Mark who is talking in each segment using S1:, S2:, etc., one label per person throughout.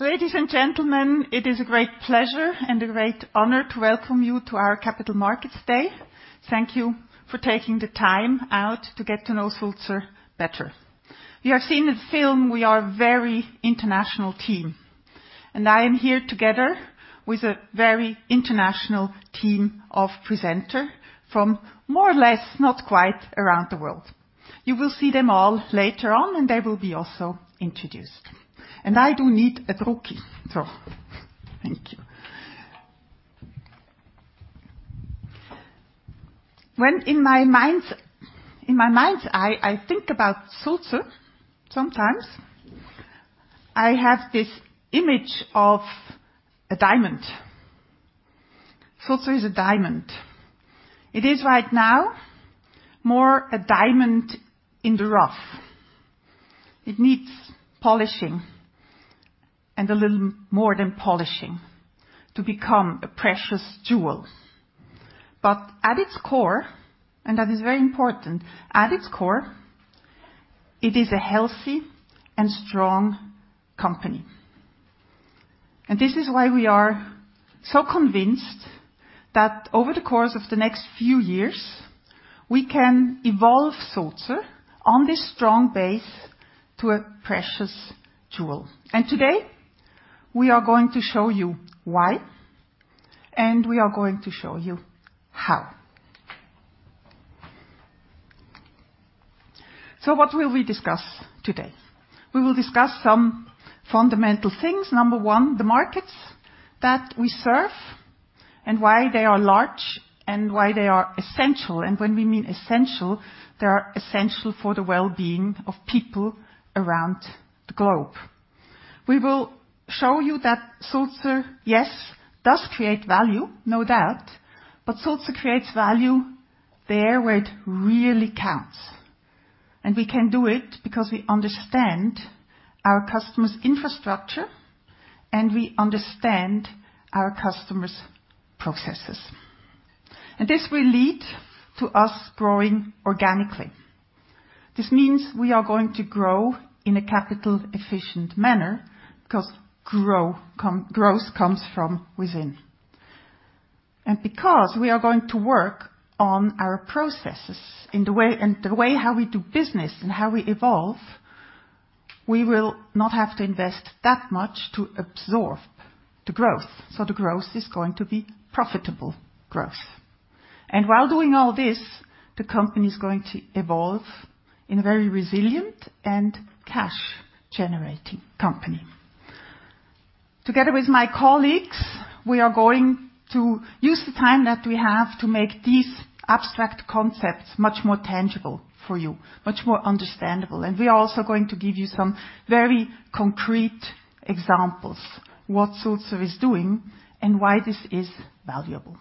S1: Ladies and gentlemen, it is a great pleasure and a great honor to welcome you to our Capital Markets Day. Thank you for taking the time out to get to know Sulzer better. We have seen in the film, we are a very international team, and I am here together with a very international team of presenters from more or less, not quite, around the world. You will see them all later on, and they will be also introduced. I do need a cookie, so thank you. When in my mind's eye, I think about Sulzer sometimes, I have this image of a diamond. Sulzer is a diamond. It is right now more a diamond in the rough. It needs polishing, and a little more than polishing, to become a precious jewel. But at its core, and that is very important, at its core, it is a healthy and strong company. And this is why we are so convinced that over the course of the next few years, we can evolve Sulzer on this strong base to a precious jewel. And today, we are going to show you why, and we are going to show you how. So what will we discuss today? We will discuss some fundamental things. Number one, the markets that we serve, and why they are large and why they are essential. And when we mean essential, they are essential for the well-being of people around the globe. We will show you that Sulzer, yes, does create value, no doubt, but Sulzer creates value there where it really counts. And we can do it because we understand our customers' infrastructure, and we understand our customers' processes. And this will lead to us growing organically. This means we are going to grow in a capital-efficient manner, because growth comes from within. And because we are going to work on our processes and the way how we do business and how we evolve, we will not have to invest that much to absorb the growth, so the growth is going to be profitable growth. And while doing all this, the company is going to evolve in a very resilient and cash-generating company. Together with my colleagues, we are going to use the time that we have to make these abstract concepts much more tangible for you, much more understandable. And we are also going to give you some very concrete examples, what Sulzer is doing and why this is valuable.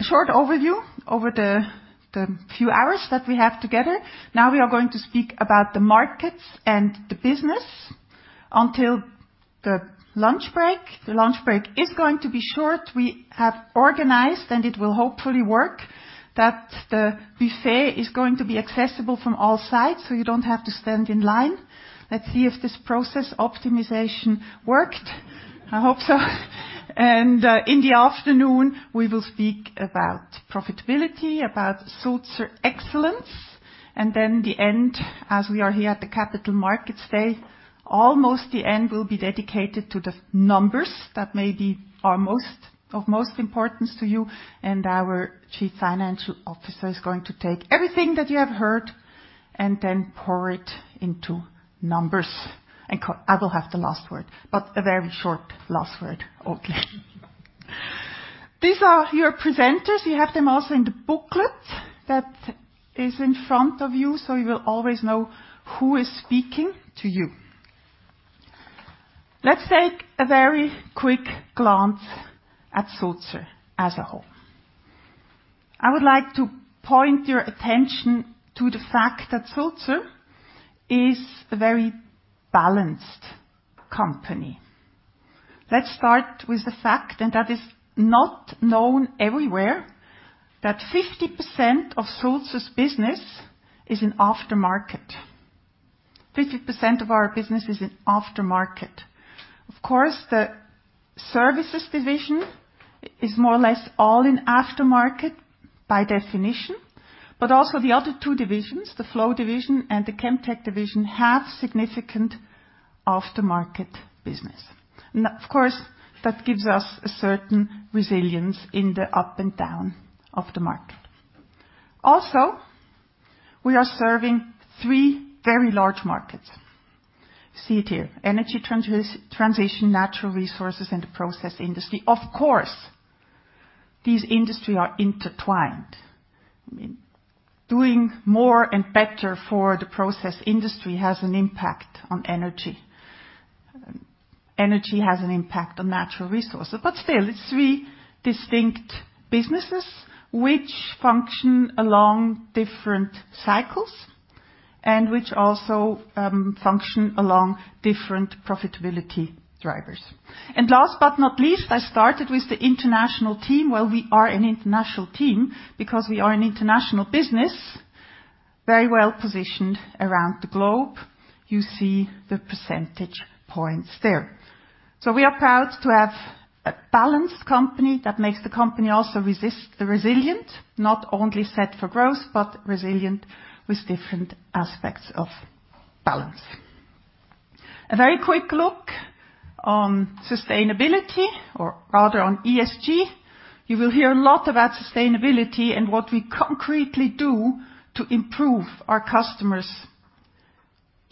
S1: A short overview over the few hours that we have together. Now we are going to speak about the markets and the business until the lunch break. The lunch break is going to be short. We have organized, and it will hopefully work, that the buffet is going to be accessible from all sides, so you don't have to stand in line. Let's see if this process optimization worked. I hope so. In the afternoon, we will speak about profitability, about Sulzer Excellence, and then the end, as we are here at the Capital Markets Day, almost the end will be dedicated to the numbers that may be are of most importance to you. Our Chief Financial Officer is going to take everything that you have heard and then pour it into numbers. I will have the last word, but a very short last word only. These are your presenters. You have them also in the booklet that is in front of you, so you will always know who is speaking to you. Let's take a very quick glance at Sulzer as a whole. I would like to point your attention to the fact that Sulzer is a very balanced company. Let's start with the fact, and that is not known everywhere, that 50% of Sulzer's business is in aftermarket. 50% of our business is in aftermarket. Of course, the Services Division is more or less all in aftermarket by definition, but also the other two divisions, the Flow Division and the Chemtech Division, have significant aftermarket business. And of course, that gives us a certain resilience in the up and down of the market. Also, we are serving three very large markets. See it here, energy transition, natural resources, and the process industry. Of course, these industries are intertwined. I mean, doing more and better for the process industry has an impact on energy. Energy has an impact on natural resources, but still, it's three distinct businesses which function along different cycles and which also function along different profitability drivers. And last but not least, I started with the international team. Well, we are an international team because we are an international business. Very well positioned around the globe. You see the percentage points there. So we are proud to have a balanced company that makes the company also resilient, not only set for growth, but resilient with different aspects of balance. A very quick look on sustainability, or rather, on ESG. You will hear a lot about sustainability and what we concretely do to improve our customers'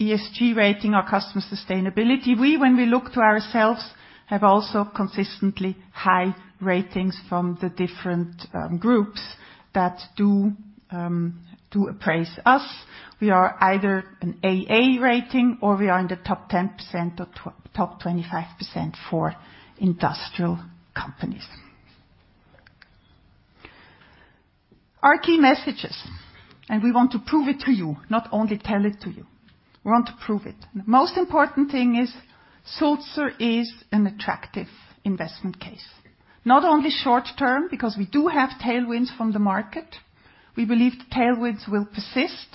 S1: ESG rating, our customer sustainability. We, when we look to ourselves, have also consistently high ratings from the different groups that do appraise us. We are either an AA rating, or we are in the top 10% or top 25% for industrial companies. Our key messages, and we want to prove it to you, not only tell it to you. We want to prove it. The most important thing is Sulzer is an attractive investment case. Not only short term, because we do have tailwinds from the market. We believe the tailwinds will persist,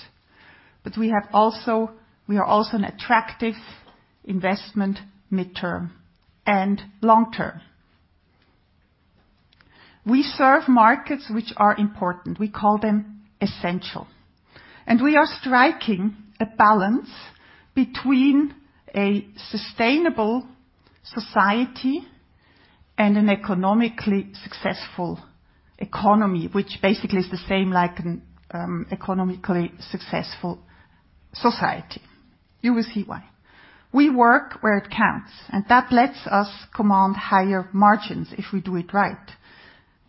S1: but we have also, we are also an attractive investment mid-term and long-term. We serve markets which are important. We call them essential, and we are striking a balance between a sustainable society and an economically successful economy, which basically is the same like an economically successful society. You will see why. We work where it counts, and that lets us command higher margins if we do it right.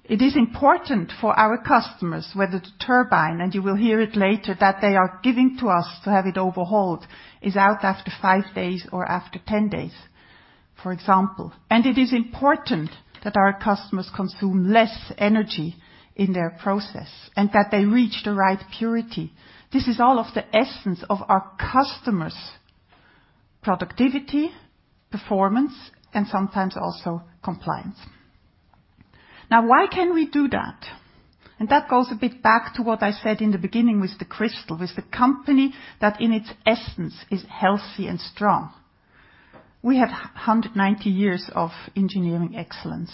S1: It is important for our customers, whether the turbine, and you will hear it later, that they are giving to us to have it overhauled, is out after 5 days or after 10 days, for example. It is important that our customers consume less energy in their process, and that they reach the right purity. This is all of the essence of our customers' productivity, performance, and sometimes also compliance. Now, why can we do that? That goes a bit back to what I said in the beginning with the crystal, with the company that, in its essence, is healthy and strong. We have 190 years of engineering excellence.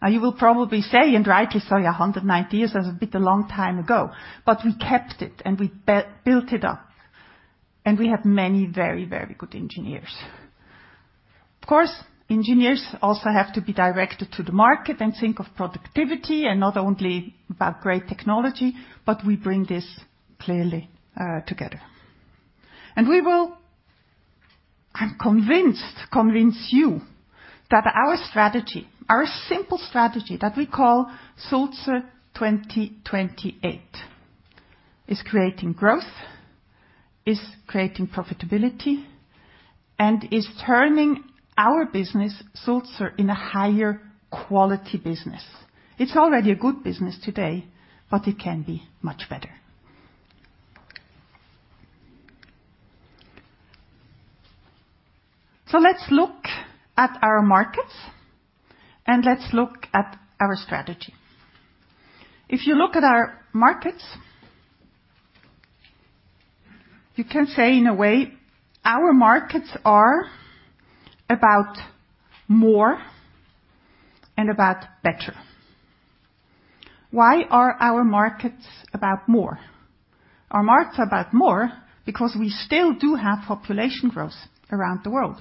S1: Now, you will probably say, and rightly so, "Yeah, 190 years, that's a bit of a long time ago." But we kept it, and we built it up. We have many, very, very good engineers. Of course, engineers also have to be directed to the market and think of productivity and not only about great technology, but we bring this clearly together. We will, I'm convinced, convince you that our strategy, our simple strategy that we call Sulzer 2028, is creating growth, is creating profitability, and is turning our business, Sulzer, into a higher quality business. It's already a good business today, but it can be much better. So let's look at our markets, and let's look at our strategy. If you look at our markets, you can say, in a way, our markets are about more and about better. Why are our markets about more? Our markets are about more because we still do have population growth around the world.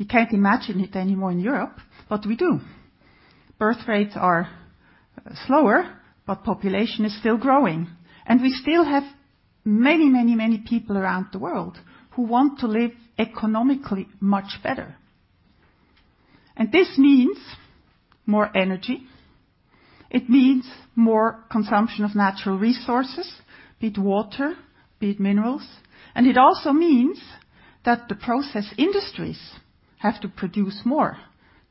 S1: We can't imagine it anymore in Europe, but we do. Birth rates are slower, but population is still growing. And we still have many, many, many people around the world who want to live economically much better. And this means more energy, it means more consumption of natural resources, be it water, be it minerals. And it also means that the process industries have to produce more.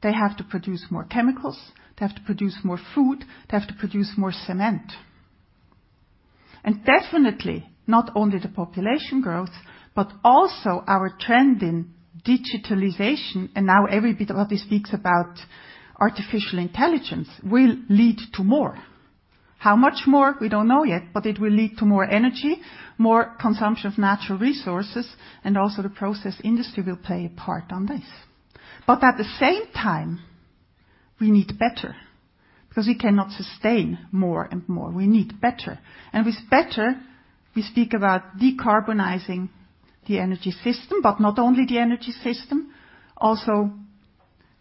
S1: They have to produce more chemicals, they have to produce more food, they have to produce more cement. And definitely, not only the population growth, but also our trend in digitalization, and now every bit of what it speaks about artificial intelligence, will lead to more. How much more, we don't know yet, but it will lead to more energy, more consumption of natural resources, and also the process industry will play a part on this. But at the same time, we need better, because we cannot sustain more and more. We need better. And with better, we speak about decarbonizing the energy system, but not only the energy system, also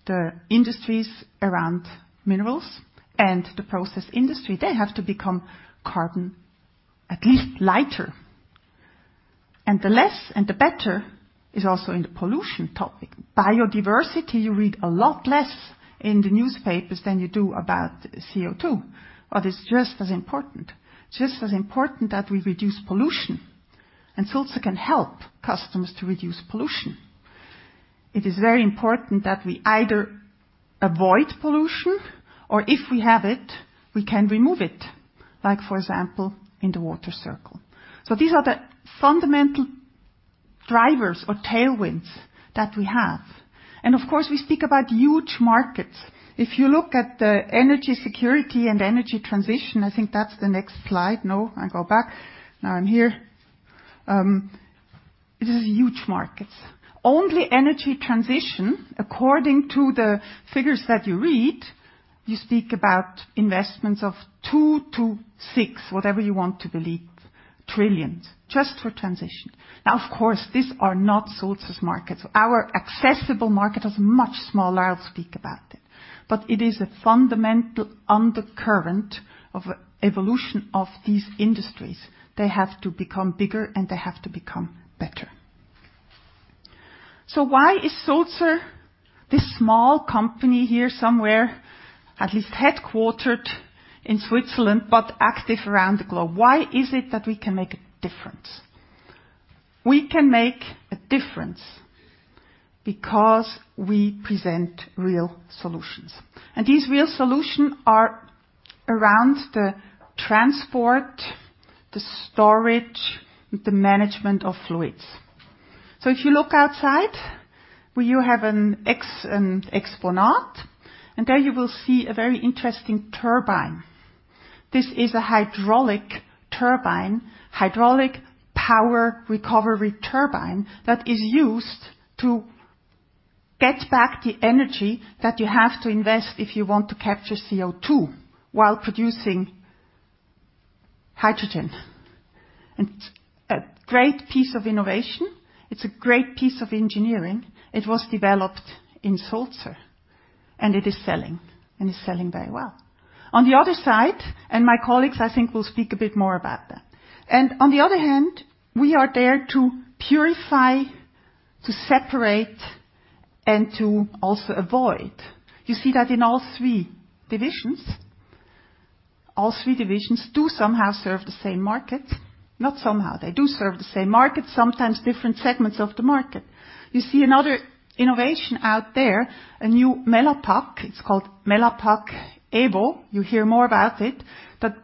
S1: the industries around minerals and the process industry. They have to become carbon, at least, lighter. And the less and the better is also in the pollution topic. Biodiversity, you read a lot less in the newspapers than you do about CO2, but it's just as important. Just as important that we reduce pollution, and Sulzer can help customers to reduce pollution. It is very important that we either avoid pollution, or if we have it, we can remove it. Like, for example, in the water circle. So these are the fundamental drivers or tailwinds that we have. And of course, we speak about huge markets. If you look at the energy security and energy transition, I think that's the next slide. No, I go back. Now I'm here. It is huge markets. Only energy transition, according to the figures that you read, you speak about investments of $2 trillion-$6 trillion, whatever you want to believe, just for transition. Now, of course, these are not Sulzer's markets. Our accessible market is much smaller. I'll speak about it. But it is a fundamental undercurrent of evolution of these industries. They have to become bigger and they have to become better. So why is Sulzer, this small company here somewhere, at least headquartered in Switzerland, but active around the globe? Why is it that we can make a difference? We can make a difference because we present real solutions, and these real solutions are around the transport, the storage, the management of fluids. So if you look outside, where you have an exhibit, and there you will see a very interesting turbine. This is a hydraulic turbine, hydraulic power recovery turbine, that is used to get back the energy that you have to invest if you want to capture CO₂ while producing hydrogen. It's a great piece of innovation. It's a great piece of engineering. It was developed in Sulzer, and it is selling, and it's selling very well. On the other side, my colleagues, I think, will speak a bit more about that. On the other hand, we are there to purify, to separate, and to also avoid. You see that in all three divisions. All three divisions do somehow serve the same market. Not somehow, they do serve the same market, sometimes different segments of the market. You see another innovation out there, a new Mellapak. It's called MellapakEvo, you'll hear more about it, that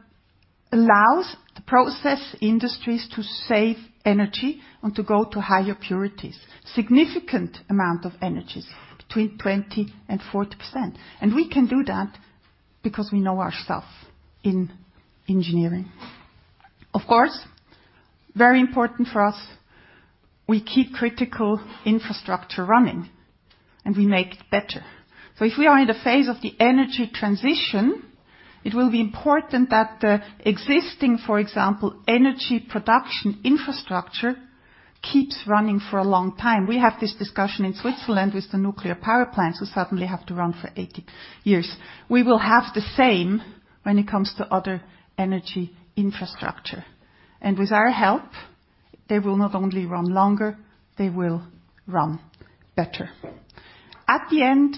S1: allows the process industries to save energy and to go to higher purities. Significant amount of energies between 20%-40%, and we can do that because we know ourself in engineering. Of course, very important for us, we keep critical infrastructure running, and we make it better. So if we are in the phase of the energy transition, it will be important that the existing, for example, energy production infrastructure, keeps running for a long time. We have this discussion in Switzerland with the nuclear power plants, who suddenly have to run for 80 years. We will have the same when it comes to other energy infrastructure. With our help, they will not only run longer, they will run better. At the end,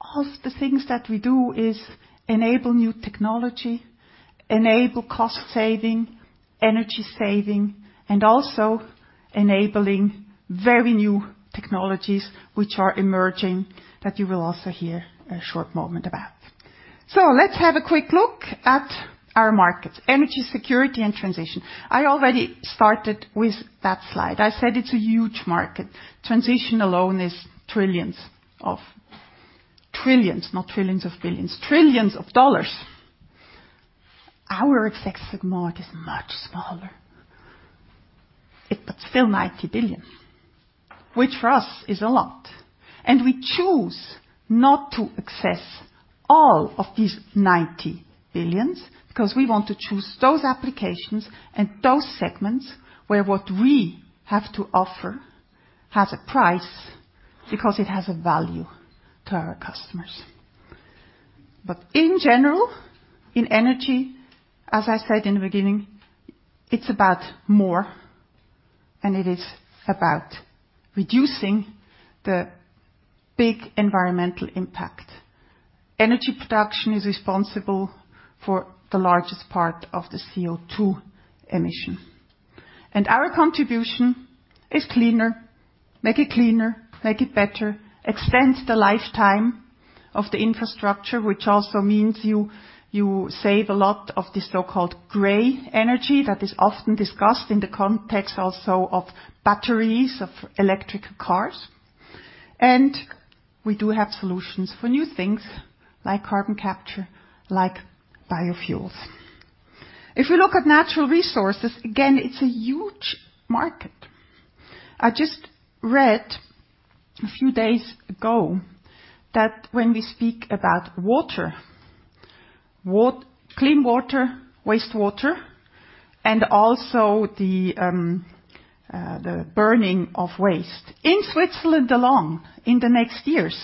S1: all of the things that we do is enable new technology, enable cost saving, energy saving, and also enabling very new technologies which are emerging, that you will also hear a short moment about. Let's have a quick look at our markets, energy security and transition. I already started with that slide. I said it's a huge market. Transition alone is trillions of dollars, not trillions of billions, trillions of dollars. Our exact segment is much smaller. But still $90 billion, which for us is a lot. We choose not to access all of these $90 billions, because we want to choose those applications and those segments where what we have to offer has a price, because it has a value to our customers. But in general, in energy, as I said in the beginning, it's about more, and it is about reducing the big environmental impact. Energy production is responsible for the largest part of the CO₂ emission. And our contribution is cleaner, make it cleaner, make it better, extend the lifetime of the infrastructure, which also means you save a lot of this so-called gray energy that is often discussed in the context also of batteries, of electric cars. And we do have solutions for new things like carbon capture, like biofuels. If we look at natural resources, again, it's a huge market. I just read a few days ago that when we speak about water—clean water, wastewater, and also the burning of waste. In Switzerland alone, in the next years,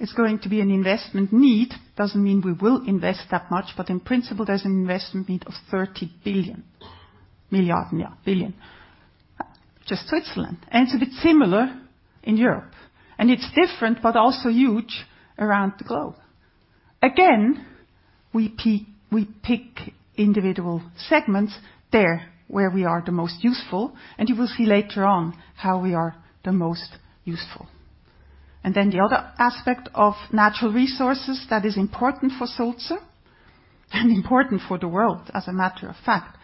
S1: it's going to be an investment need. Doesn't mean we will invest that much, but in principle, there's an investment need of 30 billion. Milliarden, yeah, billion. Just Switzerland. And it's a bit similar in Europe, and it's different, but also huge around the globe. Again, we pick individual segments there where we are the most useful, and you will see later on how we are the most useful... And then the other aspect of natural resources that is important for Sulzer, and important for the world, as a matter of fact,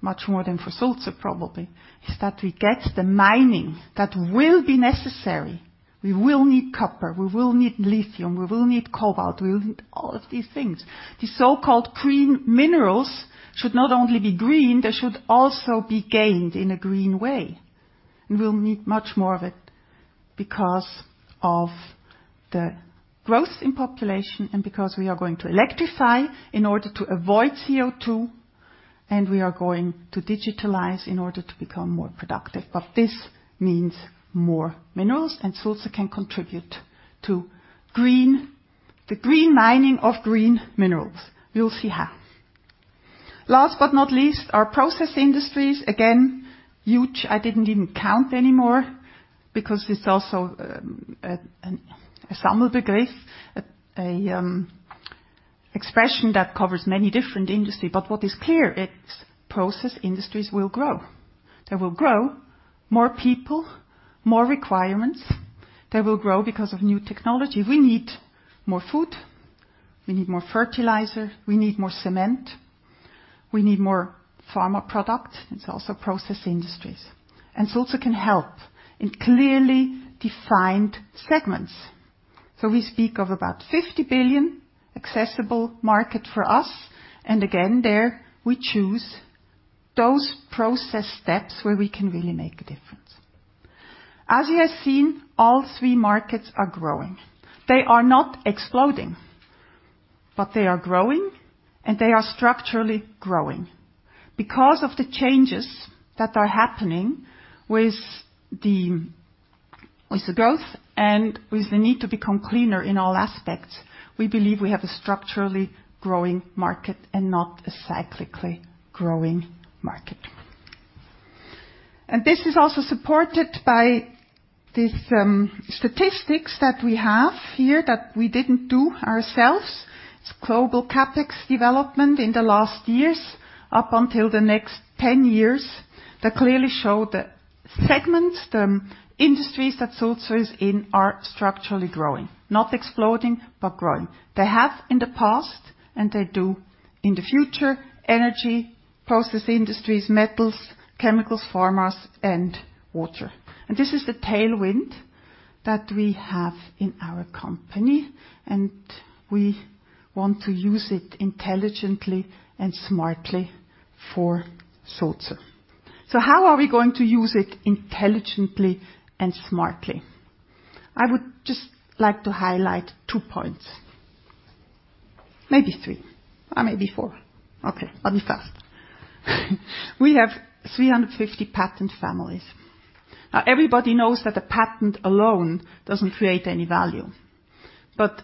S1: much more than for Sulzer probably, is that we get the mining that will be necessary. We will need copper, we will need lithium, we will need cobalt, we will need all of these things. The so-called green minerals should not only be green, they should also be gained in a green way. And we'll need much more of it because of the growth in population, and because we are going to electrify in order to avoid CO2, and we are going to digitalize in order to become more productive. But this means more minerals, and Sulzer can contribute to the green mining of green minerals. We will see how. Last but not least, our process industries, again, huge. I didn't even count anymore because it's also an umbrella expression that covers many different industries. But what is clear is process industries will grow. They will grow, more people, more requirements. They will grow because of new technology. We need more food, we need more fertilizer, we need more cement, we need more pharma products. It's also process industries. And Sulzer can help in clearly defined segments. So we speak of about 50 billion accessible market for us, and again, there we choose those process steps where we can really make a difference. As you have seen, all three markets are growing. They are not exploding, but they are growing, and they are structurally growing. Because of the changes that are happening with the, with the growth and with the need to become cleaner in all aspects, we believe we have a structurally growing market and not a cyclically growing market. And this is also supported by the statistics that we have here, that we didn't do ourselves. It's global CapEx development in the last years, up until the next 10 years, that clearly show the segments, the industries that Sulzer is in, are structurally growing. Not exploding, but growing. They have in the past, and they do in the future, energy, process industries, metals, chemicals, pharmas, and water. And this is the tailwind that we have in our company, and we want to use it intelligently and smartly for Sulzer. So how are we going to use it intelligently and smartly? I would just like to highlight two points. Maybe three, or maybe four. Okay, I'll be fast. We have 350 patent families. Now, everybody knows that a patent alone doesn't create any value, but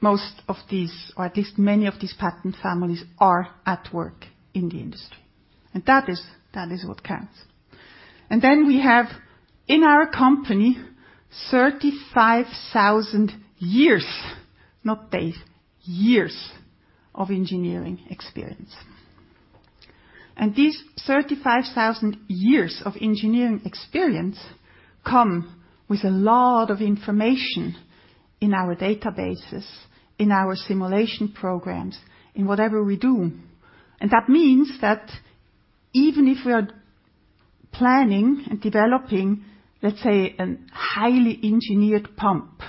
S1: most of these, or at least many of these patent families, are at work in the industry, and that is, that is what counts. And then we have, in our company, 35,000 years, not days, years of engineering experience. These 35,000 years of engineering experience come with a lot of information in our databases, in our simulation programs, in whatever we do. And that means that even if we are planning and developing, let's say, a highly engineered pump,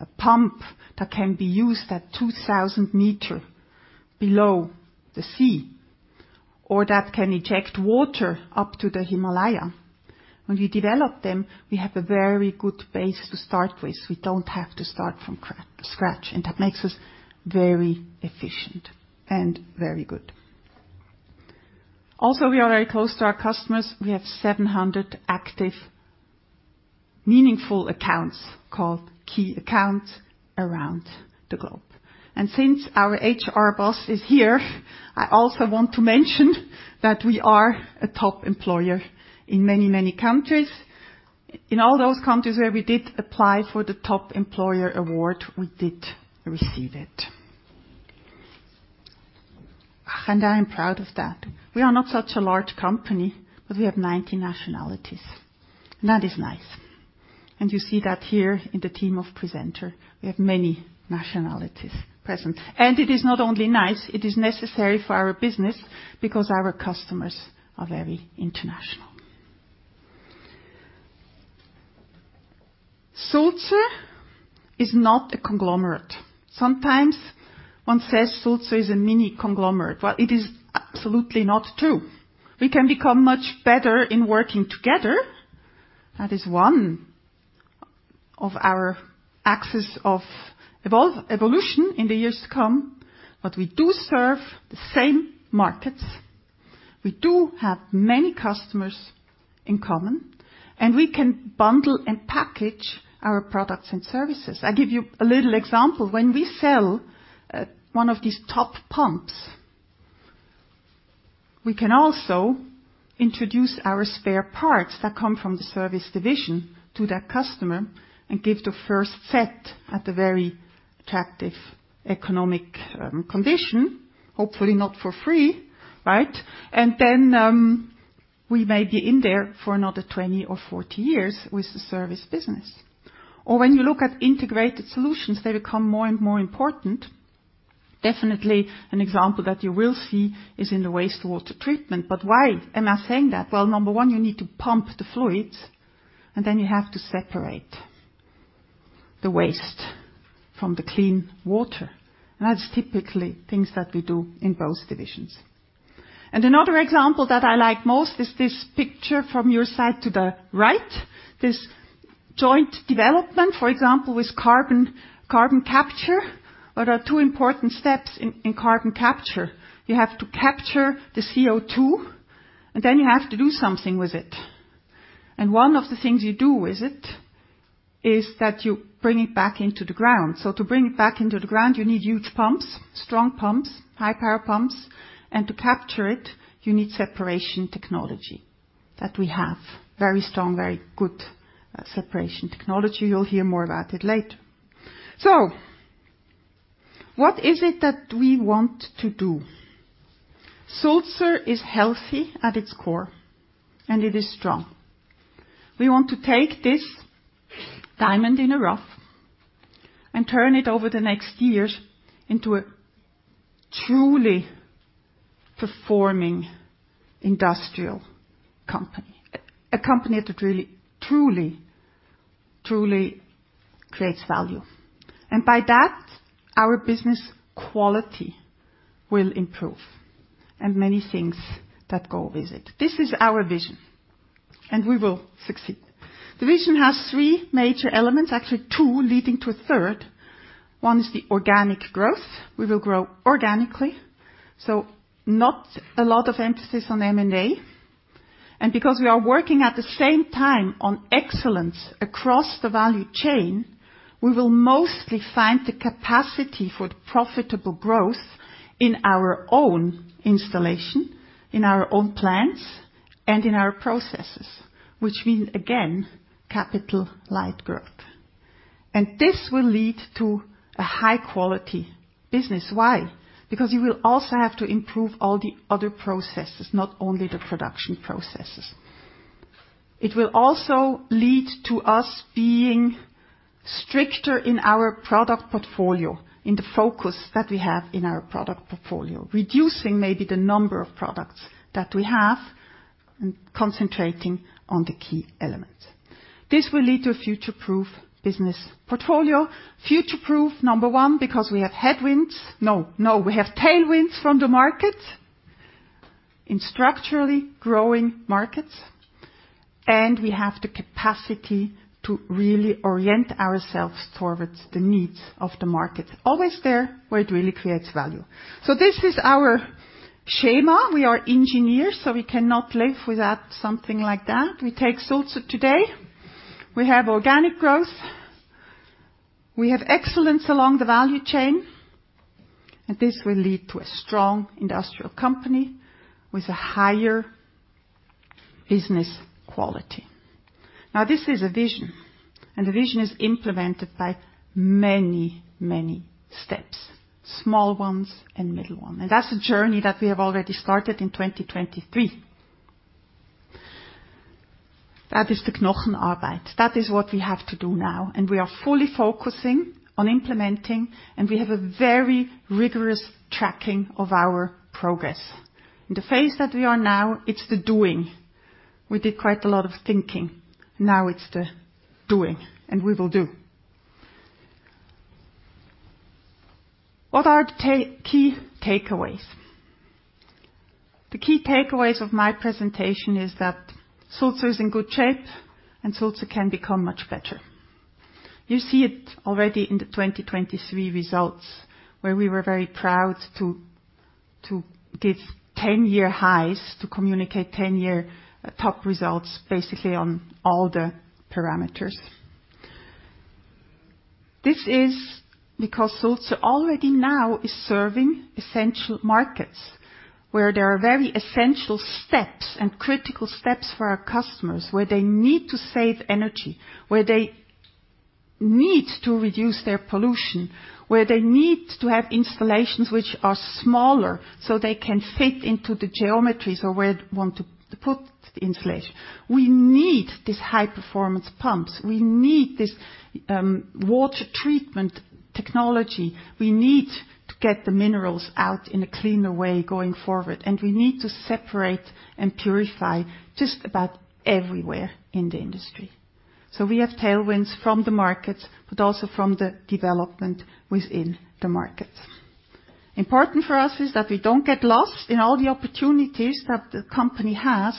S1: a pump that can be used at 2,000 m below the sea, or that can eject water up to the Himalaya. When we develop them, we have a very good base to start with. We don't have to start from scratch, and that makes us very efficient and very good. Also, we are very close to our customers. We have 700 active, meaningful accounts, called key accounts, around the globe. And since our HR boss is here, I also want to mention that we are a top employer in many, many countries. In all those countries where we did apply for the Top Employer award, we did receive it. I am proud of that. We are not such a large company, but we have 90 nationalities, and that is nice. You see that here in the team of presenter, we have many nationalities present. It is not only nice, it is necessary for our business because our customers are very international. Sulzer is not a conglomerate. Sometimes one says Sulzer is a mini conglomerate. Well, it is absolutely not true. We can become much better in working together. That is one of our axes of evolution in the years to come. We do serve the same markets, we do have many customers in common, and we can bundle and package our products and services. I give you a little example: when we sell one of these top pumps, we can also introduce our spare parts that come from the Services Division to that customer and give the first set at a very attractive economic condition. Hopefully, not for free, right? And then we may be in there for another 20 or 40 years with the Service Business. Or when you look at integrated solutions, they become more and more important. Definitely an example that you will see is in the wastewater treatment. But why am I saying that? Well, number one, you need to pump the fluids, and then you have to separate the waste from the clean water. And that's typically things that we do in both divisions. Another example that I like most is this picture from your side to the right, this joint development, for example, with carbon capture. There are two important steps in carbon capture. You have to capture the CO2, and then you have to do something with it. One of the things you do with it is that you bring it back into the ground. To bring it back into the ground, you need huge pumps, strong pumps, high-power pumps, and to capture it, you need separation technology that we have. Very strong, very good separation technology. You'll hear more about it later. What is it that we want to do? Sulzer is healthy at its core, and it is strong. We want to take this diamond in the rough and turn it over the next years into a truly performing industrial company, a, a company that really, truly, truly creates value. And by that, our business quality will improve and many things that go with it. This is our vision, and we will succeed. The vision has three major elements, actually, two leading to a third. One is the organic growth. We will grow organically, so not a lot of emphasis on M&A. And because we are working at the same time on excellence across the value chain, we will mostly find the capacity for the profitable growth in our own installation, in our own plants, and in our processes, which means, again, capital-light growth. And this will lead to a high-quality business. Why? Because you will also have to improve all the other processes, not only the production processes. It will also lead to us being stricter in our product portfolio, in the focus that we have in our product portfolio, reducing maybe the number of products that we have and concentrating on the key elements. This will lead to a future-proof business portfolio. Future-proof, number one, because we have headwinds, no, no, we have tailwinds from the market in structurally growing markets, and we have the capacity to really orient ourselves towards the needs of the market, always there where it really creates value. So this is our schema. We are engineers, so we cannot live without something like that. We take Sulzer today. We have organic growth. We have excellence along the value chain, and this will lead to a strong industrial company with a higher business quality. Now, this is a vision, and the vision is implemented by many, many steps, small ones and middle ones. And that's a journey that we have already started in 2023. That is the Knochenarbeit. That is what we have to do now, and we are fully focusing on implementing, and we have a very rigorous tracking of our progress. In the phase that we are now, it's the doing. We did quite a lot of thinking. Now it's the doing, and we will do. What are the key takeaways? The key takeaways of my presentation is that Sulzer is in good shape, and Sulzer can become much better. You see it already in the 2023 results, where we were very proud to give ten-year highs, to communicate ten-year top results, basically on all the parameters. This is because Sulzer already now is serving essential markets, where there are very essential steps and critical steps for our customers, where they need to save energy, where they need to reduce their pollution, where they need to have installations which are smaller, so they can fit into the geometries or where they want to put the installation. We need these high-performance pumps. We need this, water treatment technology. We need to get the minerals out in a cleaner way going forward, and we need to separate and purify just about everywhere in the industry. So we have tailwinds from the market, but also from the development within the market. Important for us is that we don't get lost in all the opportunities that the company has,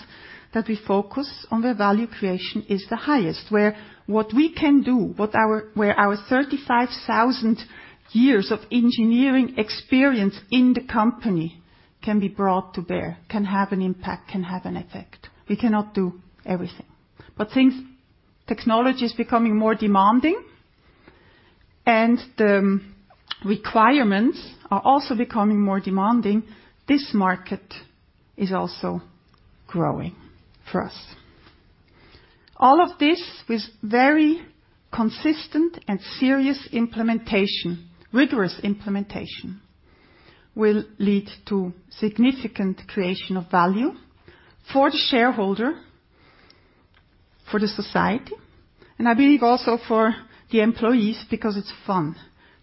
S1: that we focus on where value creation is the highest, where what we can do, where our 35,000 years of engineering experience in the company can be brought to bear, can have an impact, can have an effect. We cannot do everything. But since technology is becoming more demanding and the requirements are also becoming more demanding, this market is also growing for us. All of this with very consistent and serious implementation, rigorous implementation, will lead to significant creation of value for the shareholder, for the society, and I believe also for the employees, because it's fun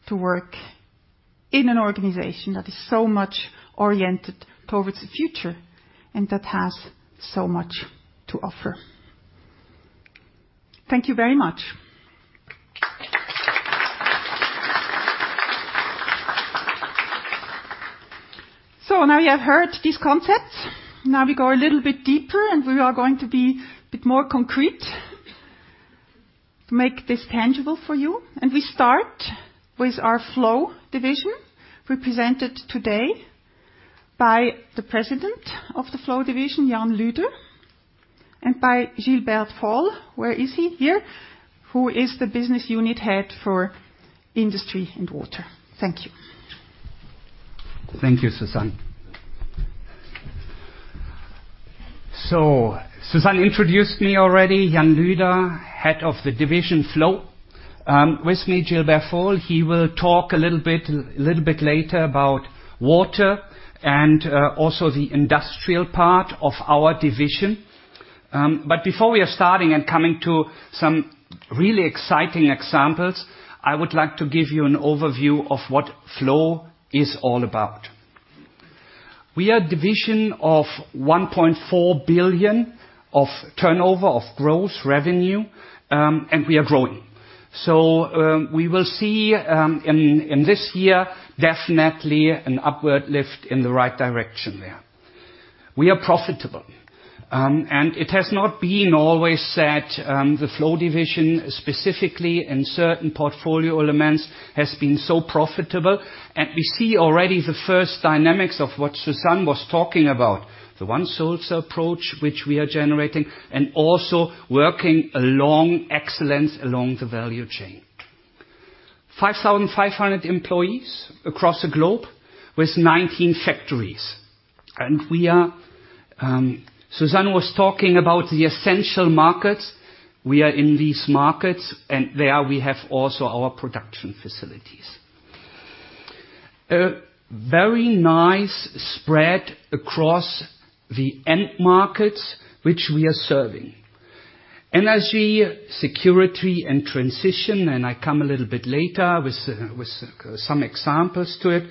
S1: to work in an organization that is so much oriented towards the future, and that has so much to offer. Thank you very much. So now you have heard these concepts. Now we go a little bit deeper, and we are going to be a bit more concrete to make this tangible for you. We start with our Flow Division, represented today by the President of the Flow Division, Jan Lüder, and by Gilbert Faul. Where is he? Here. Who is the Business Unit Head for Industry and Water. Thank you.
S2: Thank you, Suzanne. So Suzanne introduced me already, Jan Lüder, Head of the Division Flow. With me, Gilbert Faul, he will talk a little bit, a little bit later about water and also the industrial part of our division. But before we are starting and coming to some really exciting examples, I would like to give you an overview of what Flow is all about. We are a division of 1.4 billion of turnover, of gross revenue, and we are growing. So we will see, in this year, definitely an upward lift in the right direction there. We are profitable, and it has not been always that, the Flow Division, specifically in certain portfolio elements, has been so profitable. We see already the first dynamics of what Suzanne was talking about, the One Sulzer approach, which we are generating, and also working along excellence along the value chain. 5,500 employees across the globe with 19 factories. We are, Suzanne was talking about the essential markets. We are in these markets, and there we have also our production facilities. A very nice spread across the end markets, which we are serving. Energy, security, and transition, and I come a little bit later with, with, some examples to it.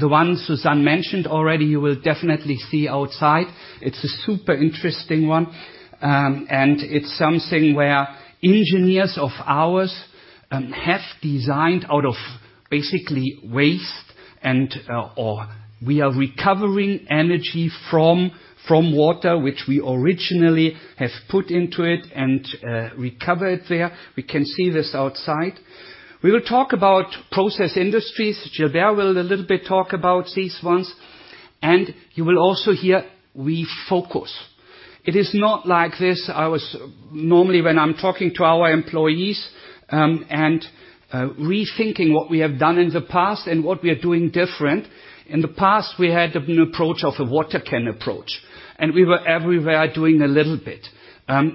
S2: The ones Suzanne mentioned already, you will definitely see outside. It's a super interesting one, and it's something where engineers of ours, have designed out of basically waste and, or we are recovering energy from, from water, which we originally have put into it and, recovered there. We can see this outside. We will talk about process industries. Gilbert will a little bit talk about these ones, and you will also hear we focus. It is not like this. Normally, when I'm talking to our employees, and rethinking what we have done in the past and what we are doing differently. In the past, we had an approach of a water cannon approach, and we were everywhere, doing a little bit.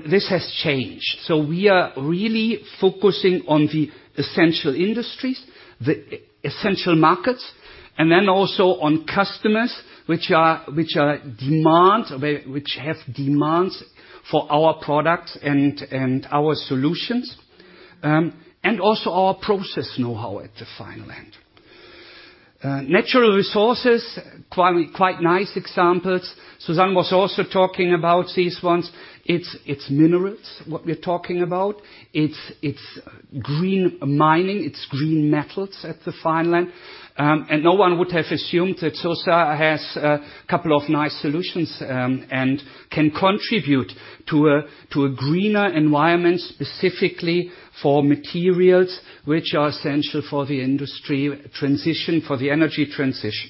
S2: This has changed, so we are really focusing on the essential industries, the essential markets, and then also on customers, which are demanding, which have demands for our products and our solutions, and also our process know-how at the final end. Natural resources, quite nice examples. Suzanne was also talking about these ones. It's minerals, what we're talking about. It's, it's green mining, it's green metals at the final end. And no one would have assumed that Sulzer has a couple of nice solutions, and can contribute to a, to a greener environment, specifically for materials which are essential for the industry transition, for the energy transition.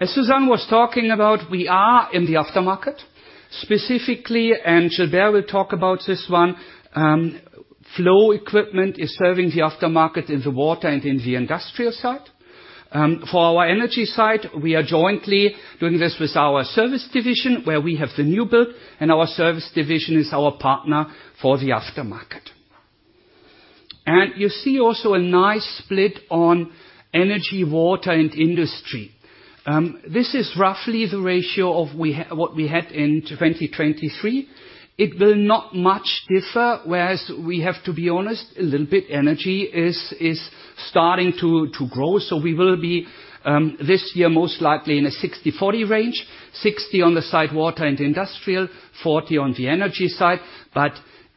S2: As Suzanne was talking about, we are in the aftermarket. Specifically, and Gilbert will talk about this one, Flow Equipment is serving the aftermarket in the water and in the industrial side. For our energy side, we are jointly doing this with our Services Division, where we have the new build, and our Services Division is our partner for the aftermarket. And you see also a nice split on energy, water, and industry. This is roughly the ratio of what we had in 2023. It will not much differ, whereas we have to be honest, a little bit energy is starting to grow. So we will be, this year, most likely in a 60/40 range, 60 on the side water and industrial, 40 on the side energy side. But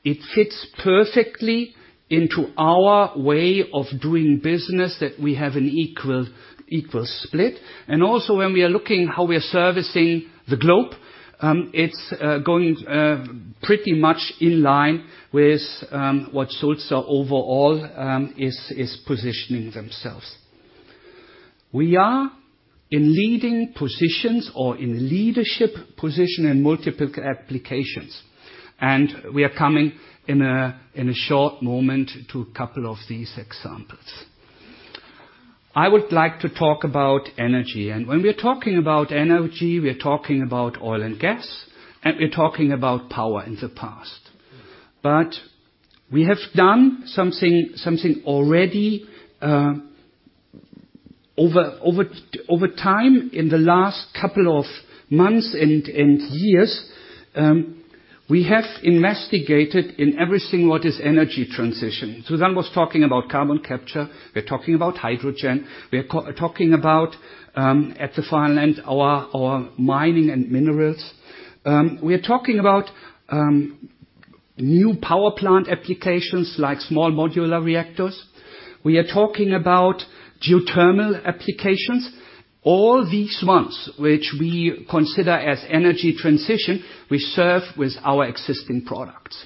S2: it fits perfectly into our way of doing business, that we have an equal, equal split. And also, when we are looking how we are servicing the globe, it's going, pretty much in line with, what Sulzer overall, is positioning themselves. We are in leading positions or in leadership position in multiple applications, and we are coming in a, in a short moment to a couple of these examples.... I would like to talk about energy. And when we're talking about energy, we're talking about oil and gas, and we're talking about power in the past. But we have done something already over time, in the last couple of months and years, we have investigated in everything what is energy transition. Suzanne was talking about carbon capture, we're talking about hydrogen, we are talking about, at the far end, our mining and minerals. We are talking about new power plant applications, like small modular reactors. We are talking about geothermal applications. All these ones, which we consider as energy transition, we serve with our existing products.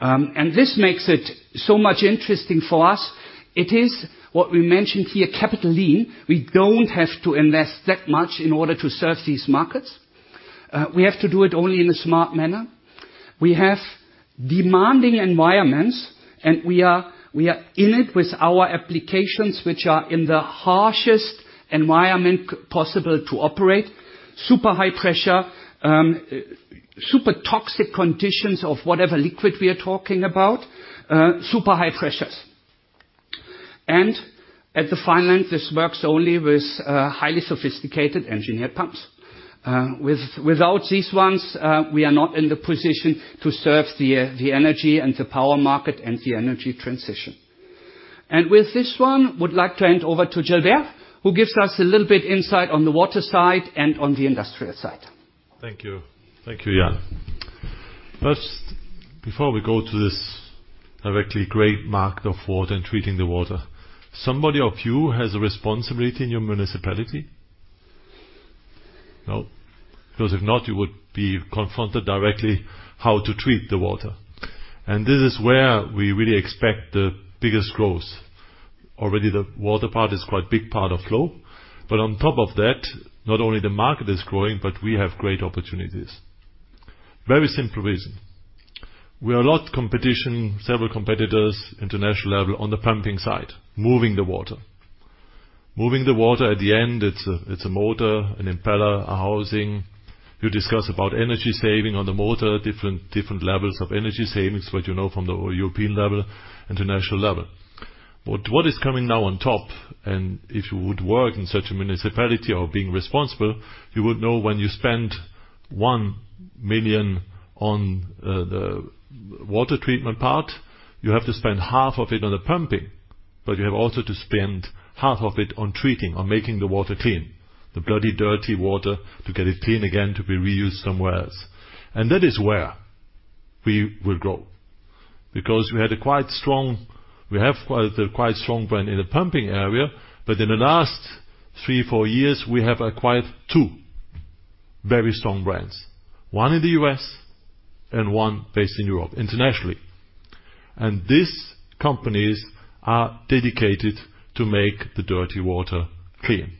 S2: And this makes it so much interesting for us. It is what we mentioned here, capital lean. We don't have to invest that much in order to serve these markets. We have to do it only in a smart manner. We have demanding environments, and we are in it with our applications, which are in the harshest environment possible to operate. Super high pressure, super toxic conditions of whatever liquid we are talking about, super high pressures. And at the far end, this works only with highly sophisticated engineered pumps. Without these ones, we are not in the position to serve the energy and the power market and the energy transition. And with this one, would like to hand over to Gilbert, who gives us a little bit insight on the water side and on the industrial side.
S3: Thank you. Thank you, Jan. First, before we go to this directly great market of water and treating the water, somebody of you has a responsibility in your municipality? No. Because if not, you would be confronted directly how to treat the water. And this is where we really expect the biggest growth. Already, the water part is quite big part of flow, but on top of that, not only the market is growing, but we have great opportunities. Very simple reason: we are a lot competition, several competitors, international level, on the pumping side, moving the water. Moving the water, at the end, it's a, it's a motor, an impeller, a housing. You discuss about energy saving on the motor, different, different levels of energy savings, what you know from the European level, international level. But what is coming now on top, and if you would work in such a municipality or being responsible, you would know when you spend 1 million on the water treatment part, you have to spend half of it on the pumping, but you have also to spend half of it on treating, on making the water clean, the bloody dirty water, to get it clean again, to be reused somewhere else. And that is where we will grow, because we had a quite strong—we have quite a quite strong brand in the pumping area, but in the last 3-4 years, we have acquired 2 very strong brands, 1 in the U.S. and 1 based in Europe, internationally. And these companies are dedicated to make the dirty water clean.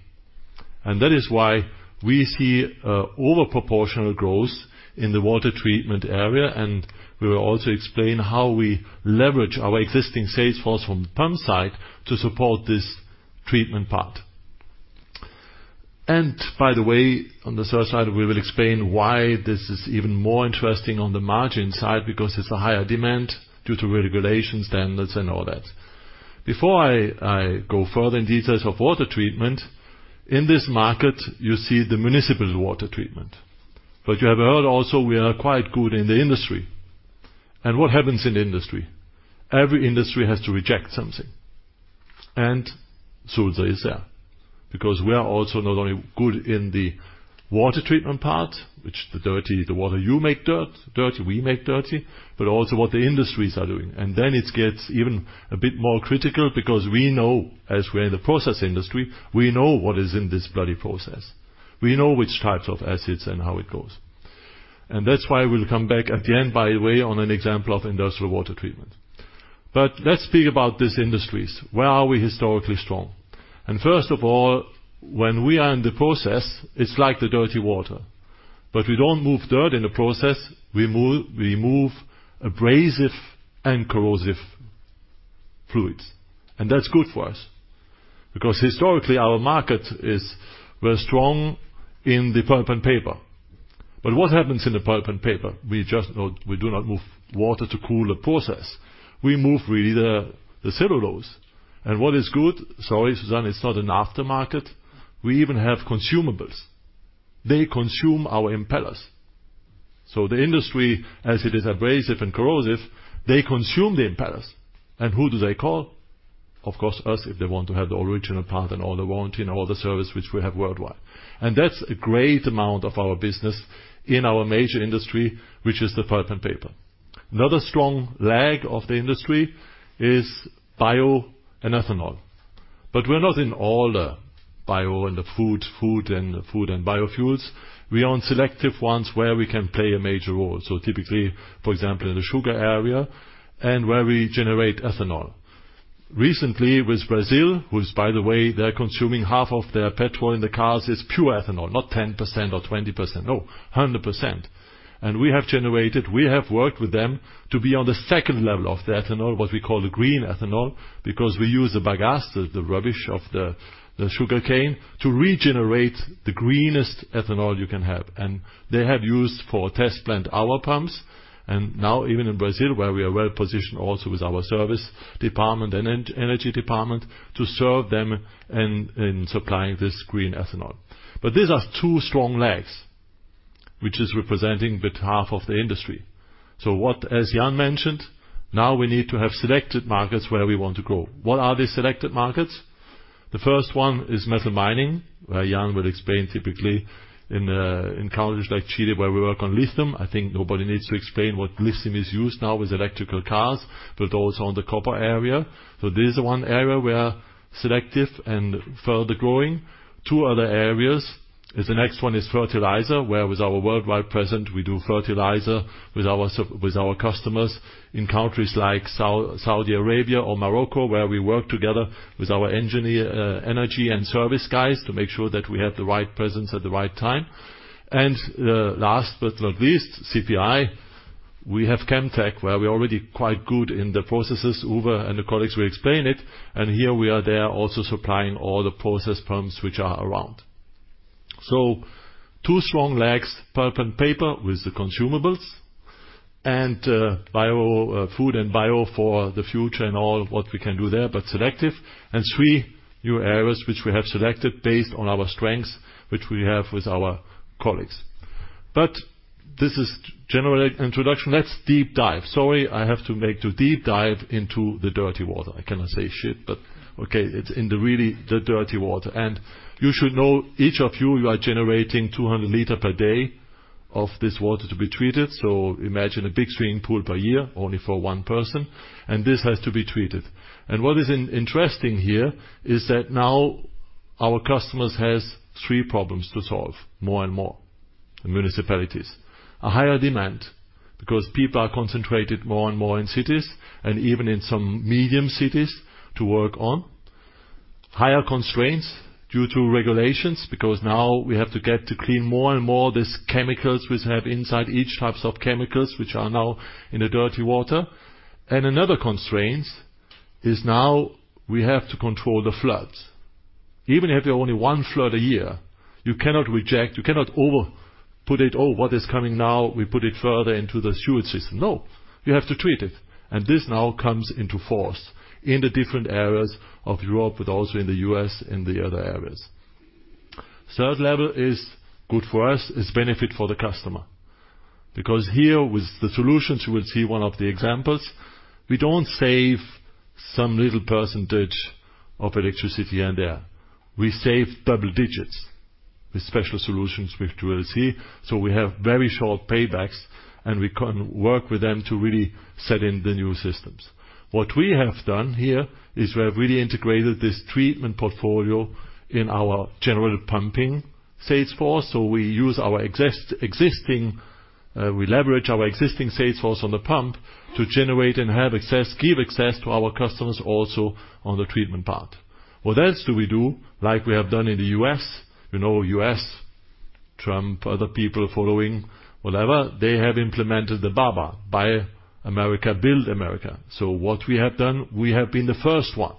S3: And that is why we see an over-proportional growth in the water treatment area, and we will also explain how we leverage our existing sales force from the pump side to support this treatment part. And by the way, on the third side, we will explain why this is even more interesting on the margin side, because it's a higher demand due to regulations, standards, and all that. Before I go further in details of water treatment, in this market, you see the municipal water treatment. But you have heard also, we are quite good in the industry. And what happens in industry? Every industry has to reject something. And Sulzer is there, because we are also not only good in the water treatment part, which the dirty, the water you make dirt, dirty, we make dirty, but also what the industries are doing. And then it gets even a bit more critical, because we know, as we're in the process industry, we know what is in this bloody process. We know which types of acids and how it goes. And that's why we'll come back at the end, by the way, on an example of industrial water treatment. But let's speak about these industries. Where are we historically strong? And first of all, when we are in the process, it's like the dirty water, but we don't move dirt in the process, we move, we move abrasive and corrosive fluids. And that's good for us, because historically, our market is, we're strong in the pulp and paper. But what happens in the pulp and paper? We just not-- we do not move water to cool the process. We move really the, the cellulose. And what is good? Sorry, Suzanne, it's not an aftermarket. We even have consumables. They consume our impellers. So the industry, as it is abrasive and corrosive, they consume the impellers. And who do they call? Of course, us, if they want to have the original part and all the warranty and all the service which we have worldwide. And that's a great amount of our business in our major industry, which is the pulp and paper. Another strong leg of the industry is bio and ethanol, but we're not in all the bio and the food, food and food and biofuels. We are on selective ones where we can play a major role. So typically, for example, in the sugar area and where we generate ethanol.... recently with Brazil, who's by the way, they're consuming half of their petrol in the cars, is pure ethanol, not 10% or 20%, no, 100%. We have generated, we have worked with them to be on the second level of the ethanol, what we call the green ethanol, because we use the bagasse, the rubbish of the sugarcane, to regenerate the greenest ethanol you can have. They have used for test plant, our pumps, and now even in Brazil, where we are well positioned also with our service department and energy department, to serve them in supplying this green ethanol. But these are two strong legs, which is representing about half of the industry. What, as Jan mentioned, now we need to have selected markets where we want to grow. What are the selected markets? The first one is metal mining, where Jan will explain typically in countries like Chile, where we work on lithium. I think nobody needs to explain what lithium is used now with electrical cars, but also on the copper area. So this is one area we are selective and further growing. Two other areas; the next one is fertilizer, where with our worldwide presence, we do fertilizer with our customers in countries like Saudi Arabia or Morocco, where we work together with our engineering, energy and service guys, to make sure that we have the right presence at the right time. And last but not least, CPI. We have Chemtech, where we are already quite good in the processes. Uwe and the colleagues will explain it, and here we are there also supplying all the process pumps which are around. So two strong legs, pulp and paper with the consumables, and bio, food and bio for the future and all what we can do there, but selective. And three new areas, which we have selected based on our strengths, which we have with our colleagues. But this is general introduction. Let's deep dive. Sorry, I have to make to deep dive into the dirty water. I cannot say shit, but okay, it's in the really, the dirty water. And you should know, each of you, you are generating 200 liters per day of this water to be treated. So imagine a big swimming pool per year, only for one person, and this has to be treated. And what is interesting here is that now our customers has three problems to solve, more and more, the municipalities. A higher demand, because people are concentrated more and more in cities and even in some medium cities to work on. Higher constraints due to regulations, because now we have to get to clean more and more these chemicals which have inside each types of chemicals, which are now in the dirty water. Another constraint is now we have to control the floods. Even if you only one flood a year, you cannot reject, you cannot over put it, "Oh, what is coming now? We put it further into the sewage system." No, you have to treat it. This now comes into force in the different areas of Europe, but also in the US and the other areas. Third level is good for us, is benefit for the customer. Because here, with the solutions, you will see one of the examples. We don't save some little percentage of electricity and air. We save double digits with special solutions, which you will see. So we have very short paybacks, and we can work with them to really set in the new systems. What we have done here is we have really integrated this treatment portfolio in our general pumping sales force. So we use our existing, we leverage our existing sales force on the pump to generate and have access, give access to our customers also on the treatment part. What else do we do, like we have done in the US? You know, US, Trump, other people following, whatever, they have implemented the BABA, Buy America, Build America. So what we have done, we have been the first one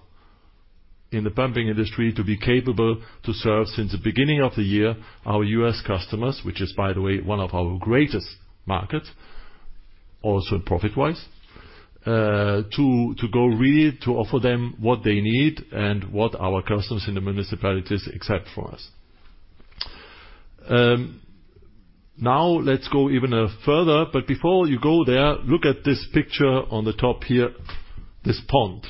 S3: in the pumping industry to be capable to serve since the beginning of the year, our U.S. customers, which is, by the way, one of our greatest markets, also profit-wise, to really offer them what they need and what our customers in the municipalities accept from us. Now let's go even further, but before you go there, look at this picture on the top here, this pond.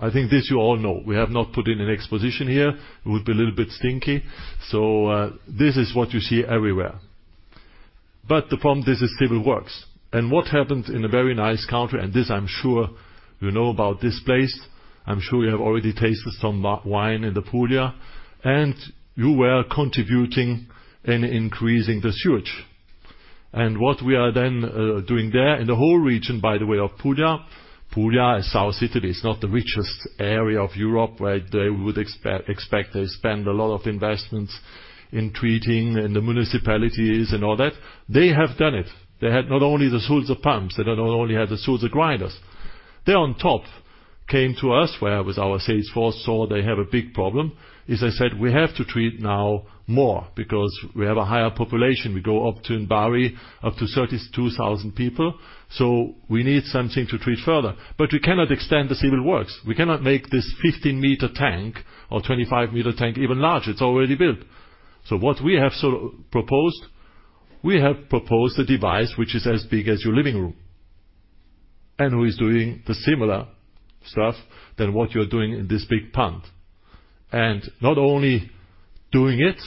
S3: I think this you all know. We have not put in an exhibition here. It would be a little bit stinky. So this is what you see everywhere. But the problem, this is civil works. And what happened in a very nice country, and this, I'm sure you know about this place. I'm sure you have already tasted some wine in the Puglia, and you were contributing in increasing the sewage. And what we are then doing there in the whole region, by the way, of Puglia. Puglia is South Italy. It's not the richest area of Europe, where they would expect they spend a lot of investments in treating and the municipalities and all that. They have done it. They had not only the Sulzer pumps, they not only had the Sulzer grinders. They, on top, came to us, where, with our sales force, saw they have a big problem. As I said, we have to treat now more because we have a higher population. We go up to in Bari, up to 32,000 people, so we need something to treat further. But we cannot extend the civil works. We cannot make this 15 m tank or 25 m tank even larger. It's already built. So what we have proposed, we have proposed a device which is as big as your living room, and who is doing the similar stuff than what you're doing in this big pond. And not only doing it,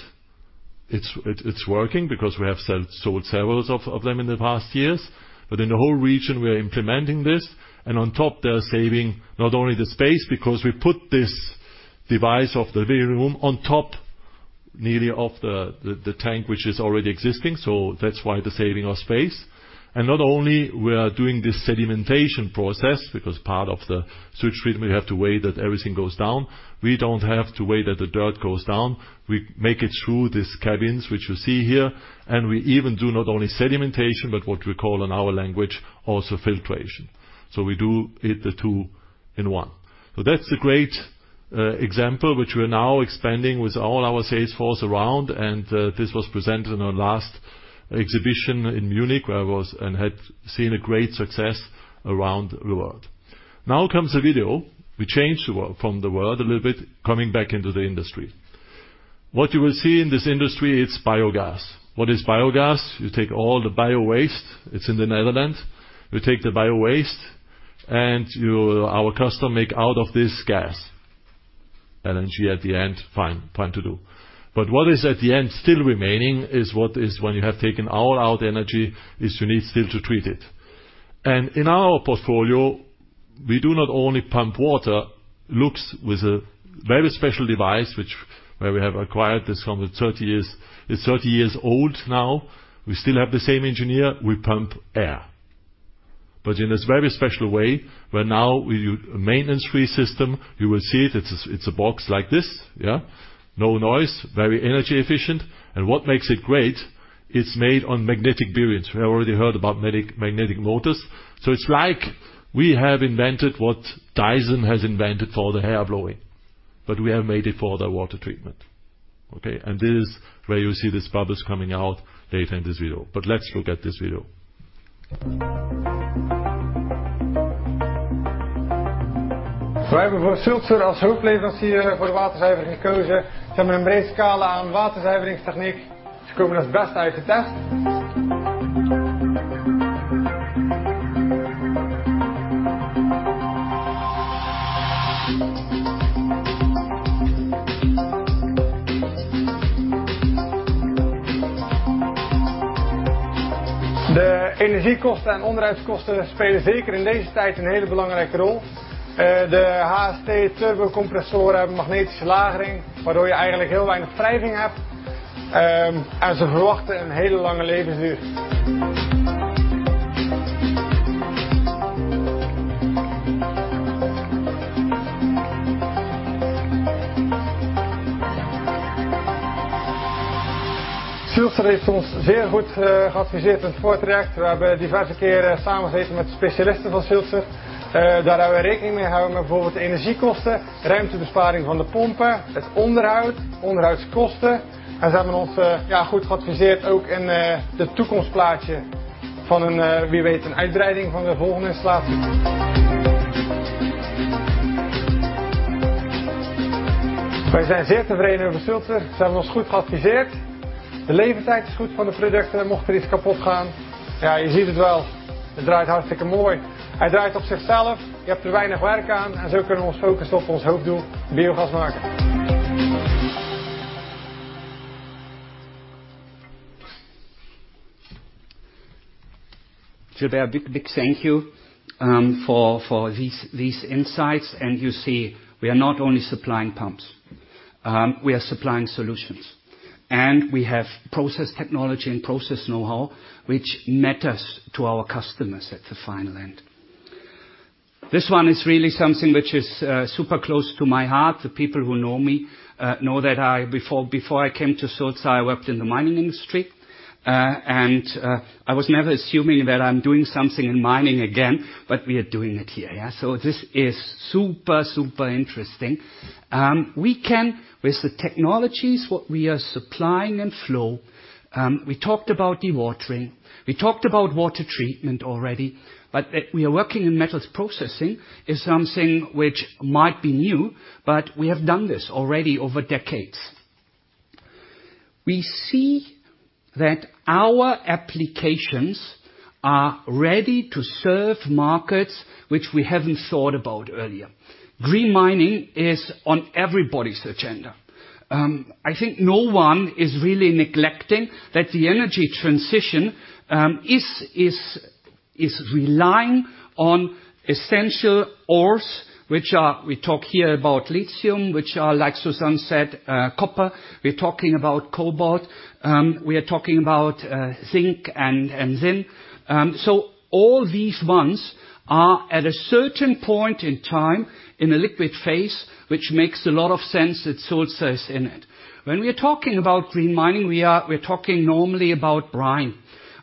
S3: it's working because we have sold several of them in the past years, but in the whole region, we are implementing this. And on top, they are saving not only the space, because we put this device of the living room on top-... nearly of the, the tank which is already existing, so that's why the saving of space. And not only we are doing this sedimentation process, because part of the sewage treatment, we have to wait that everything goes down. We don't have to wait that the dirt goes down. We make it through these cabins, which you see here, and we even do not only sedimentation, but what we call in our language, also filtration. So we do it the two in one. So that's a great example, which we are now expanding with all our sales force around, and this was presented in our last exhibition in Munich, where I was and had seen a great success around the world. Now comes a video. We change the world, from the world a little bit, coming back into the industry. What you will see in this industry, it's biogas. What is biogas? You take all the biowaste, it's in the Netherlands. You take the biowaste, and you, our customer, make out of this gas, LNG at the end. Fine, fine to do. But what is at the end still remaining is what is when you have taken all out energy, is you need still to treat it. And in our portfolio, we do not only pump water, looks with a very special device, which where we have acquired this from the 30 years. It's 30 years old now. We still have the same engineer. We pump air. But in this very special way, where now with you-- a maintenance-free system, you will see it, it's a, it's a box like this. Yeah. No noise, very energy efficient. And what makes it great, it's made on magnetic bearings. We already heard about magnetic, magnetic motors, so it's like we have invented what Dyson has invented for the hair blowing, but we have made it for the water treatment, okay? And this is where you see these bubbles coming out later in this video. But let's look at this video.
S2: Gilbert, a big, big thank you for these insights. And you see, we are not only supplying pumps, we are supplying solutions. And we have process technology and process know-how, which matters to our customers at the final end. This one is really something which is super close to my heart. The people who know me know that before I came to Sulzer, I worked in the mining industry. And I was never assuming that I'm doing something in mining again, but we are doing it here. Yeah. So this is super, super interesting. We can, with the technologies, what we are supplying and Flow, we talked about dewatering, we talked about water treatment already, but that we are working in metals processing is something which might be new, but we have done this already over decades. We see that our applications are ready to serve markets which we haven't thought about earlier. Green mining is on everybody's agenda. I think no one is really neglecting that the energy transition is relying on essential ores, which are... We talk here about lithium, which are, like Suzanne said, copper. We're talking about cobalt, we are talking about zinc and tin. So all these ones are at a certain point in time in a liquid phase, which makes a lot of sense that Sulzer is in it. When we are talking about green mining, we are-- we're talking normally about brine.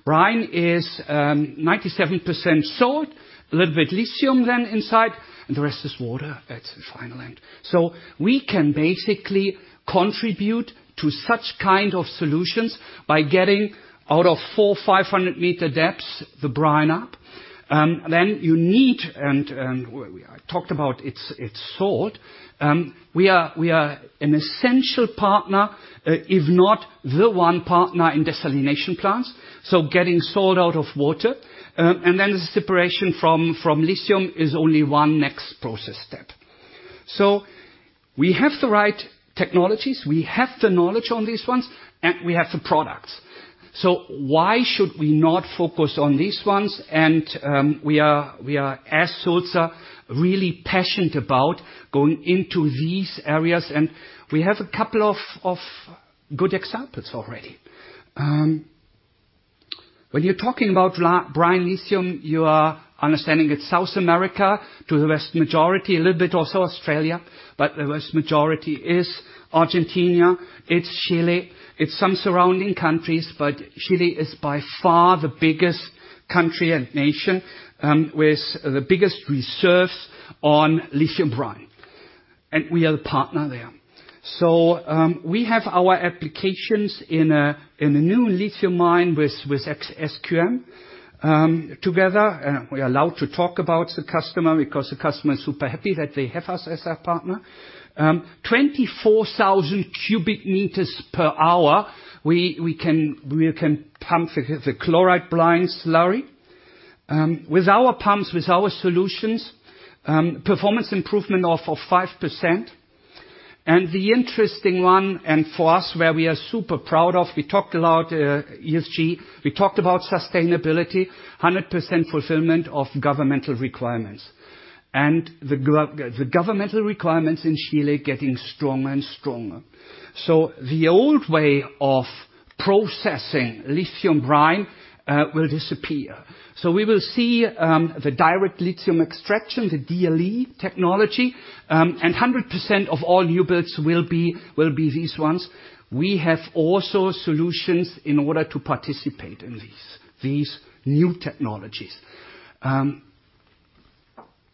S2: Brine is 97% salt, a little bit lithium then inside, and the rest is water at the final end. So we can basically contribute to such kind of solutions by getting out of 400-500 m depths, the brine up. We are an essential partner, if not the one partner in desalination plants, so getting salt out of water. And then the separation from lithium is only one next process step. So we have the right technologies, we have the knowledge on these ones, and we have the products. ... So why should we not focus on these ones? And, we are, we are, as Sulzer, really passionate about going into these areas, and we have a couple of good examples already. When you're talking about lithium brine, you are understanding it's South America, to the vast majority, a little bit also Australia, but the vast majority is Argentina, it's Chile, it's some surrounding countries, but Chile is by far the biggest country and nation, with the biggest reserves on lithium brine, and we are the partner there. So, we have our applications in a, in a new lithium mine with, with SQM. Together, and we are allowed to talk about the customer because the customer is super happy that they have us as their partner. 24,000 cu m per hour, we can pump the chloride brine slurry. With our pumps, with our solutions, performance improvement of 5%. And the interesting one, and for us, where we are super proud of, we talked about ESG, we talked about sustainability, 100% fulfillment of governmental requirements. And the governmental requirements in Chile getting stronger and stronger. So the old way of processing lithium brine will disappear. So we will see the direct lithium extraction, the DLE technology, and 100% of all new builds will be these ones. We have also solutions in order to participate in these new technologies.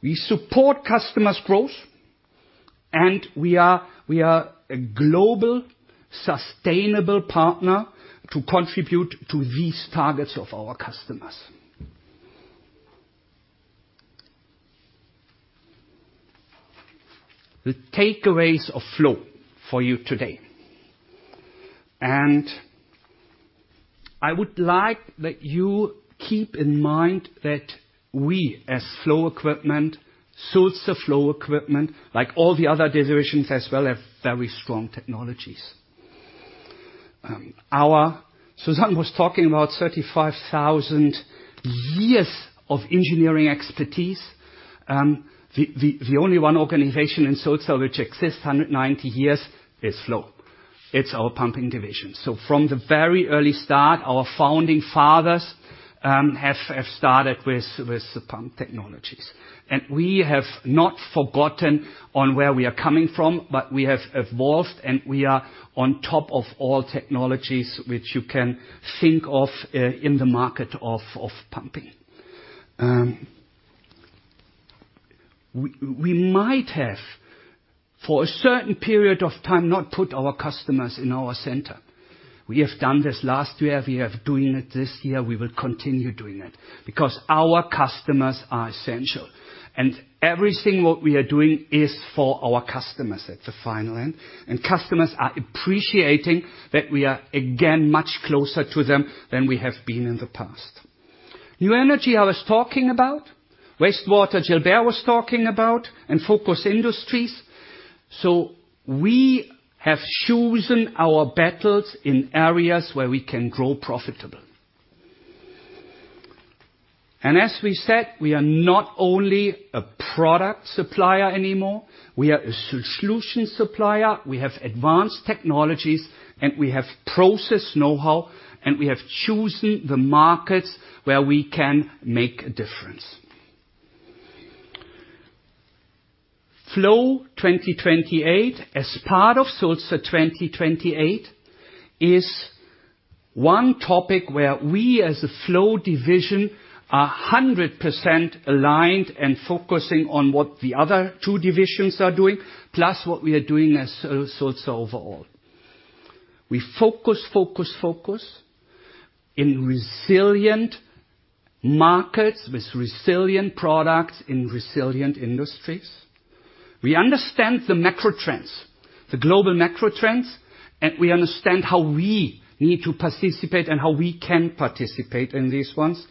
S2: We support customers' growth, and we are a global, sustainable partner to contribute to these targets of our customers. The takeaways of Flow for you today, and I would like that you keep in mind that we, as Flow Equipment, Sulzer Flow Equipment, like all the other divisions as well, have very strong technologies. Our Suzanne was talking about 35,000 years of engineering expertise. The only one organization in Sulzer which exists 190 years is Flow. It's our pumping division. So from the very early start, our founding fathers have started with the pump technologies. And we have not forgotten on where we are coming from, but we have evolved and we are on top of all technologies which you can think of, in the market of pumping. We might have, for a certain period of time, not put our customers in our center. We have done this last year, we have doing it this year, we will continue doing it, because our customers are essential. Everything what we are doing is for our customers at the final end, and customers are appreciating that we are, again, much closer to them than we have been in the past. New energy, I was talking about, wastewater, Gilbert was talking about, and focus industries. We have chosen our battles in areas where we can grow profitable. As we said, we are not only a product supplier anymore, we are a solution supplier, we have advanced technologies, and we have process know-how, and we have chosen the markets where we can make a difference. Flow 2028, as part of Sulzer 2028, is one topic where we, as a Flow Division, are 100% aligned and focusing on what the other two divisions are doing, plus what we are doing as Sulzer overall. We focus, focus, focus in resilient markets with resilient products in resilient industries. We understand the macro trends, the global macro trends, and we understand how we need to participate and how we can participate in these ones.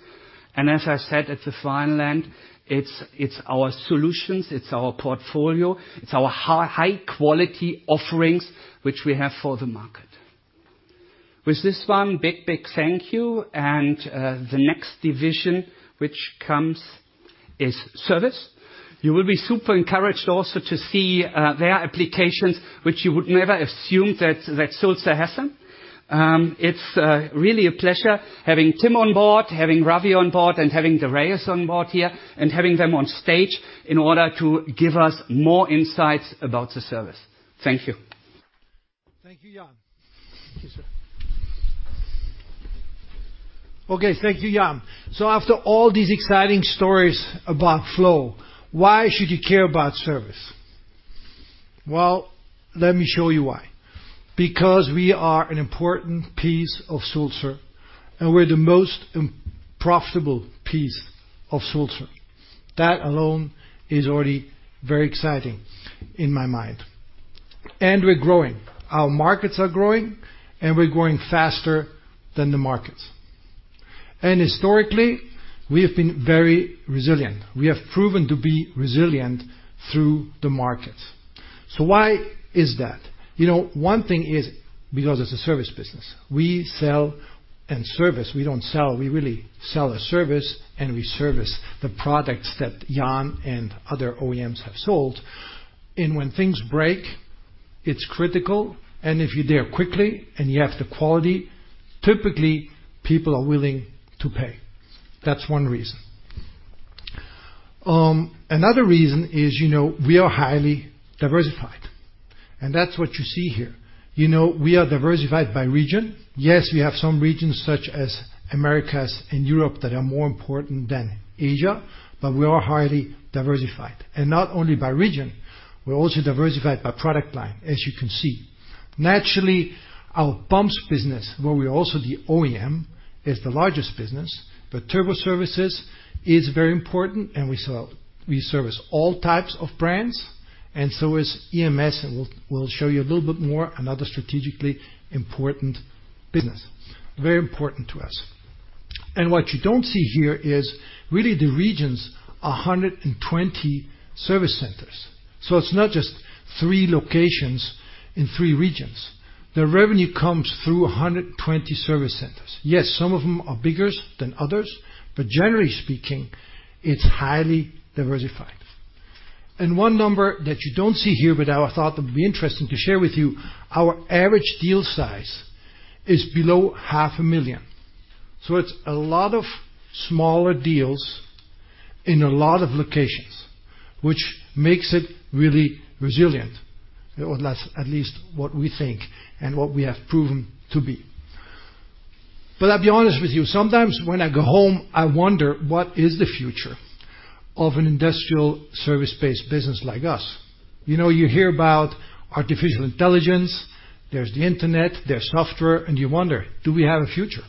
S2: And as I said, at the final end, it's, it's our solutions, it's our portfolio, it's our high, high quality offerings, which we have for the market. With this one, big, big thank you, and the next division, which comes, is service. You will be super encouraged also to see their applications, which you would never assume that, that Sulzer has them. It's really a pleasure having Tim on board, having Ravin on board, and having Darayus on board here, and having them on stage in order to give us more insights about the service. Thank you.
S4: Thank you, Jan. Thank you, sir. Okay, thank you, Jan. So after all these exciting stories about Flow, why should you care about service? Well, let me show you why. Because we are an important piece of Sulzer, and we're the most profitable piece of Sulzer. That alone is already very exciting in my mind. And we're growing. Our markets are growing, and we're growing faster than the market. And historically, we have been very resilient. We have proven to be resilient through the markets. So why is that? You know, one thing is because it's a service business. We sell and service. We don't sell, we really sell a service, and we service the products that Jan and other OEMs have sold. And when things break, it's critical, and if you're there quickly, and you have the quality, typically, people are willing to pay. That's one reason. Another reason is, you know, we are highly diversified, and that's what you see here. You know, we are diversified by region. Yes, we have some regions, such as Americas and Europe, that are more important than Asia, but we are highly diversified, and not only by region, we're also diversified by product line, as you can see. Naturally, our pumps business, where we're also the OEM, is the largest business, but Turbo Services is very important, and we service all types of brands, and so is EMS, and we'll show you a little bit more, another strategically important business. Very important to us. And what you don't see here is really the regions, 120 service centers. So it's not just three locations in three regions. The revenue comes through 120 service centers. Yes, some of them are bigger than others, but generally speaking, it's highly diversified. And one number that you don't see here, but I thought it would be interesting to share with you, our average deal size is below 500,000. So it's a lot of smaller deals in a lot of locations, which makes it really resilient. Well, that's at least what we think and what we have proven to be. But I'll be honest with you, sometimes when I go home, I wonder, what is the future of an industrial service-based business like us? You know, you hear about artificial intelligence, there's the internet, there's software, and you wonder, do we have a future?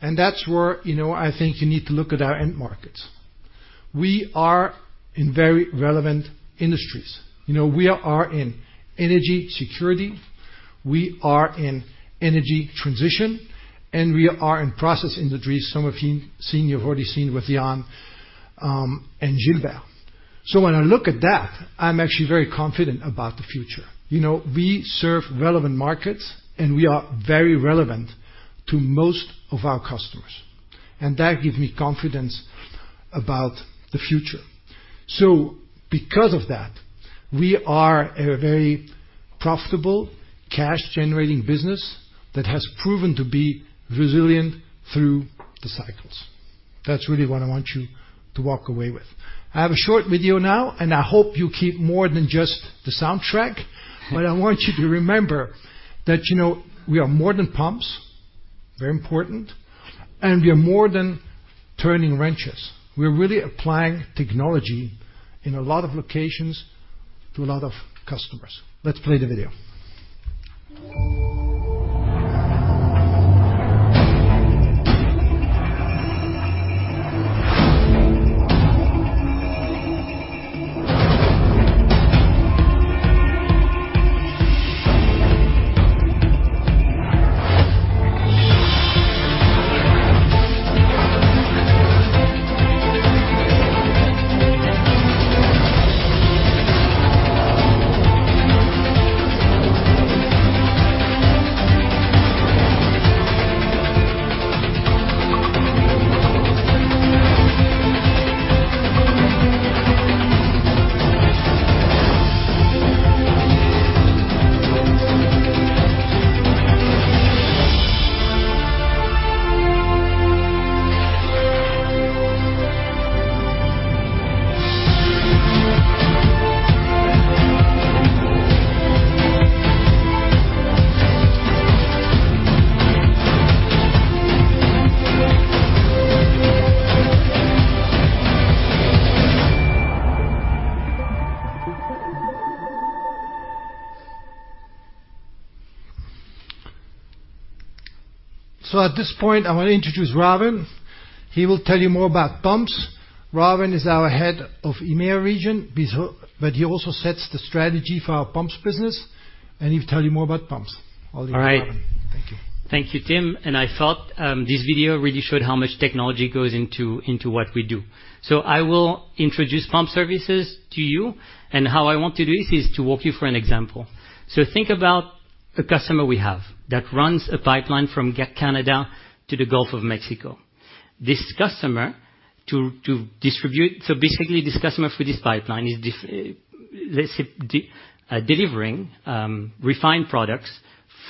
S4: And that's where, you know, I think you need to look at our end markets. We are in very relevant industries. You know, we are in energy security, we are in energy transition, and we are in process industries. Some of you seen, you've already seen with Jan and Gilbert. So when I look at that, I'm actually very confident about the future. You know, we serve relevant markets, and we are very relevant to most of our customers, and that gives me confidence about the future. So because of that, we are a very profitable, cash-generating business that has proven to be resilient through the cycles. That's really what I want you to walk away with. I have a short video now, and I hope you keep more than just the soundtrack. But I want you to remember that, you know, we are more than pumps, very important, and we are more than turning wrenches. We're really applying technology in a lot of locations to a lot of customers. Let's play the video. So at this point, I want to introduce Ravin. He will tell you more about pumps. Ravin is our head of EMEA region, but he also sets the strategy for our pumps business, and he'll tell you more about pumps. All yours, Ravin. All right. Thank you.
S5: Thank you, Tim. I thought this video really showed how much technology goes into what we do. So I will introduce Pump Services to you, and how I want to do this is to walk you through an example. So think about a customer we have that runs a pipeline from Canada to the Gulf of Mexico. This customer to distribute. So basically, this customer through this pipeline is let's say delivering refined products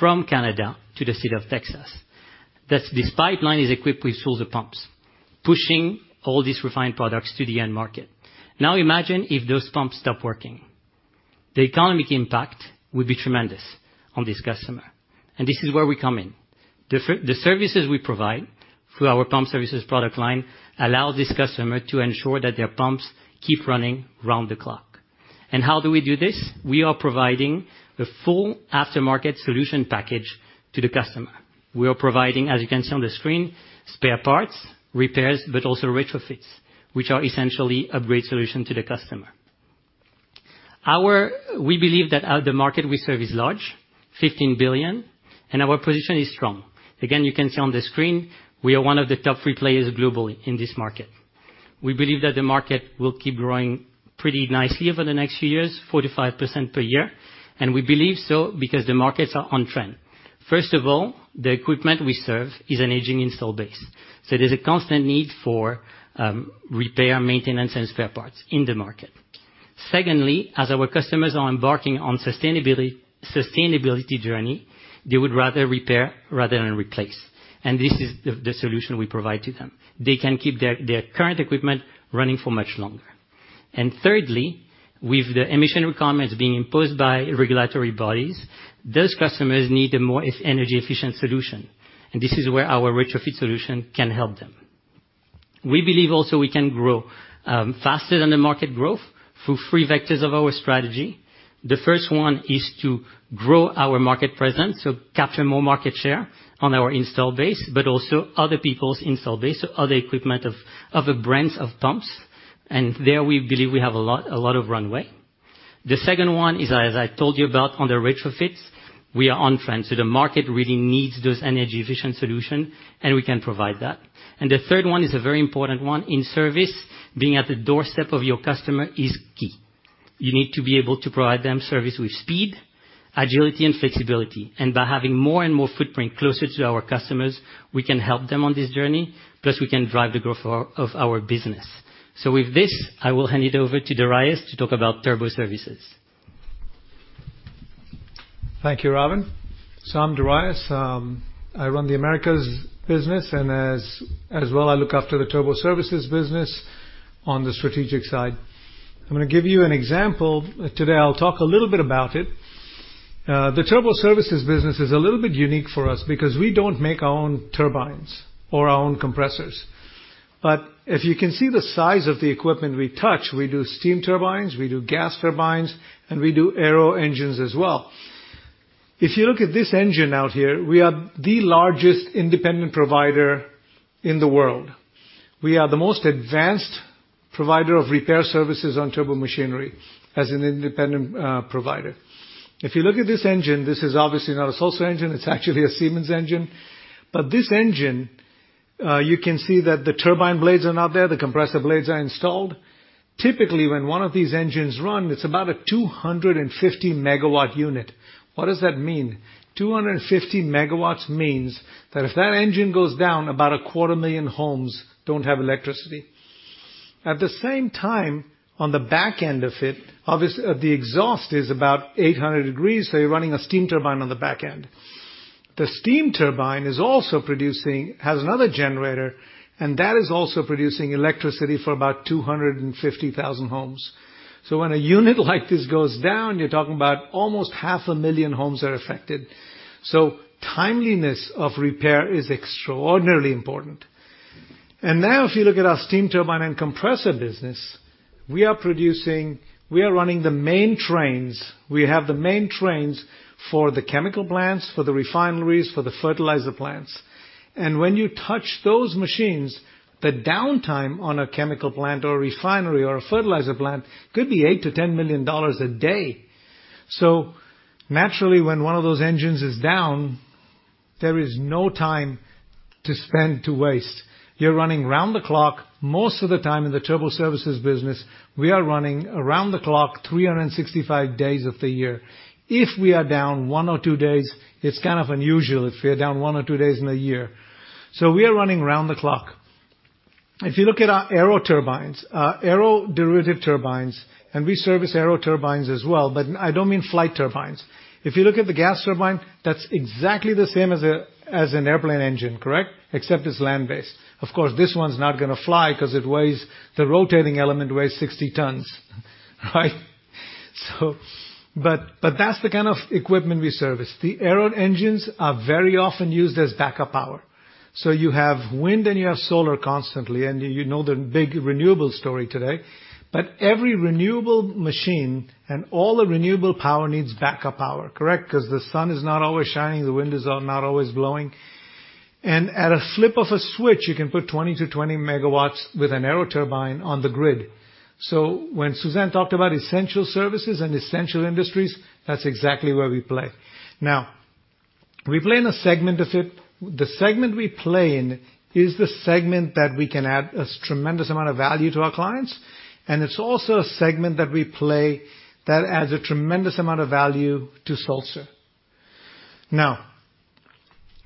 S5: from Canada to the state of Texas. This pipeline is equipped with Sulzer pumps, pushing all these refined products to the end market. Now, imagine if those pumps stop working. The economic impact would be tremendous on this customer, and this is where we come in. The services we provide through our Pump Services product line allow this customer to ensure that their pumps keep running round the clock. And how do we do this? We are providing the full aftermarket solution package to the customer. We are providing, as you can see on the screen, spare parts, repairs, but also retrofits, which are essentially a great solution to the customer. Our, we believe that the market we serve is large, 15 billion, and our position is strong. Again, you can see on the screen, we are one of the top three players globally in this market. We believe that the market will keep growing pretty nicely over the next few years, 45% per year, and we believe so because the markets are on trend. First of all, the equipment we serve is an aging installed base, so there's a constant need for repair, maintenance, and spare parts in the market. Secondly, as our customers are embarking on sustainability journey, they would rather repair rather than replace, and this is the solution we provide to them. They can keep their current equipment running for much longer. And thirdly, with the emission requirements being imposed by regulatory bodies, those customers need a more energy efficient solution, and this is where our retrofit solution can help them. We believe also we can grow faster than the market growth through three vectors of our strategy. The first one is to grow our market presence, so capture more market share on our install base, but also other people's install base, so other equipment of other brands of pumps, and there, we believe we have a lot, a lot of runway. The second one is, as I told you about on the retrofits, we are on trend, so the market really needs those energy efficient solution, and we can provide that. The third one is a very important one. In service, being at the doorstep of your customer is key. You need to be able to provide them service with speed, agility, and flexibility, and by having more and more footprint closer to our customers, we can help them on this journey, plus we can drive the growth of our, of our business. With this, I will hand it over to Darayus to talk about Turbo Services.
S6: Thank you, Ravin. So I'm Darayus. I run the Americas business, and as well, I look after the Turbo Services business on the strategic side. I'm gonna give you an example. Today, I'll talk a little bit about it. The Turbo Services business is a little bit unique for us because we don't make our own turbines or our own compressors. But if you can see the size of the equipment we touch, we do steam turbines, we do gas turbines, and we do aero engines as well. If you look at this engine out here, we are the largest independent provider in the world. We are the most advanced provider of repair services on turbo machinery as an independent provider. If you look at this engine, this is obviously not a Sulzer engine, it's actually a Siemens engine. But this engine, you can see that the turbine blades are not there, the compressor blades are installed. Typically, when one of these engines run, it's about a 250 MW unit. What does that mean? 250 MW means that if that engine goes down, about 250,000 homes don't have electricity. At the same time, on the back end of it, obviously, the exhaust is about 800 degrees, so you're running a steam turbine on the back end. The steam turbine is also producing... Has another generator, and that is also producing electricity for about 250,000 homes. So when a unit like this goes down, you're talking about almost 500,000 homes are affected. So timeliness of repair is extraordinarily important. Now, if you look at our steam turbine and compressor business, we are running the main trains. We have the main trains for the chemical plants, for the refineries, for the fertilizer plants. When you touch those machines, the downtime on a chemical plant or a refinery or a fertilizer plant could be $8-$10 million a day. So naturally, when one of those engines is down, there is no time to spend, to waste. You're running around the clock. Most of the time in the turbo services business, we are running around the clock, 365 days of the year. If we are down one or two days, it's kind of unusual if we are down one or two days in a year. So we are running around the clock. If you look at our aero turbines, aeroderivative turbines, and we service aero turbines as well, but I don't mean flight turbines. If you look at the gas turbine, that's exactly the same as a, as an airplane engine, correct? Except it's land-based. Of course, this one's not gonna fly because it weighs, the rotating element weighs 60 tons, right? So... But that's the kind of equipment we service. The aero engines are very often used as backup power. So you have wind, and you have solar constantly, and you know the big renewable story today. But every renewable machine and all the renewable power needs backup power, correct? Because the sun is not always shining, the wind is not always blowing. And at a flip of a switch, you can put 20-20 MW with an aero turbine on the grid. So when Suzanne talked about essential services and essential industries, that's exactly where we play. Now, we play in a segment of it. The segment we play in is the segment that we can add a tremendous amount of value to our clients, and it's also a segment that we play that adds a tremendous amount of value to Sulzer. Now,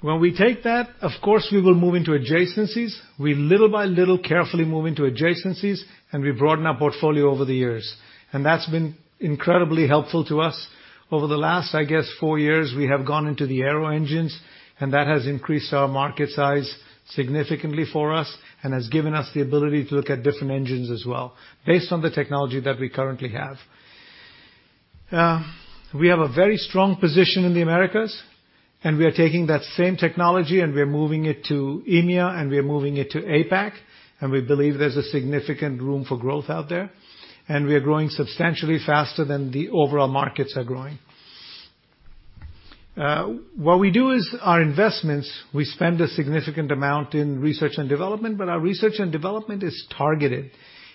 S6: when we take that, of course, we will move into adjacencies. We little by little, carefully move into adjacencies, and we broaden our portfolio over the years. And that's been incredibly helpful to us. Over the last, I guess, four years, we have gone into the aero engines, and that has increased our market size significantly for us and has given us the ability to look at different engines as well, based on the technology that we currently have. We have a very strong position in the Americas, and we are taking that same technology, and we are moving it to EMEA, and we are moving it to APAC, and we believe there's a significant room for growth out there, and we are growing substantially faster than the overall markets are growing. What we do is our investments, we spend a significant amount in research and development, but our research and development is targeted.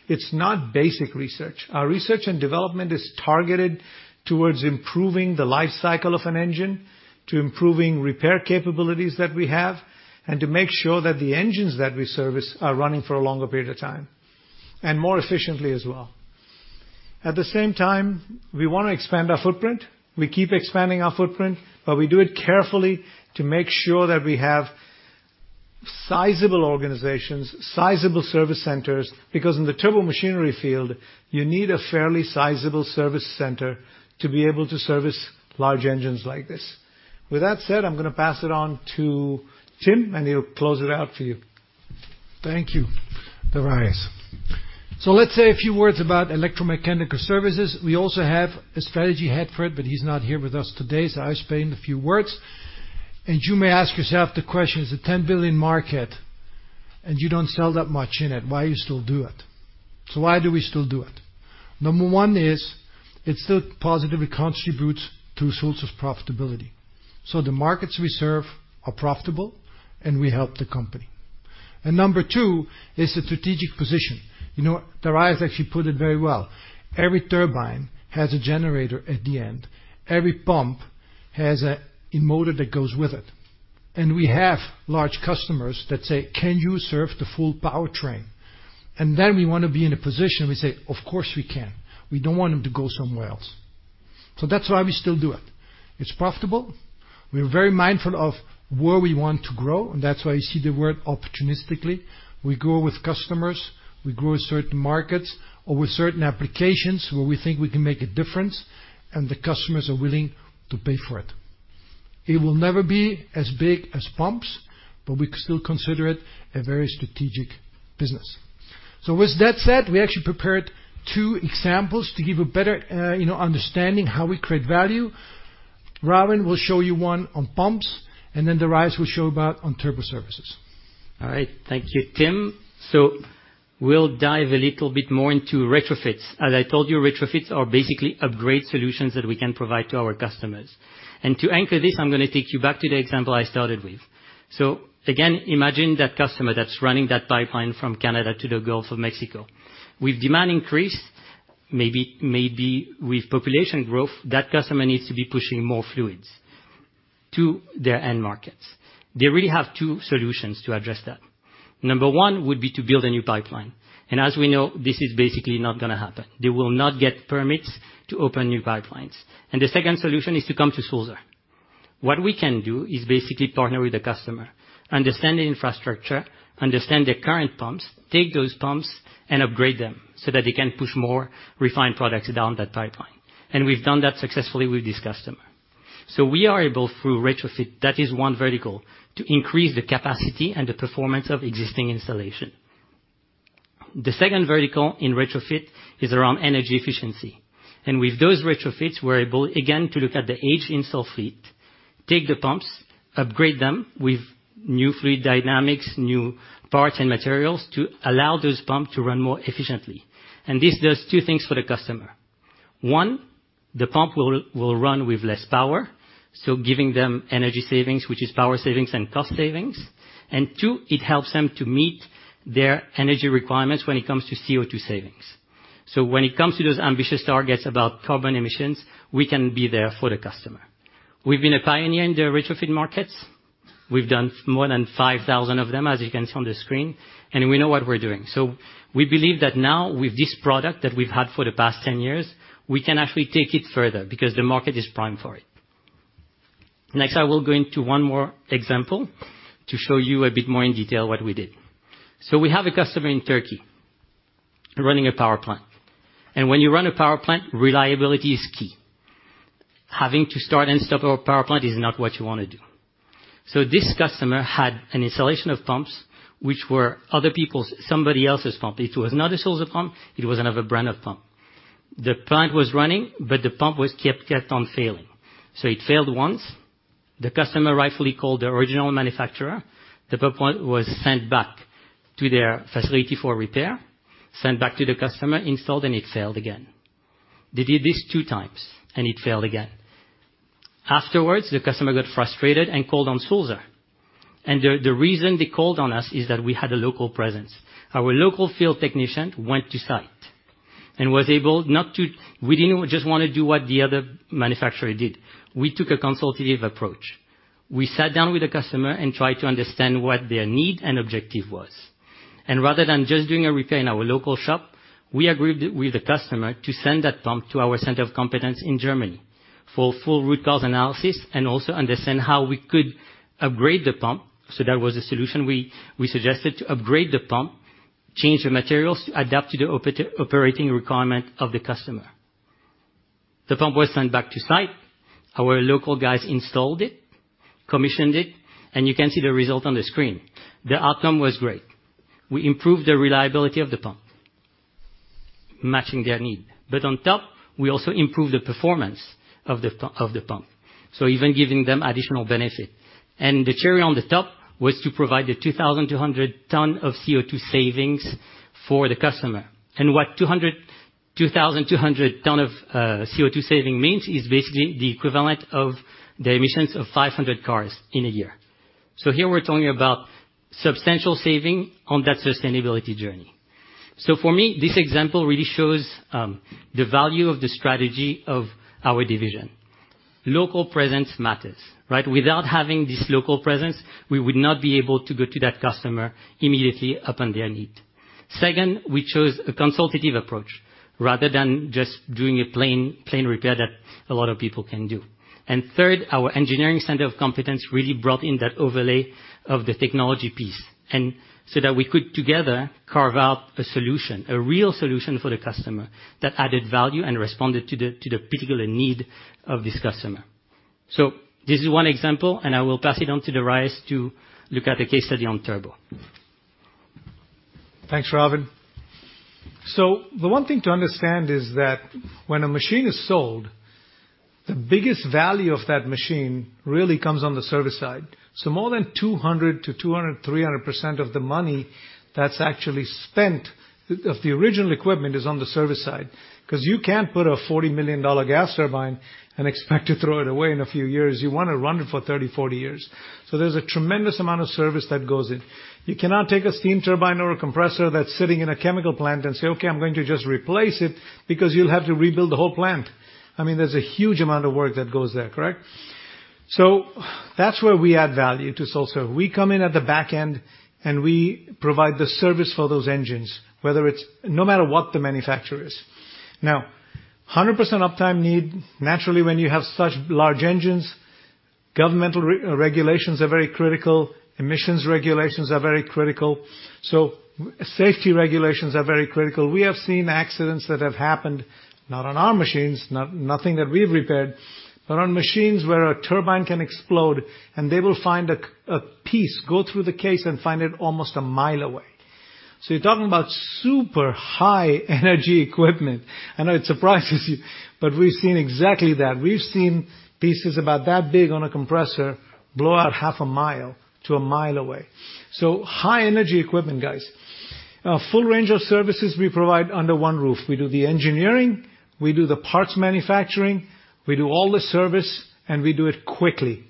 S6: It's not basic research. Our research and development is targeted towards improving the life cycle of an engine, to improving repair capabilities that we have, and to make sure that the engines that we service are running for a longer period of time, and more efficiently as well. At the same time, we want to expand our footprint. We keep expanding our footprint, but we do it carefully to make sure that we have sizable organizations, sizable service centers, because in the turbo machinery field, you need a fairly sizable service center to be able to service large engines like this. With that said, I'm going to pass it on to Tim, and he'll close it out for you.
S4: Thank you, Darayus. Let's say a few words about Electromechanical Services. We also have a strategy head for it, but he's not here with us today, so I'll explain a few words. You may ask yourself the question, it's a $10 billion market, and you don't sell that much in it, why you still do it? Why do we still do it? Number one is, it still positively contributes to Sulzer profitability. The markets we serve are profitable, and we help the company. Number two is the strategic position. You know, Darayus actually put it very well. Every turbine has a generator at the end. Every pump has a motor that goes with it. And we have large customers that say, "Can you serve the full powertrain?" And then we want to be in a position, we say, "Of course, we can." We don't want them to go somewhere else. So that's why we still do it. It's profitable. We're very mindful of where we want to grow, and that's why you see the word opportunistically. We grow with customers, we grow with certain markets or with certain applications where we think we can make a difference, and the customers are willing to pay for it. It will never be as big as pumps, but we still consider it a very strategic business. So with that said, we actually prepared two examples to give a better understanding how we create value. Ravin will show you one on pumps, and then Darayus will show about on Turbo Services. All right, thank you, Tim. We'll dive a little bit more into retrofits. As I told you, retrofits are basically upgrade solutions that we can provide to our customers. To anchor this, I'm going to take you back to the example I started with. Again, imagine that customer that's running that pipeline from Canada to the Gulf of Mexico. With demand increase, maybe, maybe with population growth, that customer needs to be pushing more fluids to their end markets. They really have two solutions to address that. Number one would be to build a new pipeline, and as we know, this is basically not going to happen. They will not get permits to open new pipelines. The second solution is to come to Sulzer. What we can do is basically partner with the customer, understand the infrastructure, understand their current pumps, take those pumps and upgrade them so that they can push more refined products down that pipeline. And we've done that successfully with this customer. So we are able, through retrofit, that is one vertical, to increase the capacity and the performance of existing installation. The second vertical in retrofit is around energy efficiency. And with those retrofits, we're able, again, to look at the aged installed fleet, take the pumps, upgrade them with new fluid dynamics, new parts and materials to allow those pumps to run more efficiently. And this does two things for the customer. One, the pump will, will run with less power, so giving them energy savings, which is power savings and cost savings. And two, it helps them to meet their energy requirements when it comes to CO₂ savings. So when it comes to those ambitious targets about carbon emissions, we can be there for the customer. We've been a pioneer in the retrofit markets. We've done more than 5,000 of them, as you can see on the screen, and we know what we're doing. So we believe that now, with this product that we've had for the past 10 years, we can actually take it further because the market is primed for it. Next, I will go into one more example to show you a bit more in detail what we did. So we have a customer in Turkey running a power plant, and when you run a power plant, reliability is key. Having to start and stop a power plant is not what you want to do. So this customer had an installation of pumps, which were other people's, somebody else's pump. It was not a Sulzer pump, it was another brand of pump. The plant was running, but the pump was kept, kept on failing. So it failed once. The customer rightfully called the original manufacturer. The pump was sent back to their facility for repair, sent back to the customer, installed, and it failed again. They did this two times, and it failed again. Afterwards, the customer got frustrated and called on Sulzer. And the reason they called on us is that we had a local presence. Our local field technician went to site and was able not to, we didn't just want to do what the other manufacturer did. We took a consultative approach. We sat down with the customer and tried to understand what their need and objective was. Rather than just doing a repair in our local shop, we agreed with the customer to send that pump to our center of competence in Germany for full root cause analysis and also understand how we could upgrade the pump. That was a solution we suggested to upgrade the pump, change the materials, adapt to the operating requirement of the customer. The pump was sent back to site. Our local guys installed it, commissioned it, and you can see the result on the screen. The outcome was great. We improved the reliability of the pump, matching their need. On top, we also improved the performance of the pump, so even giving them additional benefit. The cherry on the top was to provide the 2,200 ton of CO₂ savings for the customer. And what two hundred-... 2,200 tons of CO2 saving means is basically the equivalent of the emissions of 500 cars in a year. So here we're talking about substantial saving on that sustainability journey. So for me, this example really shows the value of the strategy of our division. Local presence matters, right? Without having this local presence, we would not be able to go to that customer immediately upon their need. Second, we chose a consultative approach rather than just doing a plain, plain repair that a lot of people can do. And third, our engineering center of competence really brought in that overlay of the technology piece, and so that we could together carve out a solution, a real solution for the customer that added value and responded to the particular need of this customer. This is one example, and I will pass it on to Darayus to look at the case study on turbo.
S6: Thanks, Ravin. So the one thing to understand is that when a machine is sold, the biggest value of that machine really comes on the service side. So more than 200%-300% of the money that's actually spent of the original equipment is on the service side. 'Cause you can't put a $40 million gas turbine and expect to throw it away in a few years. You wanna run it for 30, 40 years. So there's a tremendous amount of service that goes in. You cannot take a steam turbine or a compressor that's sitting in a chemical plant and say, "Okay, I'm going to just replace it," because you'll have to rebuild the whole plant. I mean, there's a huge amount of work that goes there, correct? So that's where we add value to Sulzer. We come in at the back end, and we provide the service for those engines, whether it's no matter what the manufacturer is. Now, 100% uptime need, naturally, when you have such large engines, governmental regulations are very critical, emissions regulations are very critical, so safety regulations are very critical. We have seen accidents that have happened, not on our machines, nothing that we've repaired, but on machines where a turbine can explode, and they will find a piece go through the case and find it almost a mile away. So you're talking about super high energy equipment. I know it surprises you, but we've seen exactly that. We've seen pieces about that big on a compressor blow out half a mile to a mile away. So high energy equipment, guys. A full range of services we provide under one roof. We do the engineering, we do the parts manufacturing, we do all the service, and we do it quickly.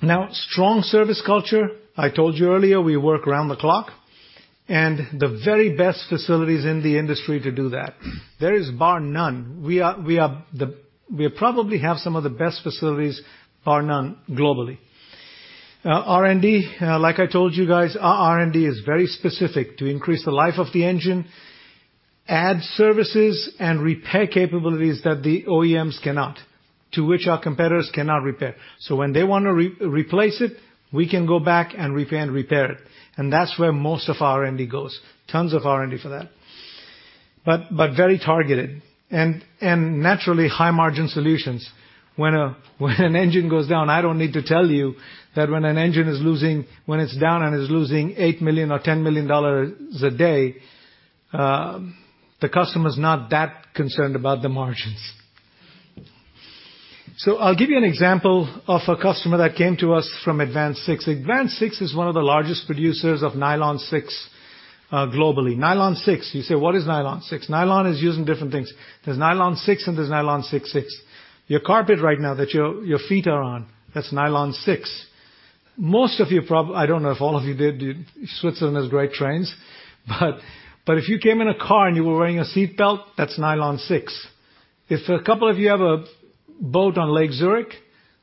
S6: Now, strong service culture, I told you earlier, we work around the clock, and the very best facilities in the industry to do that. There is bar none. We are the-- we probably have some of the best facilities, bar none, globally. R&D, like I told you guys, our R&D is very specific to increase the life of the engine, add services and repair capabilities that the OEMs cannot, to which our competitors cannot repair. So when they wanna replace it, we can go back and repair, and repair it. And that's where most of our R&D goes. Tons of R&D for that. But very targeted, and naturally, high-margin solutions. When an engine goes down, I don't need to tell you that when an engine is losing. When it's down and is losing $8 million or $10 million a day, the customer's not that concerned about the margins. So I'll give you an example of a customer that came to us from AdvanSix. AdvanSix is one of the largest producers of Nylon 6 globally. Nylon 6, you say, "What is Nylon 6?" Nylon is used in different things. There's Nylon 6, and there's Nylon 6/6. Your carpet right now that your feet are on, that's Nylon 6. Most of you, I don't know if all of you did. Switzerland has great trains, but if you came in a car and you were wearing a seatbelt, that's Nylon 6. If a couple of you have a boat on Lake Zurich,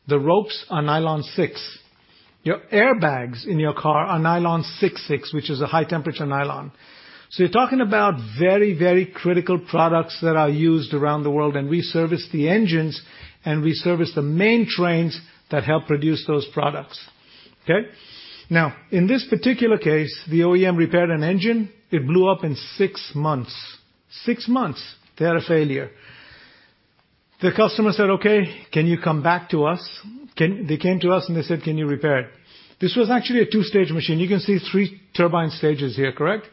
S6: the ropes are nylon 6. Your airbags in your car are nylon 6/6, which is a high-temperature nylon. So you're talking about very, very critical products that are used around the world, and we service the engines, and we service the main trains that help produce those products. Okay? Now, in this particular case, the OEM repaired an engine. It blew up in six months. Six months, they had a failure. The customer said, "Okay, can you come back to us?" They came to us, and they said, "Can you repair it?" This was actually a two-stage machine. You can see three turbine stages here, correct?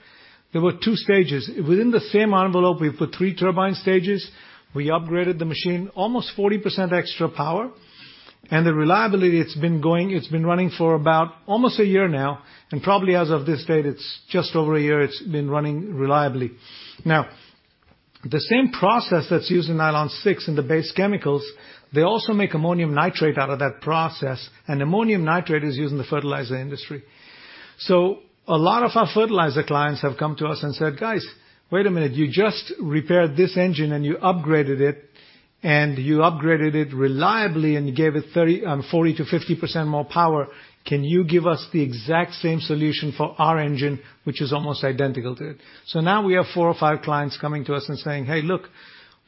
S6: There were two stages. Within the same envelope, we put three turbine stages. We upgraded the machine, almost 40% extra power, and the reliability, it's been going, it's been running for about almost a year now, and probably as of this date, it's just over a year, it's been running reliably. Now, the same process that's used in nylon 6 and the base chemicals, they also make ammonium nitrate out of that process, and ammonium nitrate is used in the fertilizer industry. So a lot of our fertilizer clients have come to us and said, "Guys, wait a minute. You just repaired this engine and you upgraded it, and you upgraded it reliably, and you gave it 30, 40%-50% more power. Can you give us the exact same solution for our engine, which is almost identical to it?" So now we have four or five clients coming to us and saying, "Hey, look,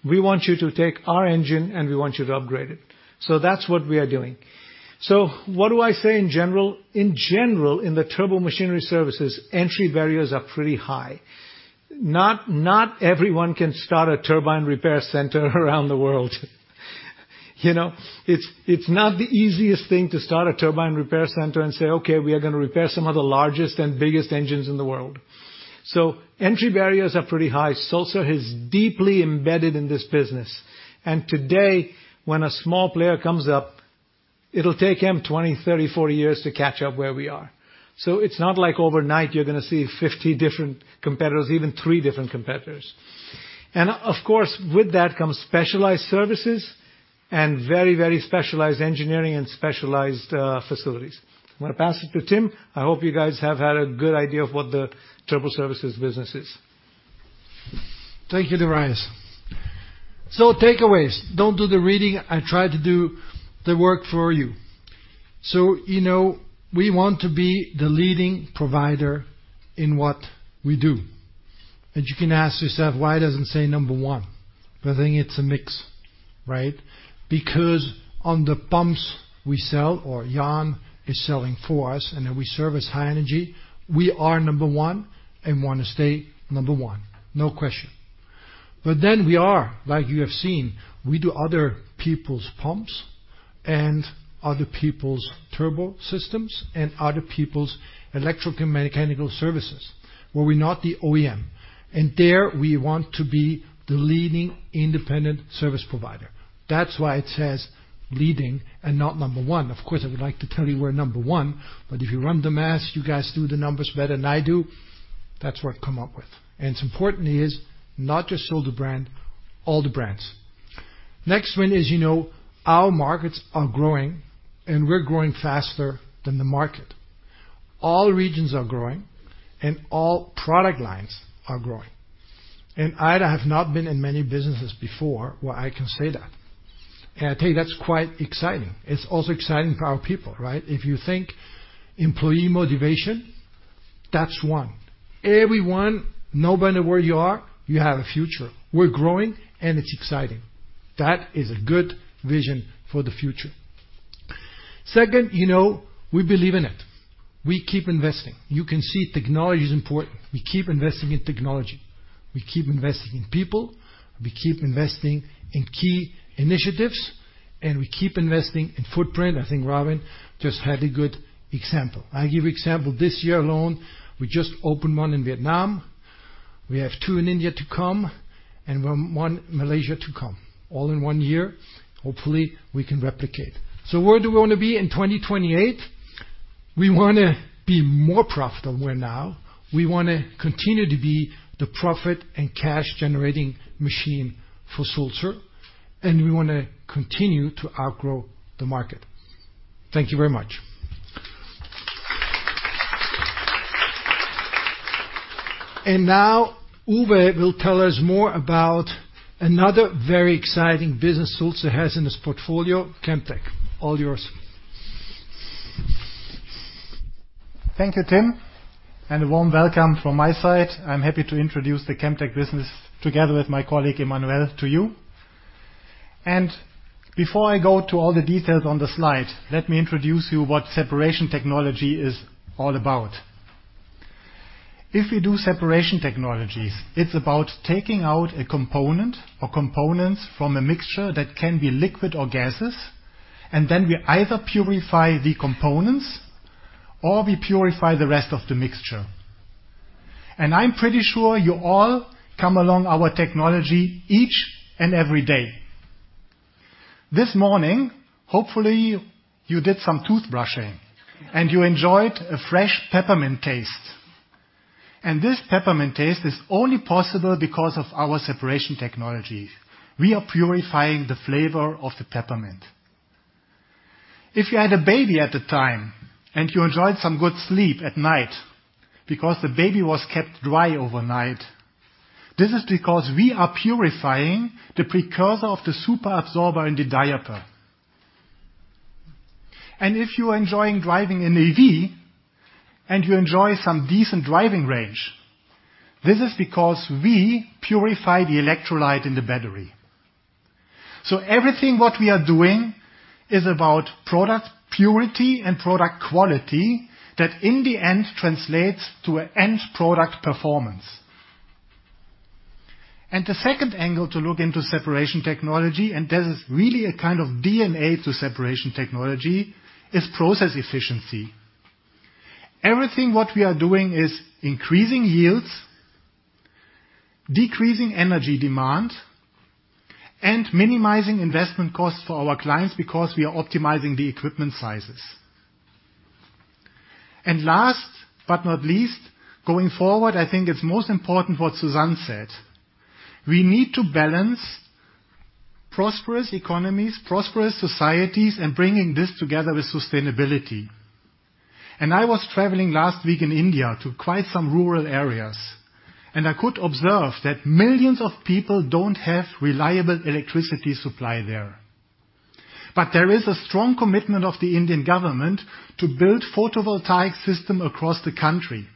S6: we want you to take our engine, and we want you to upgrade it." So that's what we are doing. So what do I say in general? In general, in the turbo machinery services, entry barriers are pretty high. Not everyone can start a turbine repair center around the world. You know, it's not the easiest thing to start a turbine repair center and say, "Okay, we are gonna repair some of the largest and biggest engines in the world." So entry barriers are pretty high. Sulzer is deeply embedded in this business, and today, when a small player comes up, it'll take them 20, 30, 40 years to catch up where we are. It's not like overnight you're gonna see 50 different competitors, even 3 different competitors. Of course, with that comes specialized services and very, very specialized engineering and specialized facilities. I'm gonna pass it to Tim. I hope you guys have had a good idea of what the Turbo Services business is.
S4: Thank you, Darayus. So, takeaways. Don't do the reading. I tried to do the work for you. So, you know, we want to be the leading provider in what we do. And you can ask yourself, "Why doesn't it say number one?" But I think it's a mix, right? Because on the pumps we sell, or Jan is selling for us, and then we service high energy, we are number one, and we wanna stay number one, no question. But then we are, like you have seen, we do other people's pumps and other people's turbo systems and other people's Electromechanical Services, where we're not the OEM. And there, we want to be the leading independent service provider. That's why it says leading and not number one. Of course, I would like to tell you we're number one, but if you run the math, you guys do the numbers better than I do, that's what I've come up with. And it's important is, not just sold the brand, all the brands. Next one is, you know, our markets are growing, and we're growing faster than the market. All regions are growing, and all product lines are growing. And I have not been in many businesses before where I can say that. And I tell you, that's quite exciting. It's also exciting for our people, right? If you think employee motivation, that's one. Everyone, no matter where you are, you have a future. We're growing, and it's exciting. That is a good vision for the future. Second, you know, we believe in it. We keep investing. You can see technology is important. We keep investing in technology, we keep investing in people, we keep investing in key initiatives, and we keep investing in footprint. I think Ravin just had a good example. I'll give you example. This year alone, we just opened one in Vietnam, we have two in India to come, and one in Malaysia to come, all in one year. Hopefully, we can replicate. So where do we wanna be in 2028? We wanna be more profitable where now, we wanna continue to be the profit and cash-generating machine for Sulzer, and we wanna continue to outgrow the market. Thank you very much. And now, Uwe will tell us more about another very exciting business Sulzer has in this portfolio, Chemtech. All yours.
S7: Thank you, Tim, and a warm welcome from my side. I'm happy to introduce the Chemtech business, together with my colleague, Emmanuel, to you. Before I go to all the details on the slide, let me introduce you what separation technology is all about. If you do separation technologies, it's about taking out a component or components from a mixture that can be liquid or gases, and then we either purify the components or we purify the rest of the mixture. I'm pretty sure you all come along our technology each and every day. This morning, hopefully, you did some toothbrushing and you enjoyed a fresh peppermint taste. This peppermint taste is only possible because of our separation technology. We are purifying the flavor of the peppermint. If you had a baby at the time, and you enjoyed some good sleep at night because the baby was kept dry overnight, this is because we are purifying the precursor of the super absorber in the diaper. And if you are enjoying driving an EV, and you enjoy some decent driving range, this is because we purify the electrolyte in the battery. So everything what we are doing is about product purity and product quality, that in the end translates to an end product performance. And the second angle to look into separation technology, and this is really a kind of DNA to separation technology, is process efficiency. Everything what we are doing is increasing yields, decreasing energy demand, and minimizing investment costs for our clients because we are optimizing the equipment sizes. Last, but not least, going forward, I think it's most important what Suzanne said: We need to balance prosperous economies, prosperous societies, and bringing this together with sustainability. I was traveling last week in India to quite some rural areas, and I could observe that millions of people don't have reliable electricity supply there. But there is a strong commitment of the Indian government to build photovoltaic system across the country.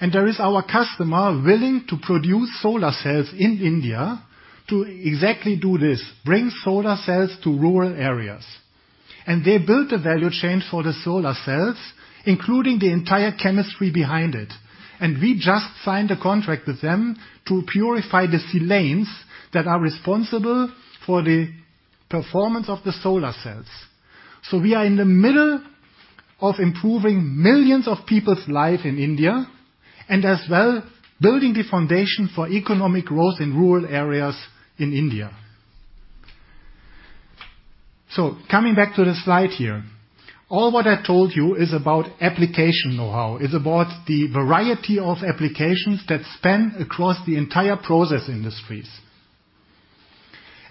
S7: And there is our customer willing to produce solar cells in India to exactly do this, bring solar cells to rural areas. And they built a value chain for the solar cells, including the entire chemistry behind it. And we just signed a contract with them to purify the silanes that are responsible for the performance of the solar cells. So we are in the middle-... of improving millions of people's life in India, and as well, building the foundation for economic growth in rural areas in India. So coming back to the slide here, all what I told you is about application know-how. It's about the variety of applications that span across the entire process industries.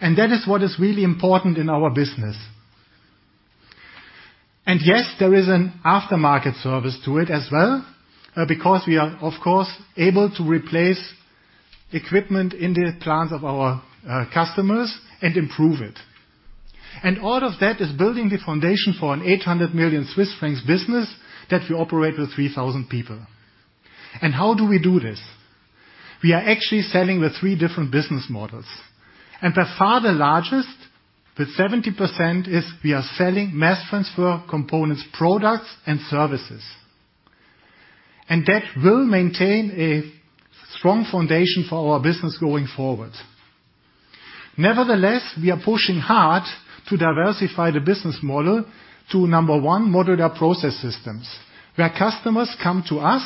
S7: And that is what is really important in our business. And yes, there is an aftermarket service to it as well, because we are, of course, able to replace equipment in the plants of our customers and improve it. And all of that is building the foundation for a 800 million Swiss francs business that we operate with 3,000 people. And how do we do this? We are actually selling the 3 different business models, and by far the largest, with 70% is we are selling Mass Transfer Components, products, and services. That will maintain a strong foundation for our business going forward. Nevertheless, we are pushing hard to diversify the business model to number one, Modular Process Systems, where customers come to us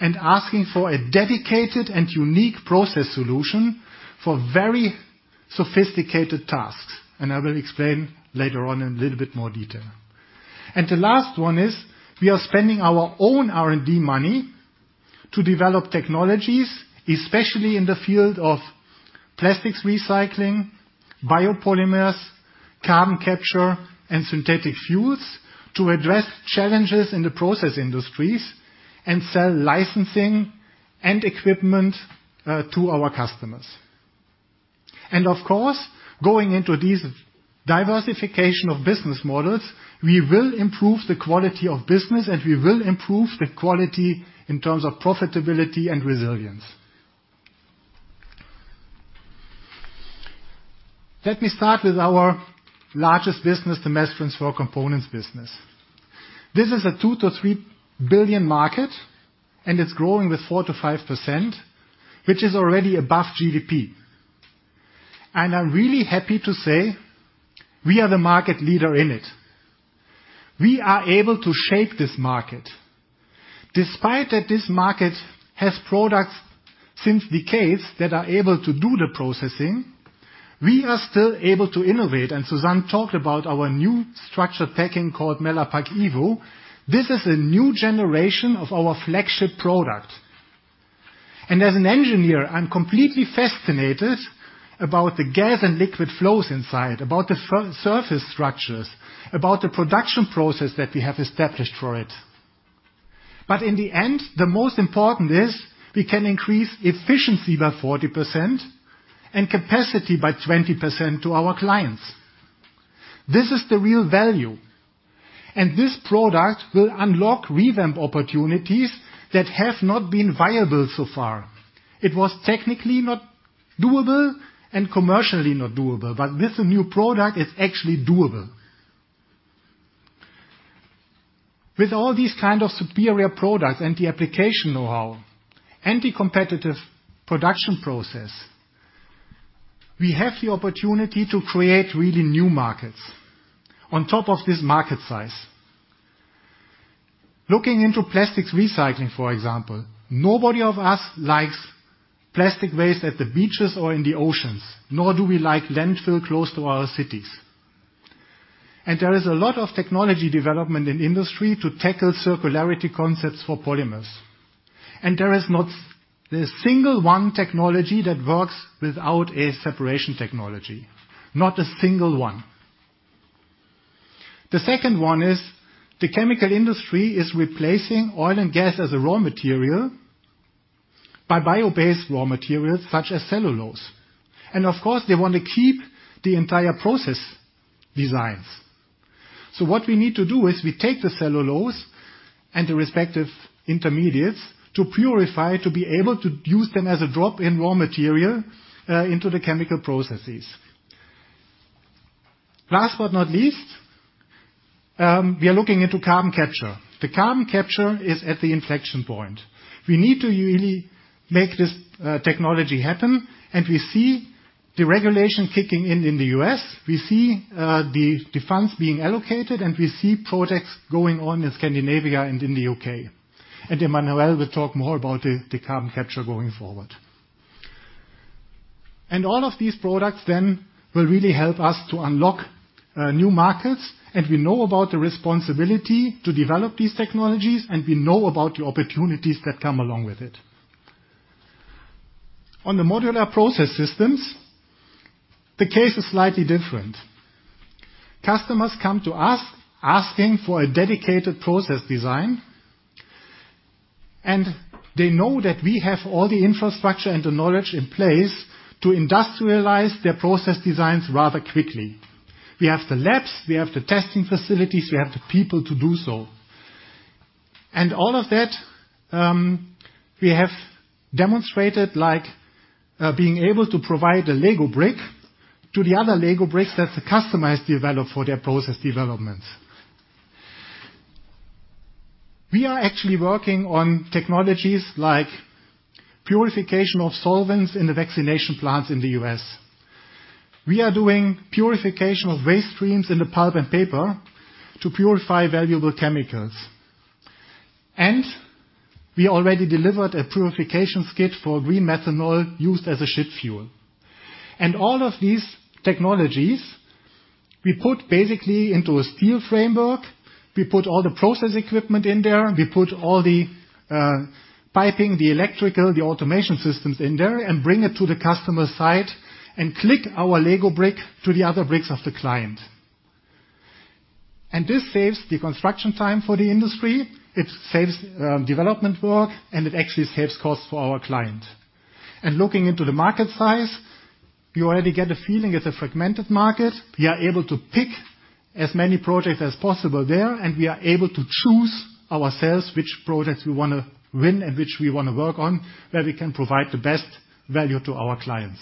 S7: and asking for a dedicated and unique process solution for very sophisticated tasks. I will explain later on in a little bit more detail. The last one is, we are spending our own R&D money to develop technologies, especially in the field of plastics recycling, biopolymers, carbon capture, and synthetic fuels, to address challenges in the process industries and sell licensing and equipment to our customers. Of course, going into these diversification of business models, we will improve the quality of business, and we will improve the quality in terms of profitability and resilience. Let me start with our largest business, the Mass Transfer Components business. This is a 2-3 billion market, and it's growing 4%-5%, which is already above GDP. I'm really happy to say we are the market leader in it. We are able to shape this market. Despite that this market has products since decades that are able to do the processing, we are still able to innovate, and Suzanne talked about our new structured packing called MellapakEvo. This is a new generation of our flagship product. As an engineer, I'm completely fascinated about the gas and liquid flows inside, about the surface structures, about the production process that we have established for it. But in the end, the most important is we can increase efficiency by 40% and capacity by 20% to our clients. This is the real value, and this product will unlock revamp opportunities that have not been viable so far. It was technically not doable and commercially not doable, but with the new product, it's actually doable. With all these kind of superior products and the application know-how and the competitive production process, we have the opportunity to create really new markets on top of this market size. Looking into plastics recycling, for example, nobody of us likes plastic waste at the beaches or in the oceans, nor do we like landfill close to our cities. There is a lot of technology development in industry to tackle circularity concepts for polymers. There is not a single one technology that works without a separation technology, not a single one. The second one is, the chemical industry is replacing oil and gas as a raw material by bio-based raw materials, such as cellulose. And of course, they want to keep the entire process designs. So what we need to do is we take the cellulose and the respective intermediates to purify, to be able to use them as a drop-in raw material into the chemical processes. Last but not least, we are looking into carbon capture. The carbon capture is at the inflection point. We need to really make this technology happen, and we see the regulation kicking in in the U.S., we see the funds being allocated, and we see projects going on in Scandinavia and in the U.K. Emmanuel will talk more about the carbon capture going forward. All of these products then will really help us to unlock new markets, and we know about the responsibility to develop these technologies, and we know about the opportunities that come along with it. On the Modular Process Systems, the case is slightly different. Customers come to us asking for a dedicated process design, and they know that we have all the infrastructure and the knowledge in place to industrialize their process designs rather quickly. We have the labs, we have the testing facilities, we have the people to do so. And all of that, we have demonstrated, like, being able to provide a Lego brick to the other Lego bricks that the customers develop for their process developments. We are actually working on technologies like purification of solvents in the vaccination plants in the US. We are doing purification of waste streams in the pulp and paper to purify valuable chemicals. We already delivered a purification skid for green methanol used as a ship fuel. All of these technologies, we put basically into a steel framework. We put all the process equipment in there, we put all the piping, the electrical, the automation systems in there, and bring it to the customer site and click our Lego brick to the other bricks of the client. This saves the construction time for the industry, it saves development work, and it actually saves costs for our client. Looking into the market size, we already get a feeling it's a fragmented market. We are able to pick as many projects as possible there, and we are able to choose ourselves which projects we wanna win and which we wanna work on, where we can provide the best value to our clients.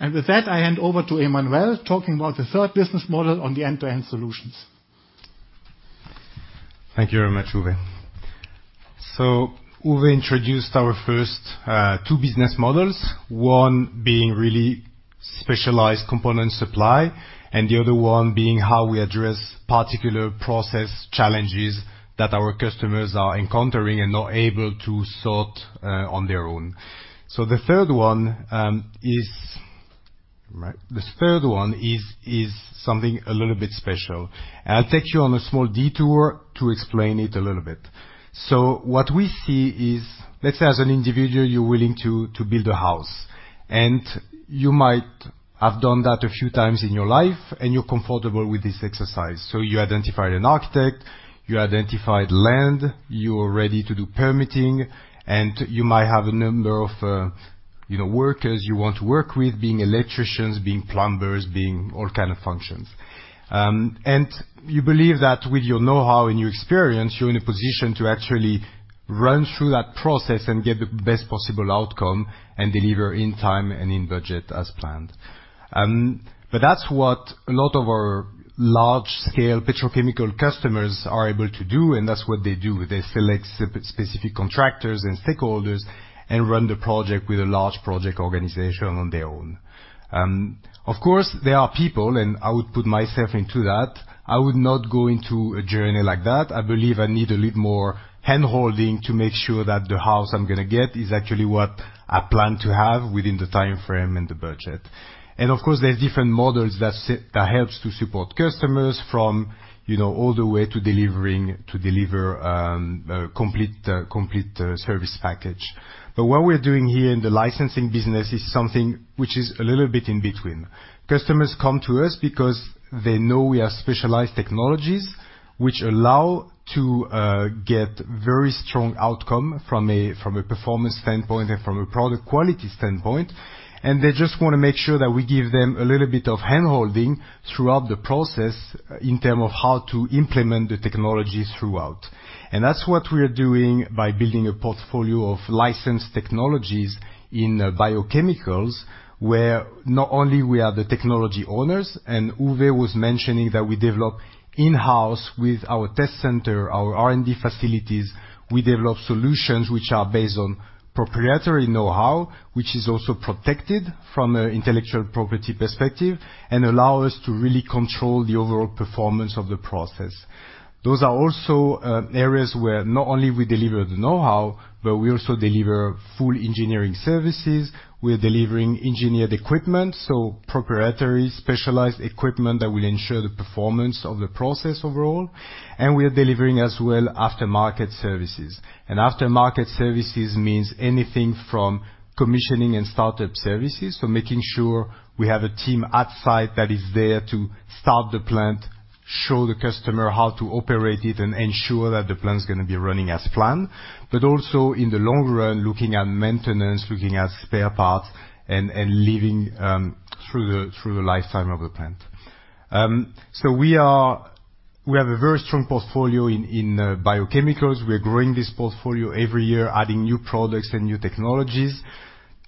S7: With that, I hand over to Emmanuel, talking about the third business model on the end-to-end solutions. Thank you very much, Uwe. So Uwe introduced our first two business models, one being really specialized component supply, and the other one being how we address particular process challenges that our customers are encountering and not able to sort on their own. So the third one is. Right. This third one is something a little bit special, and I'll take you on a small detour to explain it a little bit. So what we see is, let's say, as an individual, you're willing to build a house, and you might have done that a few times in your life, and you're comfortable with this exercise. So you identified an architect, you identified land, you are ready to do permitting, and you might have a number of, you know, workers you want to work with, being electricians, being plumbers, being all kind of functions. And you believe that with your know-how and your experience, you're in a position to actually run through that process and get the best possible outcome and deliver in time and in budget as planned. But that's what a lot of our large-scale petrochemical customers are able to do, and that's what they do. They select specific contractors and stakeholders and run the project with a large project organization on their own. Of course, there are people, and I would put myself into that, I would not go into a journey like that. I believe I need a little more hand-holding to make sure that the house I'm gonna get is actually what I plan to have within the timeframe and the budget. And of course, there are different models that helps to support customers from, you know, all the way to delivering, to deliver, a complete, complete, service package. But what we're doing here in the licensing business is something which is a little bit in between. Customers come to us because they know we are specialized technologies, which allow to get very strong outcome from a, from a performance standpoint and from a product quality standpoint. And they just wanna make sure that we give them a little bit of hand-holding throughout the process in terms of how to implement the technologies throughout. And that's what we are doing by building a portfolio of licensed technologies in biochemicals, where not only we are the technology owners, and Uwe was mentioning that we develop in-house with our test center, our R&D facilities. We develop solutions which are based on proprietary know-how, which is also protected from a intellectual property perspective, and allow us to really control the overall performance of the process. Those are also areas where not only we deliver the know-how, but we also deliver full engineering services. We are delivering engineered equipment, so proprietary, specialized equipment that will ensure the performance of the process overall. And we are delivering as well aftermarket services. And aftermarket services means anything from commissioning and startup services, so making sure we have a team at site that is there to start the plant, show the customer how to operate it, and ensure that the plant is gonna be running as planned. But also, in the long run, looking at maintenance, looking at spare parts, and living through the lifetime of the plant. So we have a very strong portfolio in biochemicals. We are growing this portfolio every year, adding new products and new technologies.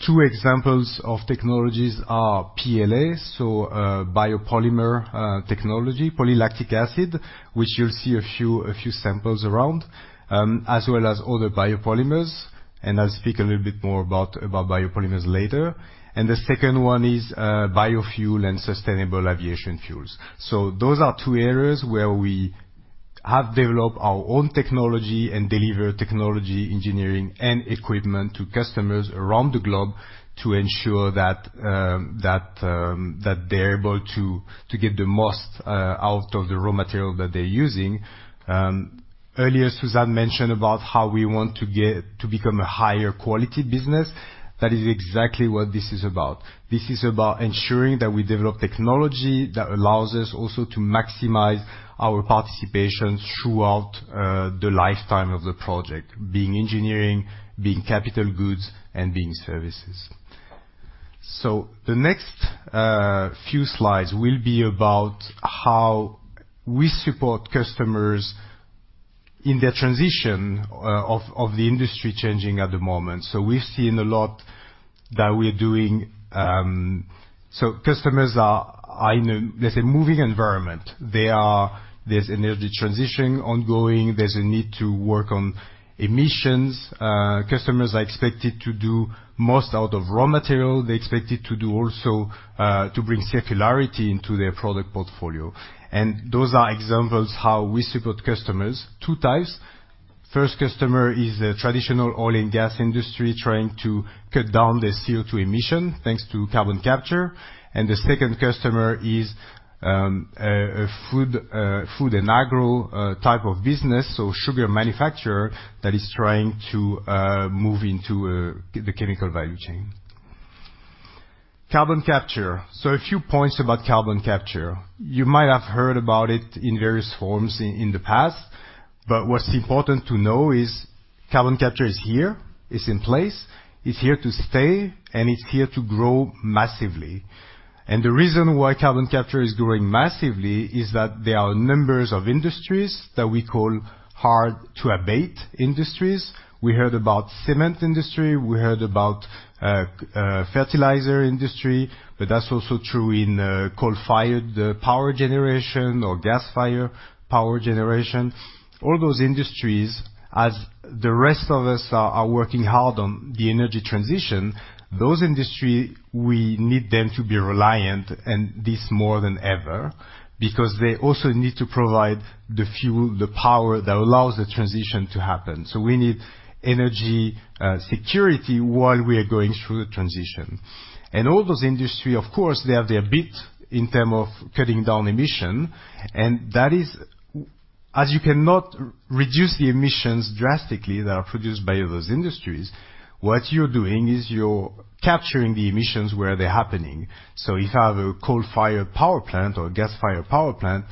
S7: Two examples of technologies are PLA, so biopolymer technology, polylactic acid, which you'll see a few samples around, as well as other biopolymers, and I'll speak a little bit more about biopolymers later. And the second one is biofuel and sustainable aviation fuels. So those are two areas where we have developed our own technology and deliver technology, engineering, and equipment to customers around the globe to ensure that they're able to get the most out of the raw material that they're using. Earlier, Suzanne mentioned about how we want to become a higher quality business. That is exactly what this is about. This is about ensuring that we develop technology that allows us also to maximize our participation throughout the lifetime of the project, being engineering, being capital goods, and being services. So the next few slides will be about how we support customers in their transition of the industry changing at the moment. So we've seen a lot that we're doing, so customers are in a, let's say, moving environment. They are. There's energy transitioning ongoing, there's a need to work on emissions. Customers are expected to do most out of raw material. They're expected to do also to bring circularity into their product portfolio, and those are examples how we support customers, two types. First customer is a traditional oil and gas industry trying to cut down their CO2 emission, thanks to carbon capture, and the second customer is a food and agro type of business, so sugar manufacturer, that is trying to move into the chemical value chain. Carbon capture. So a few points about carbon capture. You might have heard about it in various forms in the past, but what's important to know is carbon capture is here, it's in place, it's here to stay, and it's here to grow massively. And the reason why carbon capture is growing massively is that there are numbers of industries that we call hard-to-abate industries. We heard about cement industry, we heard about fertilizer industry, but that's also true in coal-fired power generation or gas-fired power generation. All those industries, as the rest of us are, are working hard on the energy transition, those industry, we need them to be reliant, and this more than ever, because they also need to provide the fuel, the power, that allows the transition to happen. So we need energy security while we are going through the transition. And all those industry, of course, they have their bit in term of cutting down emission, and that is... As you cannot reduce the emissions drastically that are produced by those industries, what you're doing is you're capturing the emissions where they're happening. So if I have a coal-fired power plant or a gas-fired power plant,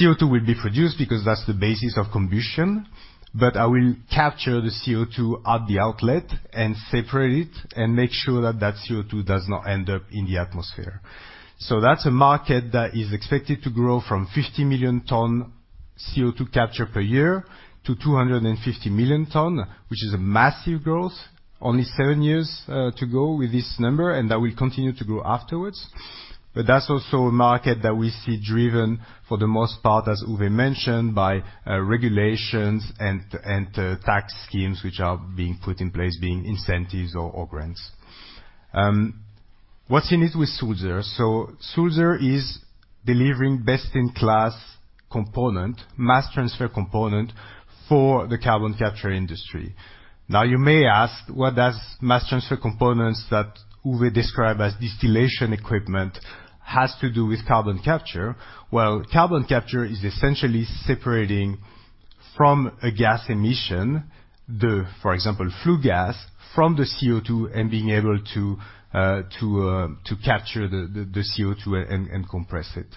S7: CO2 will be produced because that's the basis of combustion, but I will capture the CO2 at the outlet and separate it, and make sure that that CO2 does not end up in the atmosphere. That's a market that is expected to grow from 50 million tons CO2 capture per year to 250 million tons, which is a massive growth. Only seven years to go with this number, and that will continue to grow afterwards. That's also a market that we see driven, for the most part, as Uwe mentioned, by regulations and tax schemes which are being put in place, being incentives or grants. What's in it with Sulzer? Sulzer is delivering best-in-class component, mass transfer component, for the carbon capture industry. Now, you may ask, "What does mass transfer components, that Uwe described as distillation equipment, has to do with carbon capture?" Well, carbon capture is essentially separating from a gas emission, the, for example, flue gas from the CO2, and being able to, to capture the CO2 and compress it.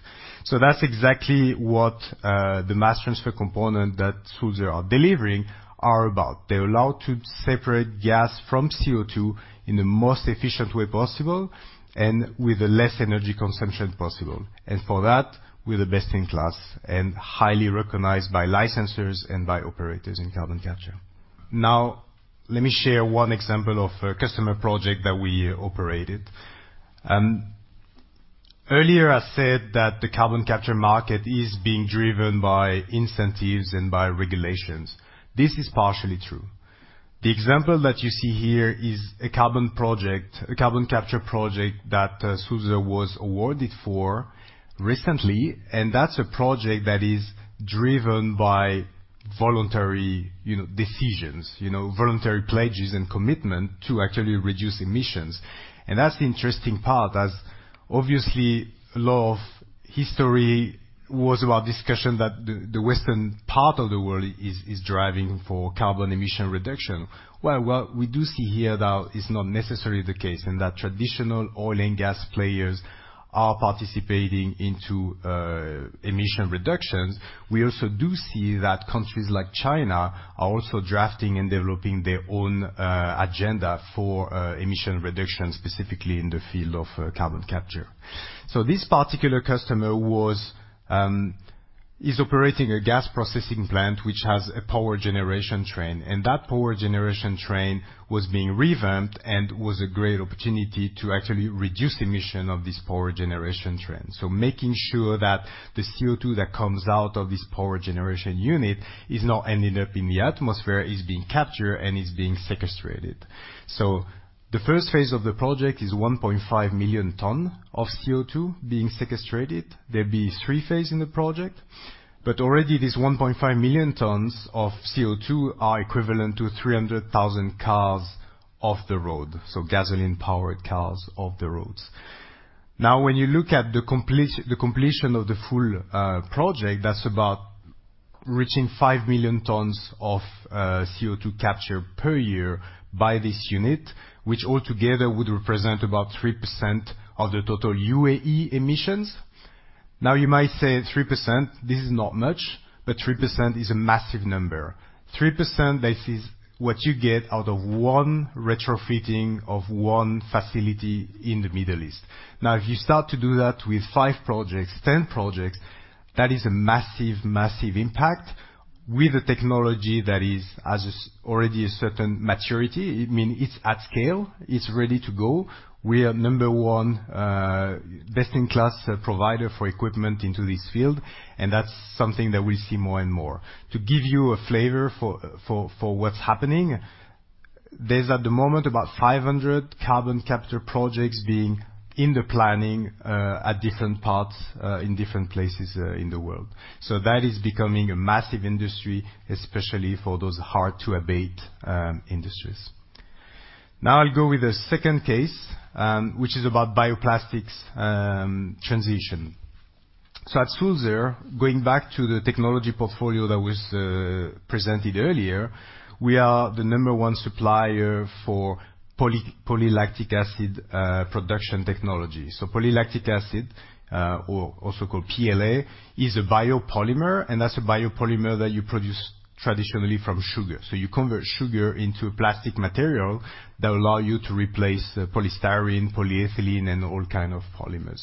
S7: So that's exactly what the mass transfer component that Sulzer are delivering are about. They allow to separate gas from CO2 in the most efficient way possible, and with the less energy consumption possible. And for that, we're the best in class, and highly recognized by licensors and by operators in carbon capture. Now, let me share one example of a customer project that we operated. Earlier, I said that the carbon capture market is being driven by incentives and by regulations. This is partially true. The example that you see here is a carbon project, a carbon capture project, that Sulzer was awarded for recently, and that's a project that is driven by voluntary, you know, decisions, you know, voluntary pledges and commitment to actually reduce emissions. And that's the interesting part, as obviously, a lot of history was about discussion that the western part of the world is driving for carbon emission reduction. Well, what we do see here, though, is not necessarily the case, and that traditional oil and gas players are participating into emission reductions. We also do see that countries like China are also drafting and developing their own agenda for emission reduction, specifically in the field of carbon capture. So this particular customer was... is operating a gas processing plant, which has a power generation train, and that power generation train was being revamped and was a great opportunity to actually reduce emissions of this power generation train. So making sure that the CO2 that comes out of this power generation unit is not ending up in the atmosphere, is being captured, and is being sequestered. So the first phase of the project is 1.5 million tons of CO2 being sequestered. There'll be three phases in the project, but already, this 1.5 million tons of CO2 are equivalent to 300,000 cars off the road, so gasoline-powered cars off the roads. Now, when you look at the completion of the full project, that's about reaching 5 million tons of CO2 capture per year by this unit, which altogether would represent about 3% of the total UAE emissions. Now, you might say 3%, this is not much, but 3% is a massive number. 3%, this is what you get out of one retrofitting of one facility in the Middle East. Now, if you start to do that with 5 projects, 10 projects, that is a massive, massive impact with a technology that is, has already a certain maturity, it mean it's at scale, it's ready to go. We are number one, best-in-class provider for equipment into this field, and that's something that we'll see more and more. To give you a flavor for what's happening, there's at the moment about 500 carbon capture projects being in the planning at different parts in different places in the world. So that is becoming a massive industry, especially for those hard-to-abate industries. Now I'll go with the second case, which is about bioplastics transition. So at Sulzer, going back to the technology portfolio that was presented earlier, we are the number one supplier for polylactic acid production technology. So polylactic acid, or also called PLA, is a biopolymer, and that's a biopolymer that you produce traditionally from sugar. So you convert sugar into a plastic material that will allow you to replace polystyrene, polyethylene, and all kind of polymers.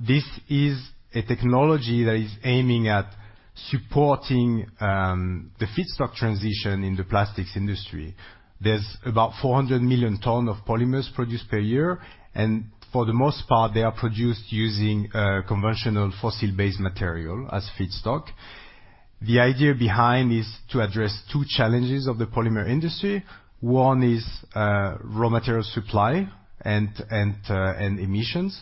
S7: This is a technology that is aiming at supporting the feedstock transition in the plastics industry. There's about 400 million tons of polymers produced per year, and for the most part, they are produced using conventional fossil-based material as feedstock. The idea behind is to address two challenges of the polymer industry. One is raw material supply and emissions,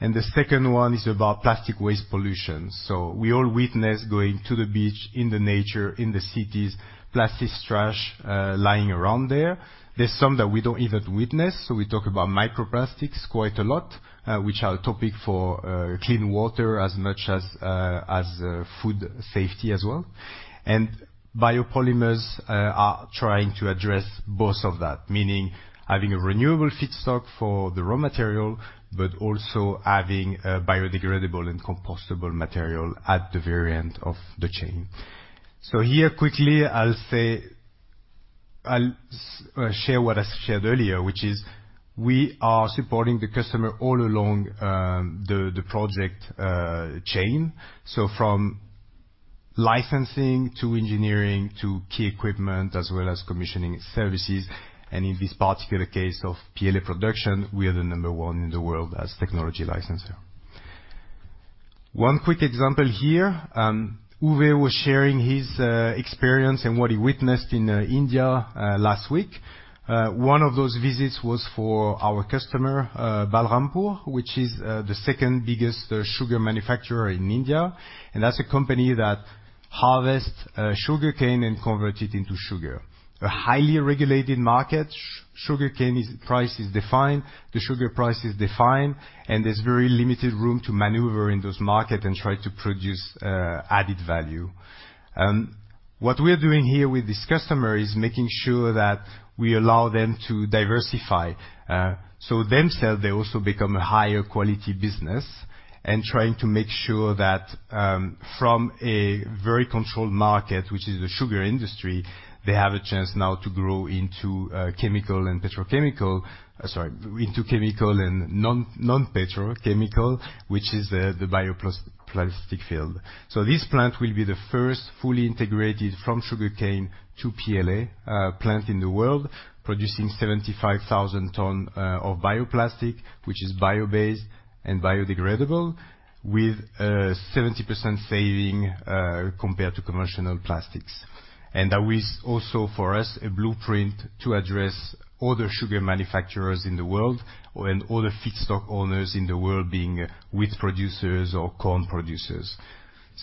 S7: and the second one is about plastic waste pollution. So we all witness going to the beach, in the nature, in the cities, plastic trash lying around there. There's some that we don't even witness, so we talk about microplastics quite a lot, which are a topic for clean water as much as food safety as well. And biopolymers are trying to address both of that, meaning having a renewable feedstock for the raw material, but also having a biodegradable and compostable material at the very end of the chain. So here, quickly, I'll say... I'll share what I shared earlier, which is we are supporting the customer all along the project chain. So from licensing to engineering to key equipment, as well as commissioning services, and in this particular case of PLA production, we are the number one in the world as technology licenser. One quick example here, Uwe was sharing his experience and what he witnessed in India last week. One of those visits was for our customer Balrampur, which is the second biggest sugar manufacturer in India, and that's a company that harvests sugarcane and convert it into sugar. A highly regulated market, sugarcane price is defined, the sugar price is defined, and there's very limited room to maneuver in this market and try to produce added value. What we're doing here with this customer is making sure that we allow them to diversify, so themselves, they also become a higher quality business, and trying to make sure that, from a very controlled market, which is the sugar industry, they have a chance now to grow into chemical and non-petrochemical, which is the bioplastic field. So this plant will be the first fully integrated from sugarcane to PLA plant in the world, producing 75,000 tons of bioplastic, which is bio-based and biodegradable, with a 70% saving compared to commercial plastics. And that is also, for us, a blueprint to address other sugar manufacturers in the world, and all the feedstock owners in the world being wheat producers or corn producers.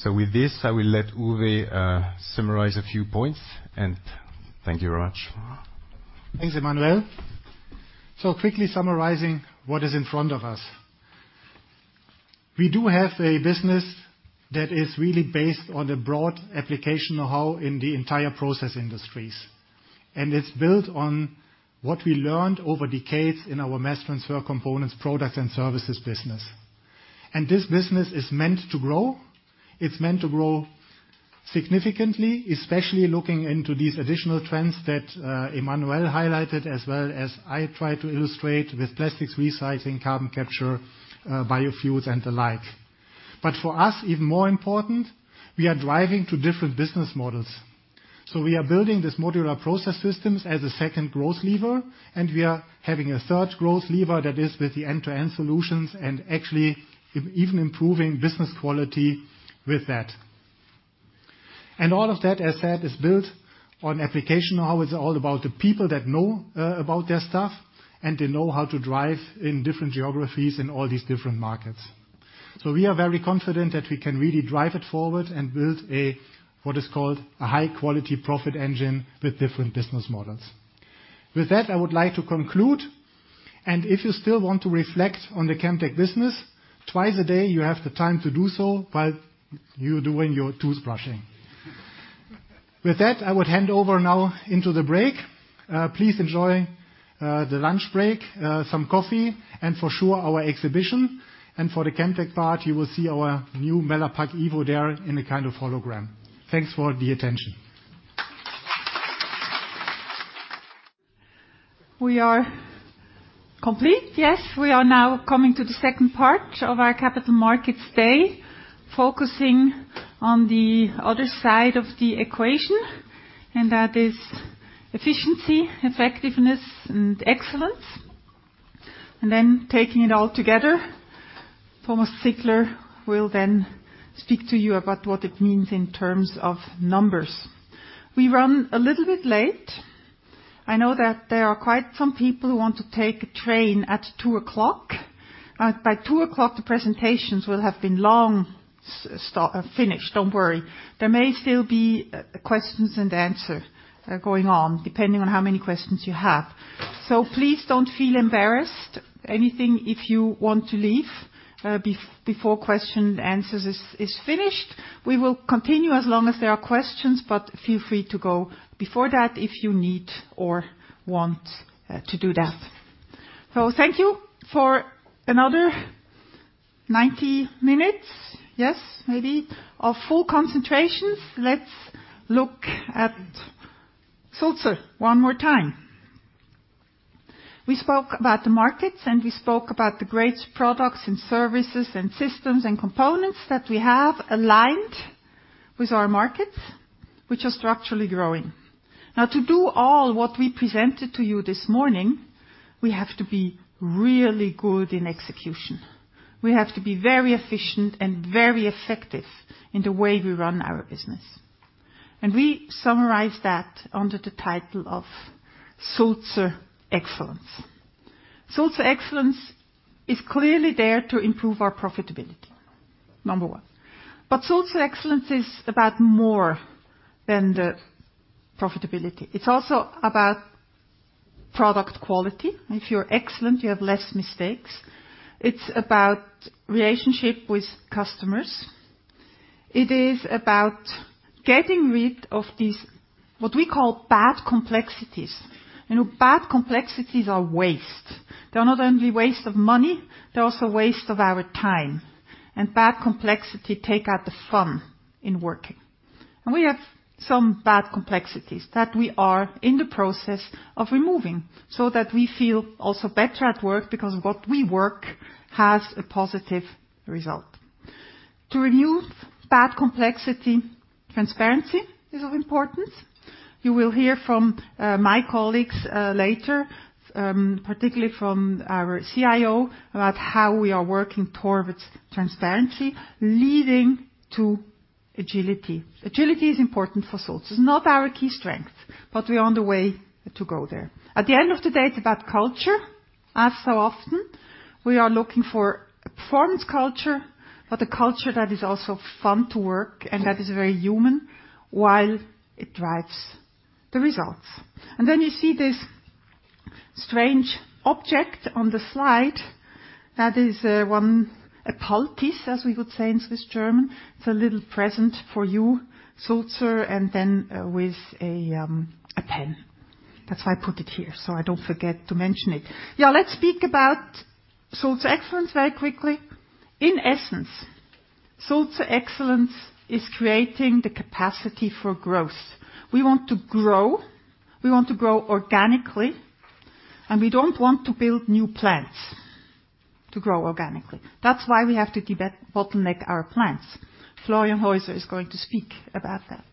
S7: With this, I will let Uwe summarize a few points, and thank you very much. Thanks, Emmanuel. So quickly summarizing what is in front of us. We do have a business that is really based on the broad application know-how in the entire process industries, and it's built on what we learned over decades in our Mass Transfer Components, products, and services business. And this business is meant to grow. It's meant to grow significantly, especially looking into these additional trends that Emmanuel highlighted, as well as I tried to illustrate with plastics recycling, carbon capture, biofuels, and the like. But for us, even more important, we are driving two different business models. So we are building this Modular Process Systems as a second growth lever, and we are having a third growth lever that is with the end-to-end solutions and actually even improving business quality with that. And all of that, as said, is built on application know-how. It's all about the people that know about their stuff, and they know how to drive in different geographies in all these different markets. So we are very confident that we can really drive it forward and build a, what is called a high-quality profit engine with different business models. With that, I would like to conclude, and if you still want to reflect on the Chemtech business, twice a day, you have the time to do so, while you're doing your toothbrushing. With that, I would hand over now into the break. Please enjoy the lunch break, some coffee, and for sure, our exhibition. And for the Chemtech part, you will see our new MellapakEvo there in a kind of hologram. Thanks for the attention....
S1: We are complete, yes. We are now coming to the second part of our Capital Markets Day, focusing on the other side of the equation, and that is efficiency, effectiveness, and excellence. And then taking it all together, Thomas Zickler will then speak to you about what it means in terms of numbers. We run a little bit late. I know that there are quite some people who want to take a train at 2:00. By 2:00, the presentations will have been long since finished, don't worry. There may still be questions and answers going on, depending on how many questions you have. So please don't feel embarrassed. Anything if you want to leave before questions and answers is finished. We will continue as long as there are questions, but feel free to go before that if you need or want to do that. So thank you for another 90 minutes, yes, maybe, of full concentrations. Let's look at Sulzer one more time. We spoke about the markets, and we spoke about the great products and services and systems and components that we have aligned with our markets, which are structurally growing. Now, to do all what we presented to you this morning, we have to be really good in execution. We have to be very efficient and very effective in the way we run our business. And we summarize that under the title of Sulzer Excellence. Sulzer Excellence is clearly there to improve our profitability, number one. But Sulzer Excellence is about more than the profitability. It's also about product quality. If you're excellent, you have less mistakes. It's about relationship with customers. It is about getting rid of these, what we call bad complexities. You know, bad complexities are waste. They are not only waste of money, they're also waste of our time, and bad complexity take out the fun in working. And we have some bad complexities that we are in the process of removing, so that we feel also better at work because what we work has a positive result. To remove bad complexity, transparency is of importance. You will hear from my colleagues later, particularly from our CIO, about how we are working towards transparency, leading to agility. Agility is important for Sulzer. It's not our key strength, but we are on the way to go there. At the end of the day, it's about culture. As so often, we are looking for a performance culture, but a culture that is also fun to work and that is very human, while it drives the results. And then you see this strange object on the slide. That is, one, a Bhaltis, as we would say in Swiss German. It's a little present for you, Sulzer, and then, with a, a pen. That's why I put it here, so I don't forget to mention it. Yeah, let's speak about Sulzer Excellence very quickly. In essence, Sulzer Excellence is creating the capacity for growth. We want to grow, we want to grow organically, and we don't want to build new plants to grow organically. That's why we have to debottleneck our plants. Florian Heuser is going to speak about that.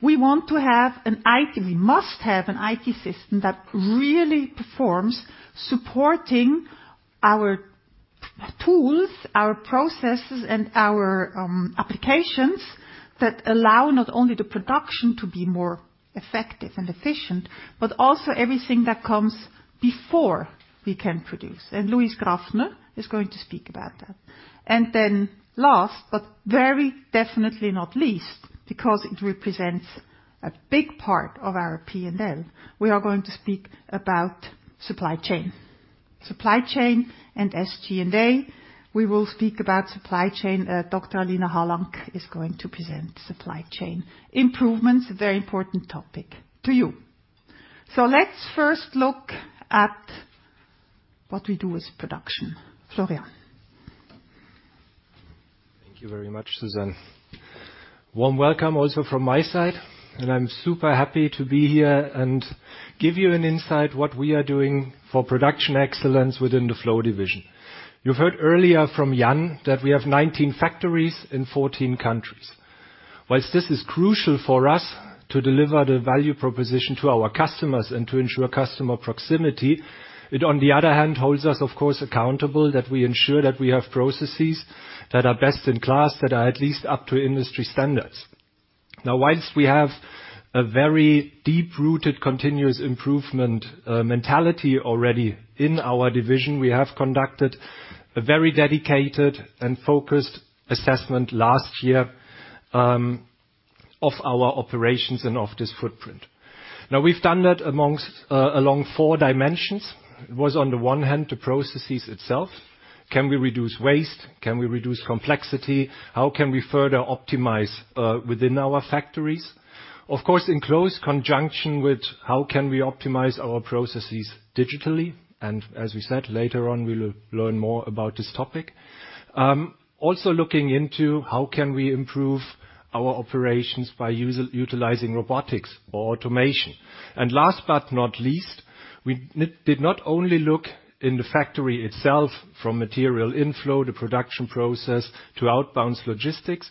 S1: We want to have an IT... We must have an IT system that really performs, supporting our tools, our processes, and our applications that allow not only the production to be more effective and efficient, but also everything that comes before we can produce. Louise Graffner is going to speak about that. Then last, but very definitely not least, because it represents a big part of our P&L, we are going to speak about supply chain. Supply chain and SG&A. We will speak about supply chain. Dr. Alina Hallank is going to present supply chain improvements, a very important topic to you. So let's first look at what we do with production. Florian?
S8: Thank you very much, Suzanne. Warm welcome also from my side, and I'm super happy to be here and give you an insight what we are doing for production excellence within the Flow Division. You've heard earlier from Jan that we have 19 factories in 14 countries. While this is crucial for us to deliver the value proposition to our customers and to ensure customer proximity, it, on the other hand, holds us, of course, accountable that we ensure that we have processes that are best in class, that are at least up to industry standards. Now, while we have a very deep-rooted continuous improvement mentality already in our division, we have conducted a very dedicated and focused assessment last year of our operations and of this footprint. Now, we've done that amongst, along 4 dimensions. It was, on the one hand, the processes itself. Can we reduce waste? Can we reduce complexity? How can we further optimize within our factories? Of course, in close conjunction with how can we optimize our processes digitally, and as we said, later on, we will learn more about this topic. Also looking into how can we improve our operations by utilizing robotics or automation. And last but not least, we did not only look in the factory itself from material inflow to production process to outbound logistics,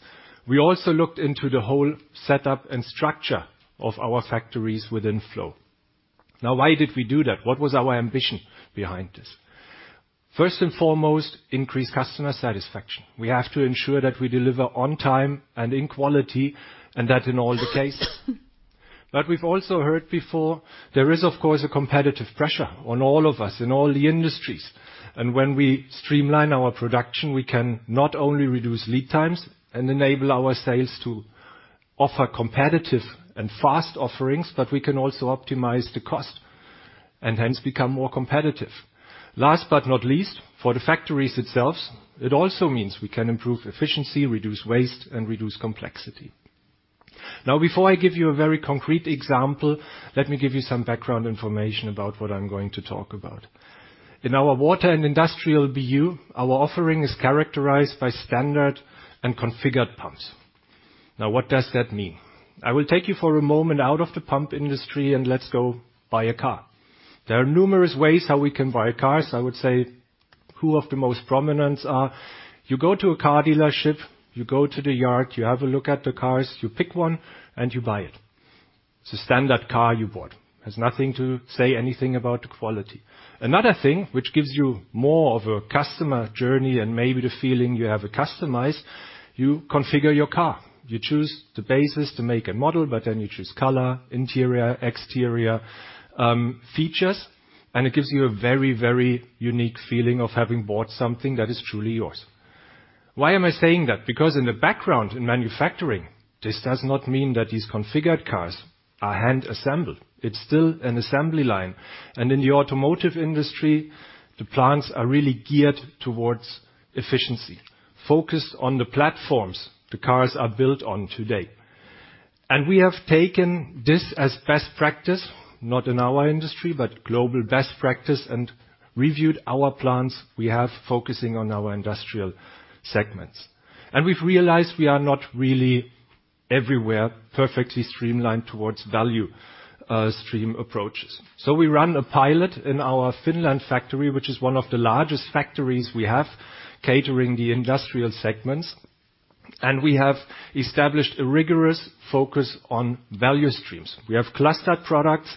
S8: we also looked into the whole setup and structure of our factories within Flow. Now, why did we do that? What was our ambition behind this? First and foremost, increase customer satisfaction. We have to ensure that we deliver on time and in quality, and that in all the cases. But we've also heard before, there is, of course, a competitive pressure on all of us in all the industries. And when we streamline our production, we can not only reduce lead times and enable our sales to offer competitive and fast offerings, but we can also optimize the cost and hence become more competitive. Last but not least, for the factories itself, it also means we can improve efficiency, reduce waste, and reduce complexity. Now, before I give you a very concrete example, let me give you some background information about what I'm going to talk about. In our Water and Industrial BU, our offering is characterized by standard and configured pumps. Now, what does that mean? I will take you for a moment out of the pump industry and let's go buy a car. There are numerous ways how we can buy cars. I would say two of the most prominent are, you go to a car dealership, you go to the yard, you have a look at the cars, you pick one, and you buy it. It's a standard car you bought. Has nothing to say anything about the quality. Another thing which gives you more of a customer journey and maybe the feeling you have a customized, you configure your car. You choose the basis to make a model, but then you choose color, interior, exterior, features, and it gives you a very, very unique feeling of having bought something that is truly yours. Why am I saying that? Because in the background, in manufacturing, this does not mean that these configured cars are hand-assembled. It's still an assembly line, and in the automotive industry, the plants are really geared toward efficiency, focused on the platforms the cars are built on today. And we have taken this as best practice, not in our industry, but global best practice, and reviewed our plants we have focusing on our industrial segments. And we've realized we are not really everywhere, perfectly streamlined toward value stream approaches. So we ran a pilot in our Finland factory, which is one of the largest factories we have, catering to the industrial segments, and we have established a rigorous focus on value streams. We have clustered products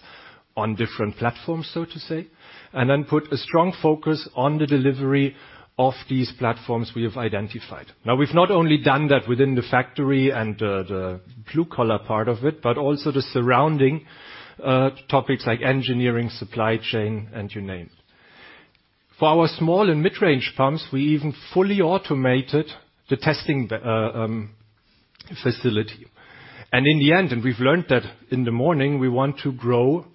S8: on different platforms, so to say, and then put a strong focus on the delivery of these platforms we have identified. Now, we've not only done that within the factory and the blue-collar part of it, but also the surrounding topics like engineering, supply chain, and you name it. For our small and mid-range pumps, we even fully automated the testing facility. And in the end, we've learned that in the morning, we want to grow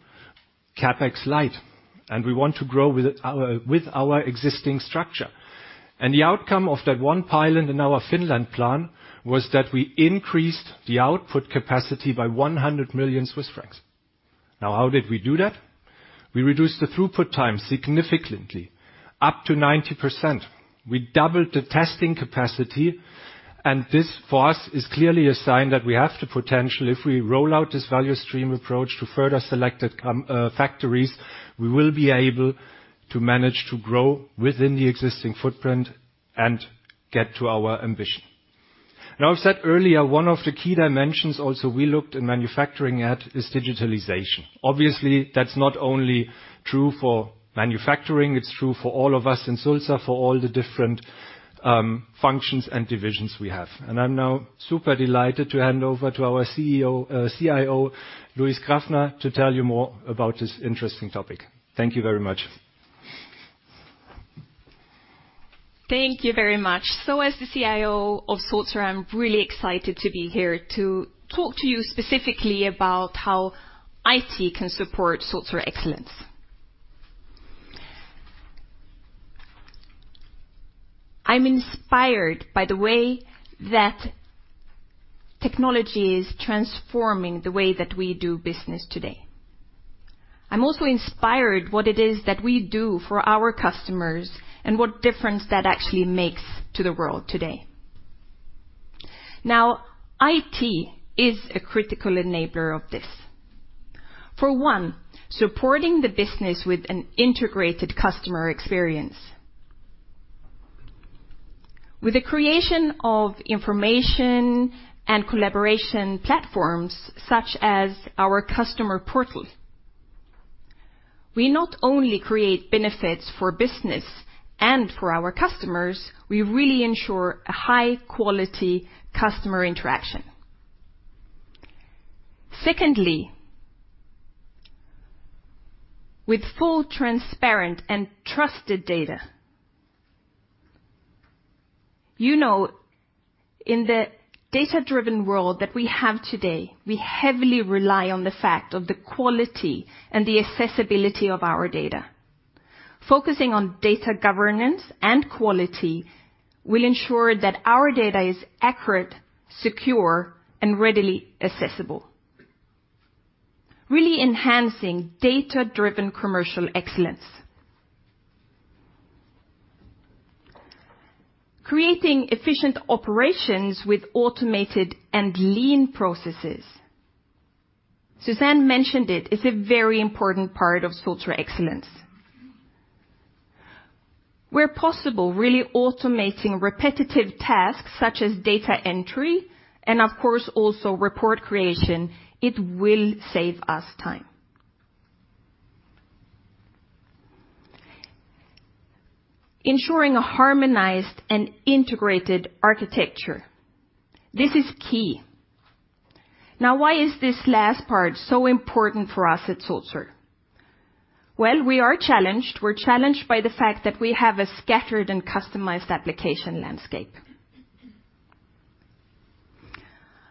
S8: CapEx light, and we want to grow with our existing structure. And the outcome of that one pilot in our Finland plant was that we increased the output capacity by 100 million Swiss francs. Now, how did we do that? We reduced the throughput time significantly, up to 90%. We doubled the testing capacity, and this, for us, is clearly a sign that we have the potential. If we roll out this value stream approach to further selected factories, we will be able to manage to grow within the existing footprint and get to our ambition. Now, I've said earlier, one of the key dimensions also we looked in manufacturing at, is digitalization. Obviously, that's not only true for manufacturing, it's true for all of us in Sulzer, for all the different functions and divisions we have. I'm now super delighted to hand over to our CEO, CIO, Louise Graffner, to tell you more about this interesting topic. Thank you very much.
S9: Thank you very much. As the CIO of Sulzer, I'm really excited to be here to talk to you specifically about how IT can support Sulzer Excellence. I'm inspired by the way that technology is transforming the way that we do business today. I'm also inspired what it is that we do for our customers and what difference that actually makes to the world today. Now, IT is a critical enabler of this. For one, supporting the business with an integrated customer experience. With the creation of information and collaboration platforms, such as our customer portal, we not only create benefits for business and for our customers, we really ensure a high-quality customer interaction. Secondly, with full, transparent, and trusted data. You know, in the data-driven world that we have today, we heavily rely on the fact of the quality and the accessibility of our data. Focusing on data governance and quality will ensure that our data is accurate, secure, and readily accessible, really enhancing data-driven commercial excellence... creating efficient operations with automated and lean processes. Suzanne mentioned it, it's a very important part of Sulzer Excellence. Where possible, really automating repetitive tasks such as data entry, and of course, also report creation, it will save us time. Ensuring a harmonized and integrated architecture, this is key. Now, why is this last part so important for us at Sulzer? Well, we are challenged. We're challenged by the fact that we have a scattered and customized application landscape.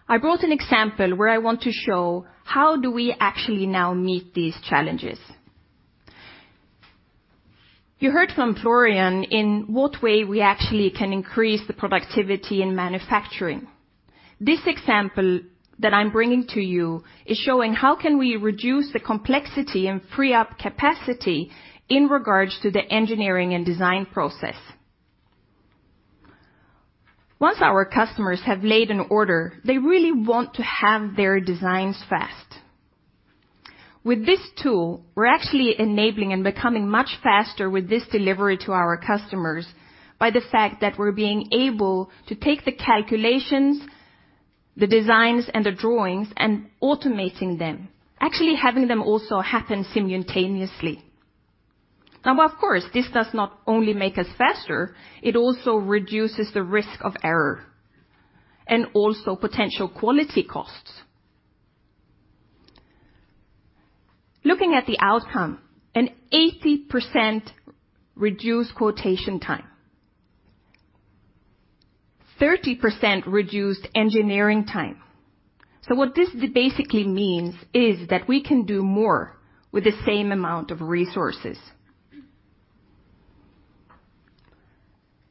S9: I brought an example where I want to show how do we actually now meet these challenges. You heard from Florian in what way we actually can increase the productivity in manufacturing. This example that I'm bringing to you is showing how can we reduce the complexity and free up capacity in regards to the engineering and design process. Once our customers have laid an order, they really want to have their designs fast. With this tool, we're actually enabling and becoming much faster with this delivery to our customers, by the fact that we're being able to take the calculations, the designs, and the drawings and automating them, actually having them also happen simultaneously. Now, of course, this does not only make us faster, it also reduces the risk of error and also potential quality costs. Looking at the outcome, an 80% reduced quotation time, 30% reduced engineering time. So what this basically means is that we can do more with the same amount of resources.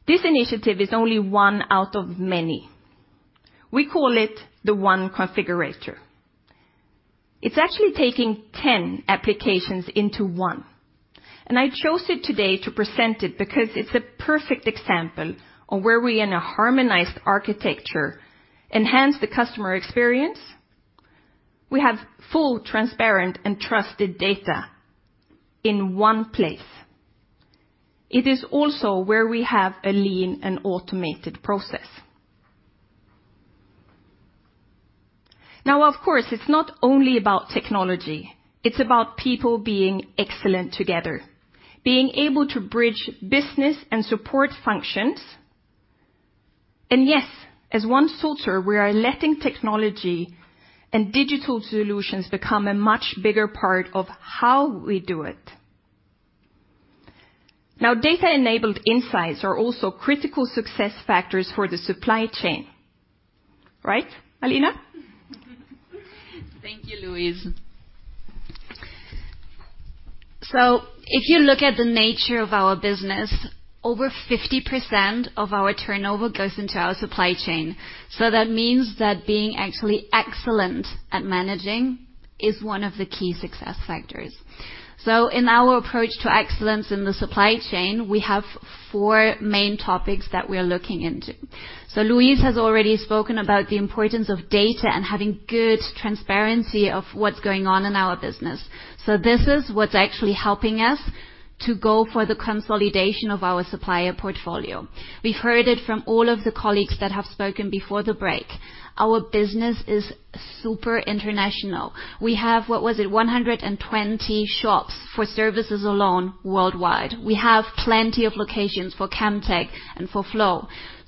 S9: This initiative is only one out of many. We call it the One Configurator. It's actually taking 10 applications into one, and I chose it today to present it because it's a perfect example of where we, in a harmonized architecture, enhance the customer experience. We have full, transparent, and trusted data in one place. It is also where we have a lean and automated process. Now, of course, it's not only about technology, it's about people being excellent together, being able to bridge business and support functions. And yes, as one Sulzer, we are letting technology and digital solutions become a much bigger part of how we do it. Now, data-enabled insights are also critical success factors for the supply chain. Right, Alina?
S10: Thank you, Louise. So if you look at the nature of our business, over 50% of our turnover goes into our supply chain. So that means that being actually excellent at managing is one of the key success factors. So in our approach to excellence in the supply chain, we have four main topics that we are looking into. So Louise has already spoken about the importance of data and having good transparency of what's going on in our business. So this is what's actually helping us to go for the consolidation of our supplier portfolio. We've heard it from all of the colleagues that have spoken before the break. Our business is super international. We have, what was it? 120 shops for services alone worldwide. We have plenty of locations for Chemtech and for Flow.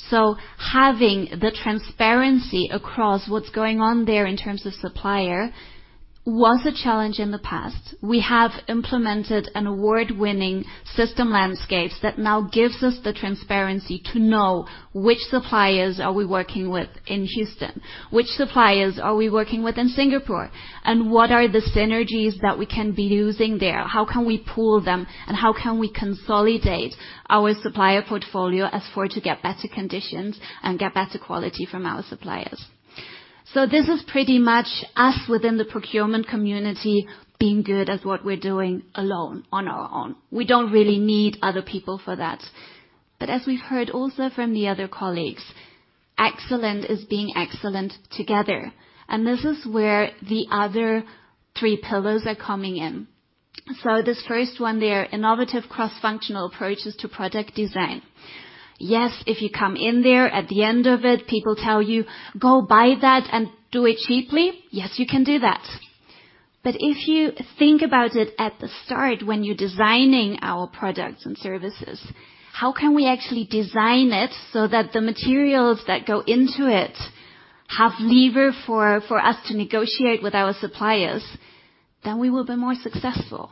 S10: So having the transparency across what's going on there in terms of supplier, was a challenge in the past. We have implemented an award-winning system landscapes that now gives us the transparency to know which suppliers are we working with in Houston, which suppliers are we working with in Singapore, and what are the synergies that we can be using there? How can we pool them, and how can we consolidate our supplier portfolio as for to get better conditions and get better quality from our suppliers? So this is pretty much us, within the procurement community, being good at what we're doing alone, on our own. We don't really need other people for that. But as we've heard also from the other colleagues, excellent is being excellent together, and this is where the other three pillars are coming in. So this first one there, innovative cross-functional approaches to product design. Yes, if you come in there, at the end of it, people tell you, "Go buy that and do it cheaply." Yes, you can do that. But if you think about it at the start, when you're designing our products and services, how can we actually design it so that the materials that go into it have lever for us to negotiate with our suppliers? Then we will be more successful.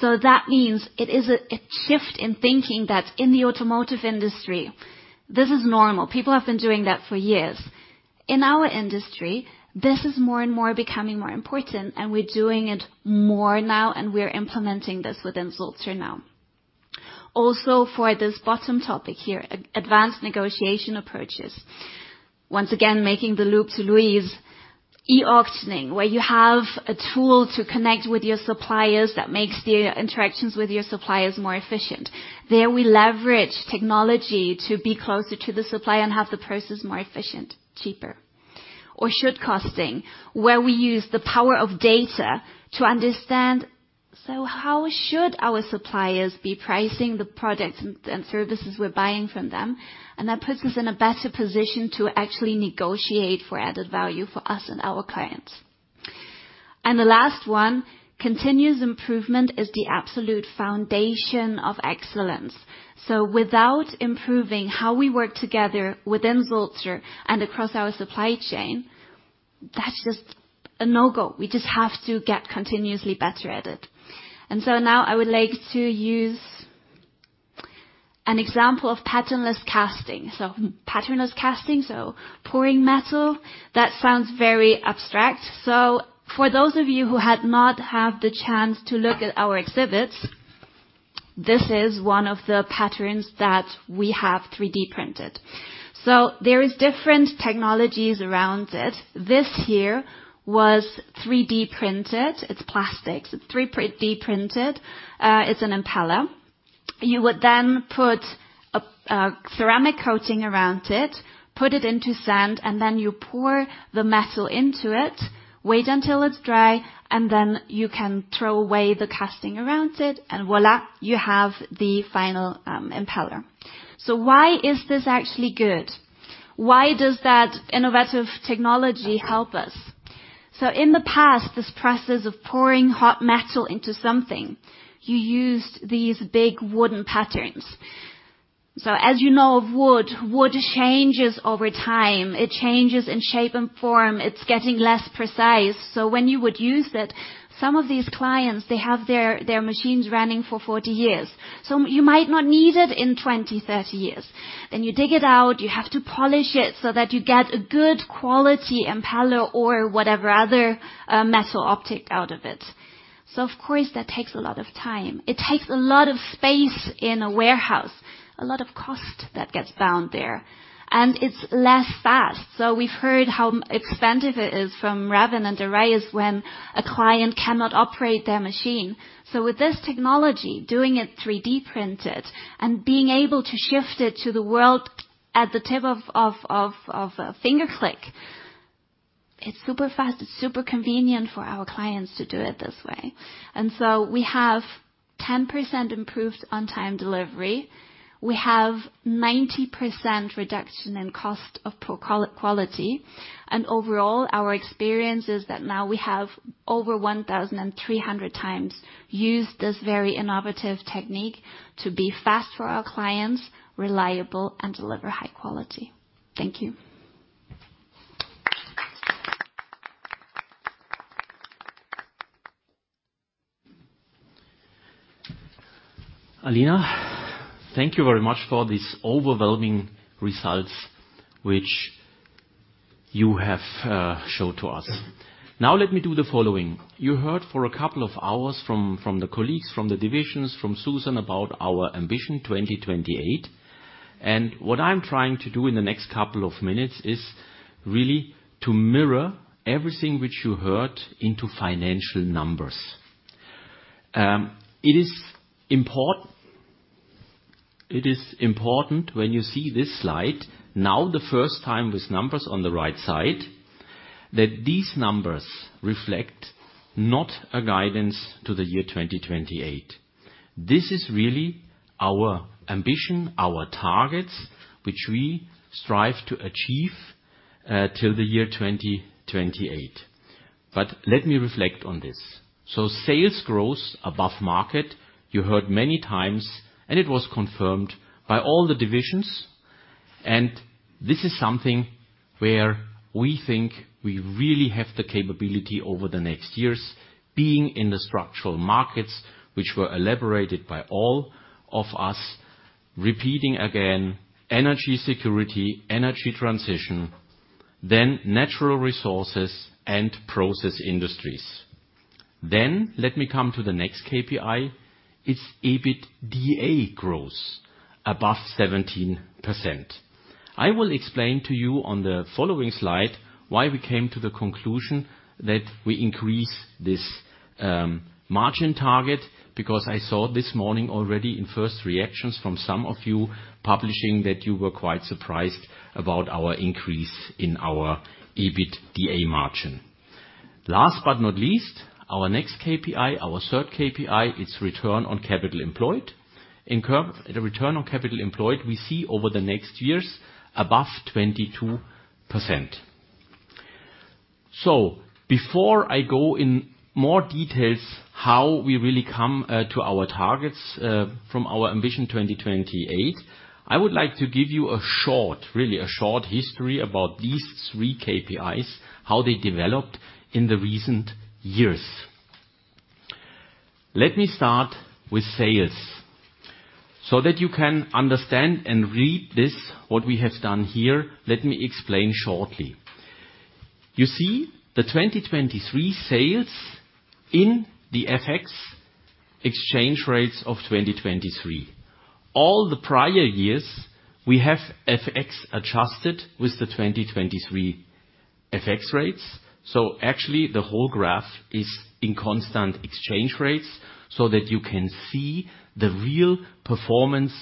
S10: So that means it is a shift in thinking that in the automotive industry, this is normal. People have been doing that for years. In our industry, this is more and more becoming more important, and we're doing it more now, and we're implementing this within Sulzer now. Also, for this bottom topic here, advanced negotiation approaches. Once again, making the loop to Louise-... e-auctioning, where you have a tool to connect with your suppliers that makes the interactions with your suppliers more efficient. There we leverage technology to be closer to the supplier and have the process more efficient, cheaper. Or should costing, where we use the power of data to understand, so how should our suppliers be pricing the products and services we're buying from them? And that puts us in a better position to actually negotiate for added value for us and our clients. And the last one, continuous improvement, is the absolute foundation of excellence. So without improving how we work together within Sulzer and across our supply chain, that's just a no-go. We just have to get continuously better at it. And so now I would like to use an example of patternless casting. So patternless casting, so pouring metal, that sounds very abstract. So for those of you who had not had the chance to look at our exhibits, this is one of the patterns that we have 3D printed. So there is different technologies around it. This here was 3D printed. It's plastic, so it's 3D printed. It's an impeller. You would then put a ceramic coating around it, put it into sand, and then you pour the metal into it, wait until it's dry, and then you can throw away the casting around it, and voila! You have the final, impeller. So why is this actually good? Why does that innovative technology help us? So in the past, this process of pouring hot metal into something, you used these big wooden patterns. So as you know of wood, wood changes over time. It changes in shape and form. It's getting less precise. So when you would use it, some of these clients, they have their machines running for 40 years, so you might not need it in 20, 30 years. Then you dig it out, you have to polish it so that you get a good quality impeller or whatever other metal optic out of it. So of course, that takes a lot of time. It takes a lot of space in a warehouse, a lot of cost that gets bound there, and it's less fast. So we've heard how expensive it is from Ravin and Darayus when a client cannot operate their machine. So with this technology, doing it 3D printed and being able to ship it to the world at the tip of a finger click, it's super fast, it's super convenient for our clients to do it this way. We have 10% improved on-time delivery. We have 90% reduction in cost of poor quality. Overall, our experience is that now we have over 1,300 times used this very innovative technique to be fast for our clients, reliable, and deliver high quality. Thank you.
S11: Alina, thank you very much for these overwhelming results which you have showed to us. Now let me do the following: You heard for a couple of hours from, from the colleagues, from the divisions, from Suzanne, about our ambition 2028, and what I'm trying to do in the next couple of minutes is really to mirror everything which you heard into financial numbers. It is important. It is important when you see this slide, now the first time with numbers on the right side, that these numbers reflect not a guidance to the year 2028. This is really our ambition, our targets, which we strive to achieve till the year 2028. But let me reflect on this. So sales growth above market, you heard many times, and it was confirmed by all the divisions, and this is something where we think we really have the capability over the next years, being in the structural markets, which were elaborated by all of us. Repeating again, energy security, energy transition, then natural resources and process industries. Then let me come to the next KPI. It's EBITDA growth above 17%. I will explain to you on the following slide why we came to the conclusion that we increase this margin target, because I saw this morning already in first reactions from some of you publishing that you were quite surprised about our increase in our EBITDA margin. Last but not least, our next KPI, our third KPI, is return on capital employed. Return on capital employed, we see over the next years above 22%. So before I go in more details how we really come to our targets from our ambition 2028, I would like to give you a short, really a short history about these three KPIs, how they developed in the recent years. Let me start with sales. So that you can understand and read this, what we have done here, let me explain shortly. You see, the 2023 sales in the FX exchange rates of 2023. All the prior years, we have FX adjusted with the 2023 FX rates. So actually, the whole graph is in constant exchange rates, so that you can see the real performance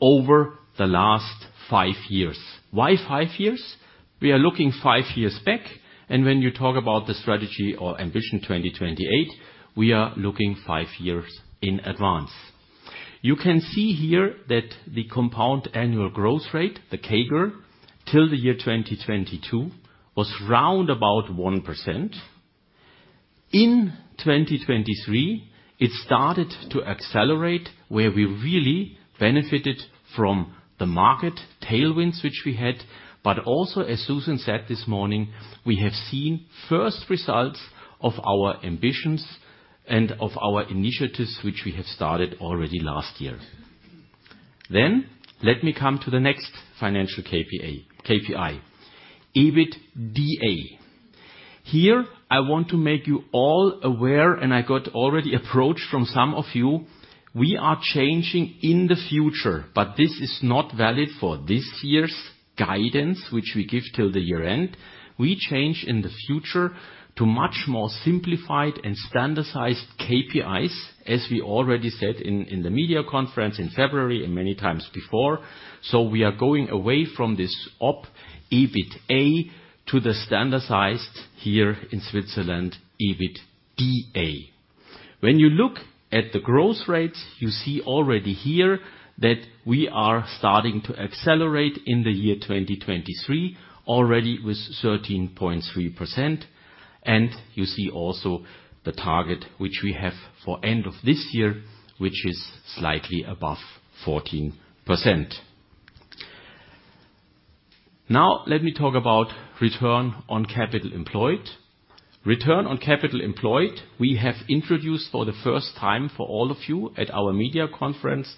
S11: over the last five years. Why five years? We are looking five years back, and when you talk about the strategy or ambition 2028, we are looking five years in advance. You can see here that the compound annual growth rate, the CAGR, till the year 2022, was round about 1%. In 2023, it started to accelerate, where we really benefited from the market tailwinds, which we had. But also, as Suzanne said this morning, we have seen first results of our ambitions and of our initiatives, which we have started already last year. Then let me come to the next financial KPI, KPI, EBITDA. Here, I want to make you all aware, and I got already approached from some of you, we are changing in the future, but this is not valid for this year's guidance, which we give till the year-end. We change in the future to much more simplified and standardized KPIs, as we already said in the media conference in February and many times before. So we are going away from this Op EBITDA to the standardized here in Switzerland, EBITDA. When you look at the growth rates, you see already here that we are starting to accelerate in the year 2023, already with 13.3%. And you see also the target which we have for end of this year, which is slightly above 14%. Now, let me talk about return on capital employed. Return on capital employed, we have introduced for the first time for all of you at our media conference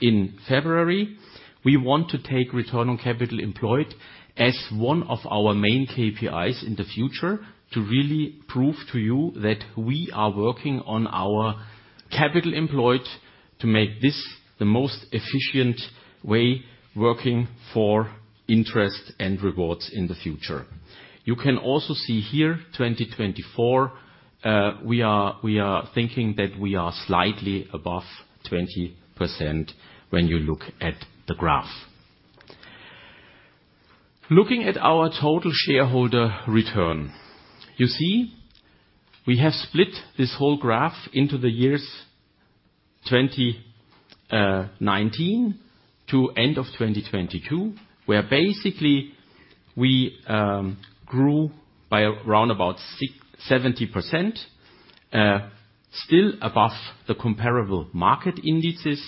S11: in February. We want to take return on capital employed as one of our main KPIs in the future to really prove to you that we are working on our capital employed to make this the most efficient way working for interest and rewards in the future. You can also see here, 2024, we are, we are thinking that we are slightly above 20% when you look at the graph. Looking at our total shareholder return, you see, we have split this whole graph into the years 2019 to end of 2022, where basically we, grew by around about 670%, still above the comparable market indices.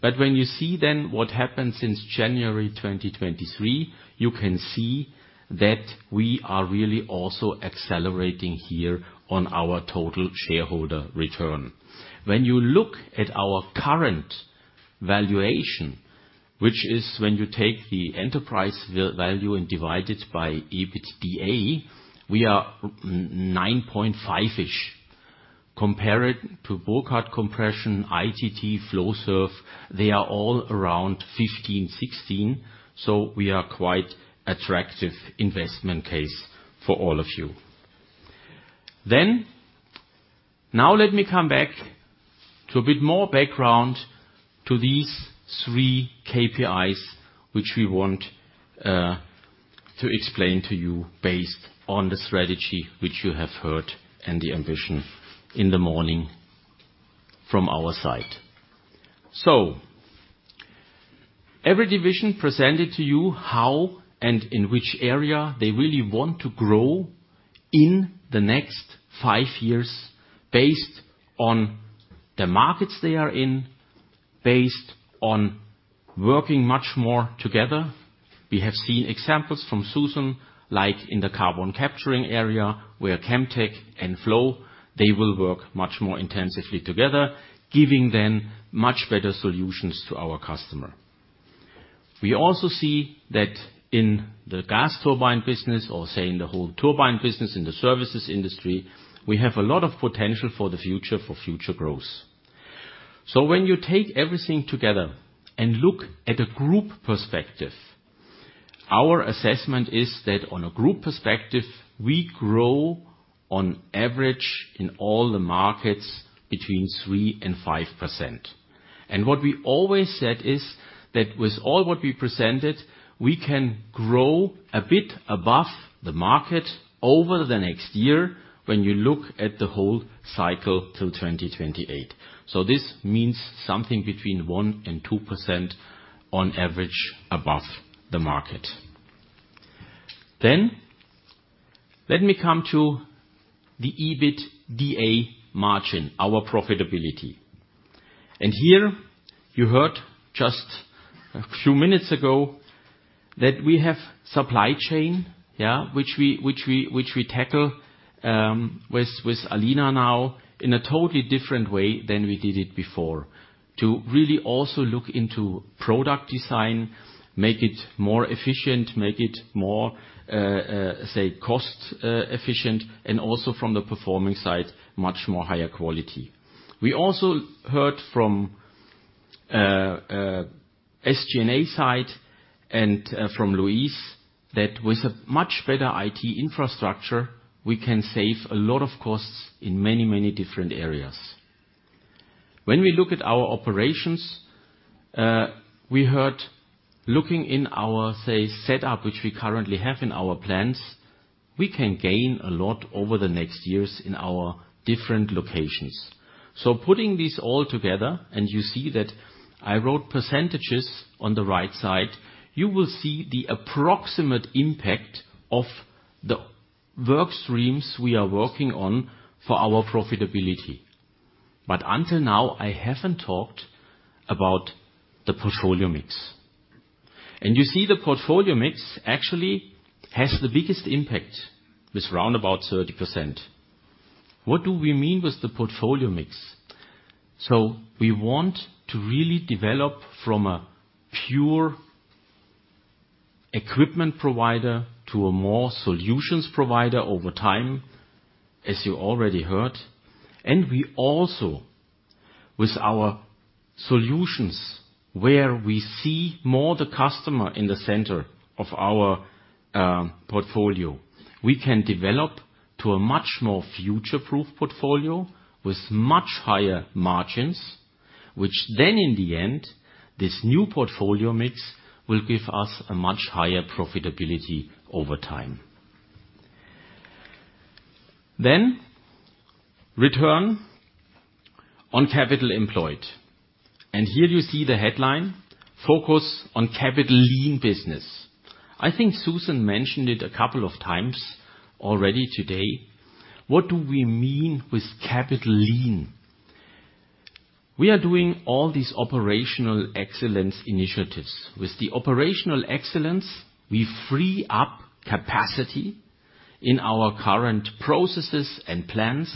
S11: But when you see then what happened since January 2023, you can see that we are really also accelerating here on our total shareholder return. When you look at our current valuation, which is when you take the enterprise va- value and divide it by EBITDA, we are n- 9.5-ish. Compare it to Burckhardt Compression, ITT, Flowserve, they are all around 15, 16, so we are quite attractive investment case for all of you. Then, now let me come back to a bit more background to these three KPIs, which we want to explain to you based on the strategy which you have heard and the ambition in the morning from our side. So every division presented to you how and in which area they really want to grow in the next five years, based on the markets they are in, based on working much more together. We have seen examples from Suzanne, like in the carbon capturing area, where Chemtech and Flow, they will work much more intensively together, giving them much better solutions to our customer. We also see that in the gas turbine business, or say, in the whole turbine business, in the services industry, we have a lot of potential for the future, for future growth. So when you take everything together and look at a group perspective, our assessment is that on a group perspective, we grow on average in all the markets between 3%-5%. What we always said is that with all what we presented, we can grow a bit above the market over the next year when you look at the whole cycle till 2028. So this means something between 1%-2% on average above the market. Then let me come to the EBITDA margin, our profitability. And here, you heard just a few minutes ago that we have supply chain, which we tackle with Alina now in a totally different way than we did it before. To really also look into product design, make it more efficient, make it more, say, cost efficient, and also from the performing side, much more higher quality. We also heard from SG&A side, and from Luis, that with a much better IT infrastructure, we can save a lot of costs in many, many different areas. When we look at our operations, we heard, looking in our, say, setup, which we currently have in our plans, we can gain a lot over the next years in our different locations. So putting this all together, and you see that I wrote percentages on the right side, you will see the approximate impact of the work streams we are working on for our profitability. But until now, I haven't talked about the portfolio mix. And you see the portfolio mix actually has the biggest impact, with around 30%. What do we mean with the portfolio mix? So we want to really develop from a pure equipment provider to a more solutions provider over time, as you already heard. And we also, with our solutions, where we see more the customer in the center of our portfolio, we can develop to a much more future-proof portfolio with much higher margins, which then in the end, this new portfolio mix will give us a much higher profitability over time. Then, return on capital employed. And here you see the headline, "Focus on capital lean business." I think Suzanne mentioned it a couple of times already today. What do we mean with capital lean? We are doing all these operational excellence initiatives. With the operational excellence, we free up capacity in our current processes and plants,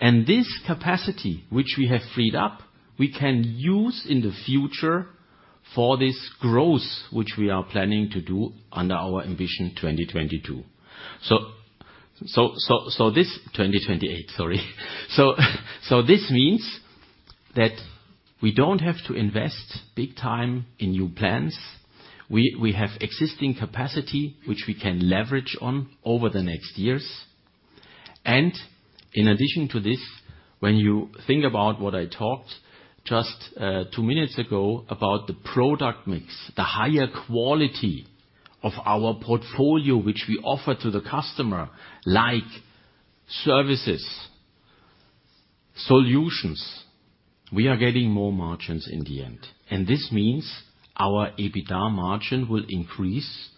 S11: and this capacity, which we have freed up, we can use in the future for this growth, which we are planning to do under our ambition, 2022. So this—2028, sorry. So this means that we don't have to invest big time in new plants. We have existing capacity, which we can leverage on over the next years. And in addition to this, when you think about what I talked just 2 minutes ago, about the product mix, the higher quality of our portfolio, which we offer to the customer, like services, solutions, we are getting more margins in the end. This means our EBITDA margin will increase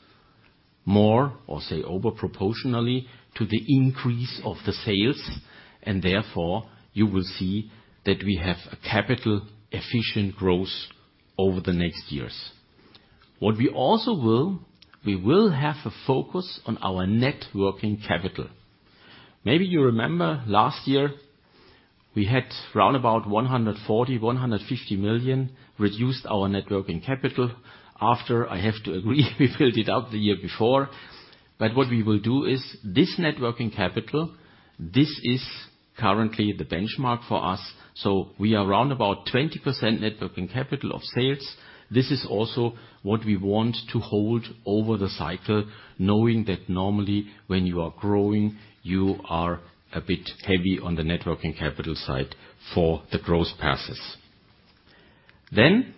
S11: more, or say, over proportionally to the increase of the sales, and therefore, you will see that we have a capital-efficient growth over the next years. What we also will, we will have a focus on our net working capital. Maybe you remember last year, we had around 140-150 million reduced our net working capital. After, I have to agree, we filled it out the year before. But what we will do is, this net working capital, this is currently the benchmark for us. So we are around about 20% net working capital of sales. This is also what we want to hold over the cycle, knowing that normally, when you are growing, you are a bit heavy on the net working capital side for the growth passes. Then,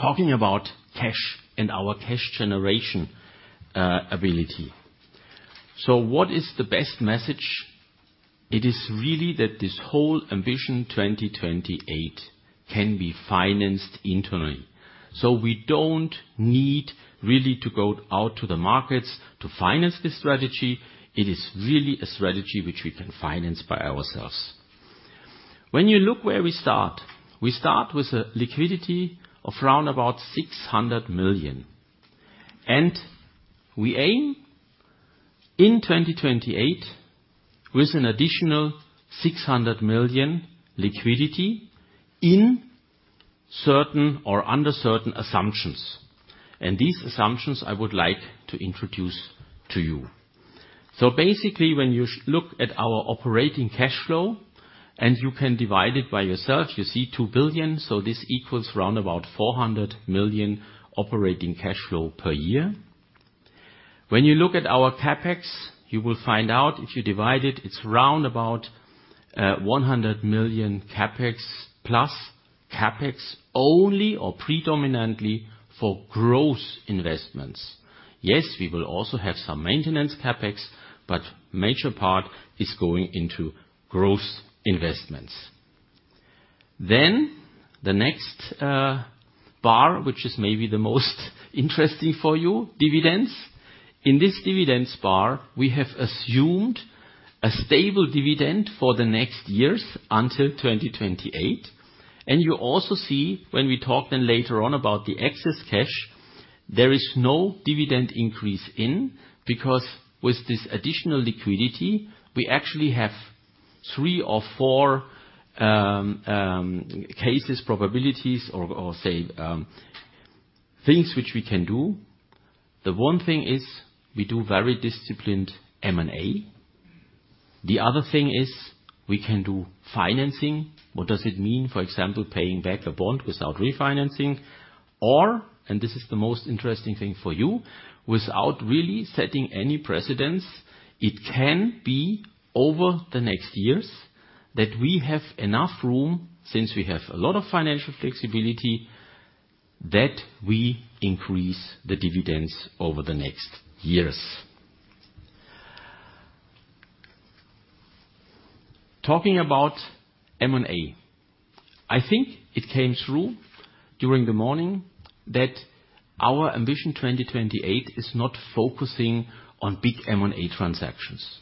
S11: talking about cash and our cash generation, uh, ability. So what is the best message? It is really that this whole ambition 2028 can be financed internally. So we don't need really to go out to the markets to finance this strategy. It is really a strategy which we can finance by ourselves. When you look where we start, we start with a liquidity of around 600 million, and we aim in 2028 with an additional 600 million liquidity in certain or under certain assumptions. And these assumptions I would like to introduce to you. So basically, when you look at our operating cash flow, and you can divide it by yourself, you see 2 billion, so this equals around 400 million operating cash flow per year. When you look at our CapEx, you will find out, if you divide it, it's round about 100 million CapEx, plus CapEx only or predominantly for growth investments. Yes, we will also have some maintenance CapEx, but major part is going into growth investments. Then, the next bar, which is maybe the most interesting for you, dividends. In this dividends bar, we have assumed a stable dividend for the next years until 2028. And you also see when we talk then later on about the excess cash, there is no dividend increase in, because with this additional liquidity, we actually have 3 or 4 cases, probabilities, or things which we can do. The one thing is we do very disciplined M&A. The other thing is, we can do financing. What does it mean? For example, paying back a bond without refinancing, or, and this is the most interesting thing for you, without really setting any precedence, it can be over the next years that we have enough room, since we have a lot of financial flexibility, that we increase the dividends over the next years. Talking about M&A, I think it came through during the morning that our ambition 2028 is not focusing on big M&A transactions.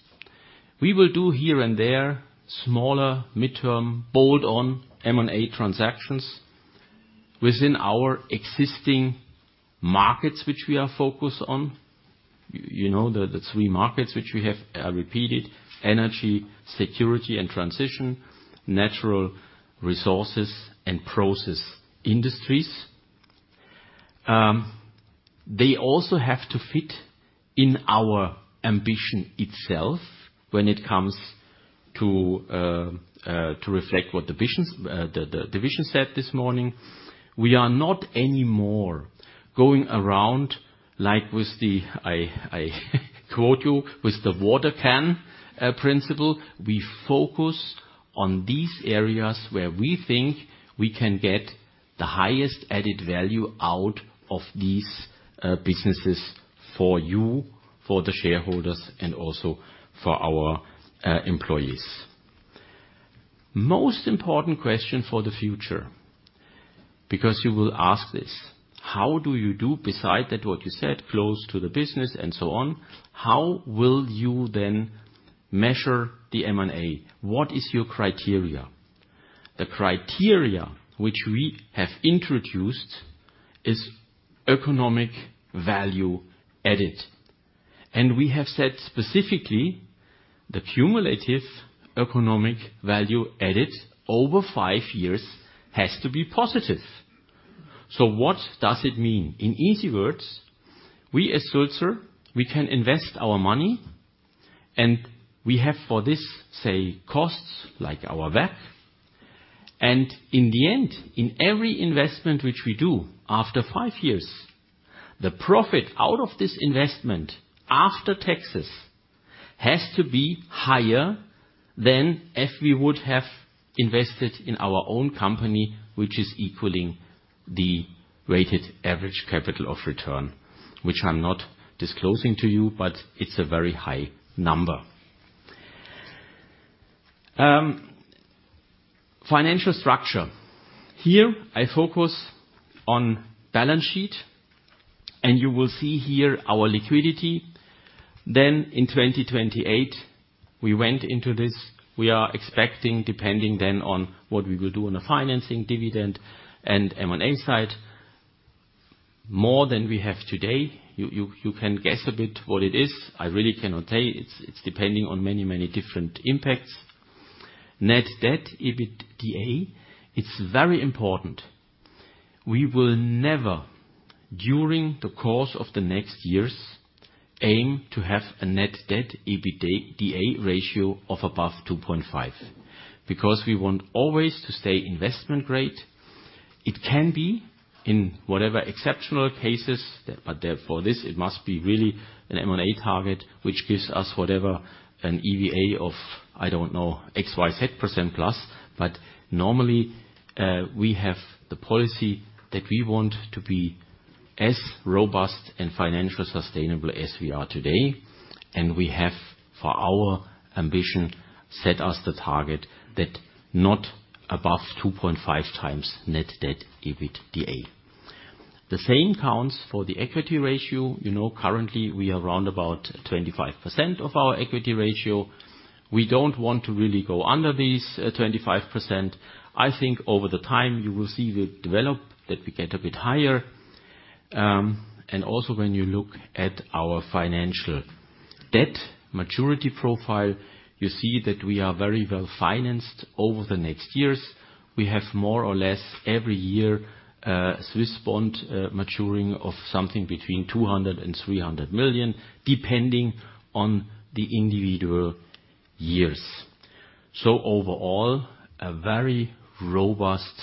S11: We will do here and there, smaller, midterm, bolt-on M&A transactions within our existing markets, which we are focused on. You know, the three markets which we have repeated: energy, security, and transition, natural resources, and process industries. They also have to fit in our ambition itself when it comes to to reflect what the visions the vision said this morning. We are not anymore going around like with the, I, I quote you, "With the water can principle." We focus on these areas where we think we can get the highest added value out of these businesses for you, for the shareholders, and also for our employees. Most important question for the future, because you will ask this: How do you do beside that, what you said, close to the business and so on, how will you then measure the M&A? What is your criteria? The criteria which we have introduced is economic value added. And we have said specifically, the cumulative economic value added over five years has to be positive. So what does it mean? In easy words, we as Sulzer, we can invest our money, and we have for this, say, costs like our WACC. In the end, in every investment which we do after five years, the profit out of this investment after taxes has to be higher than if we would have invested in our own company, which is equaling the weighted average capital of return. Which I'm not disclosing to you, but it's a very high number. Financial structure. Here, I focus on balance sheet, and you will see here our liquidity. Then in 2028, we went into this. We are expecting, depending then on what we will do on a financing dividend and M&A side, more than we have today. You can guess a bit what it is. I really cannot tell you. It's depending on many, many different impacts. Net debt, EBITDA, it's very important. We will never, during the course of the next years, aim to have a net debt EBITDA ratio of above 2.5, because we want always to stay investment grade. It can be in whatever exceptional cases, but therefore, this, it must be really an M&A target, which gives us whatever an EVA of, I don't know, XYZ% plus. But normally, we have the policy that we want to be as robust and financially sustainable as we are today, and we have, for our ambition, set us the target that not above 2.5 times net debt EBITDA. The same counts for the equity ratio. You know, currently, we are around about 25% of our equity ratio. We don't want to really go under these, 25%. I think over the time, you will see the develop, that we get a bit higher. and also when you look at our financial debt maturity profile, you see that we are very well financed over the next years. We have more or less every year, Swiss bond, maturing of something between 200 million and 300 million, depending on the individual years. So overall, a very robust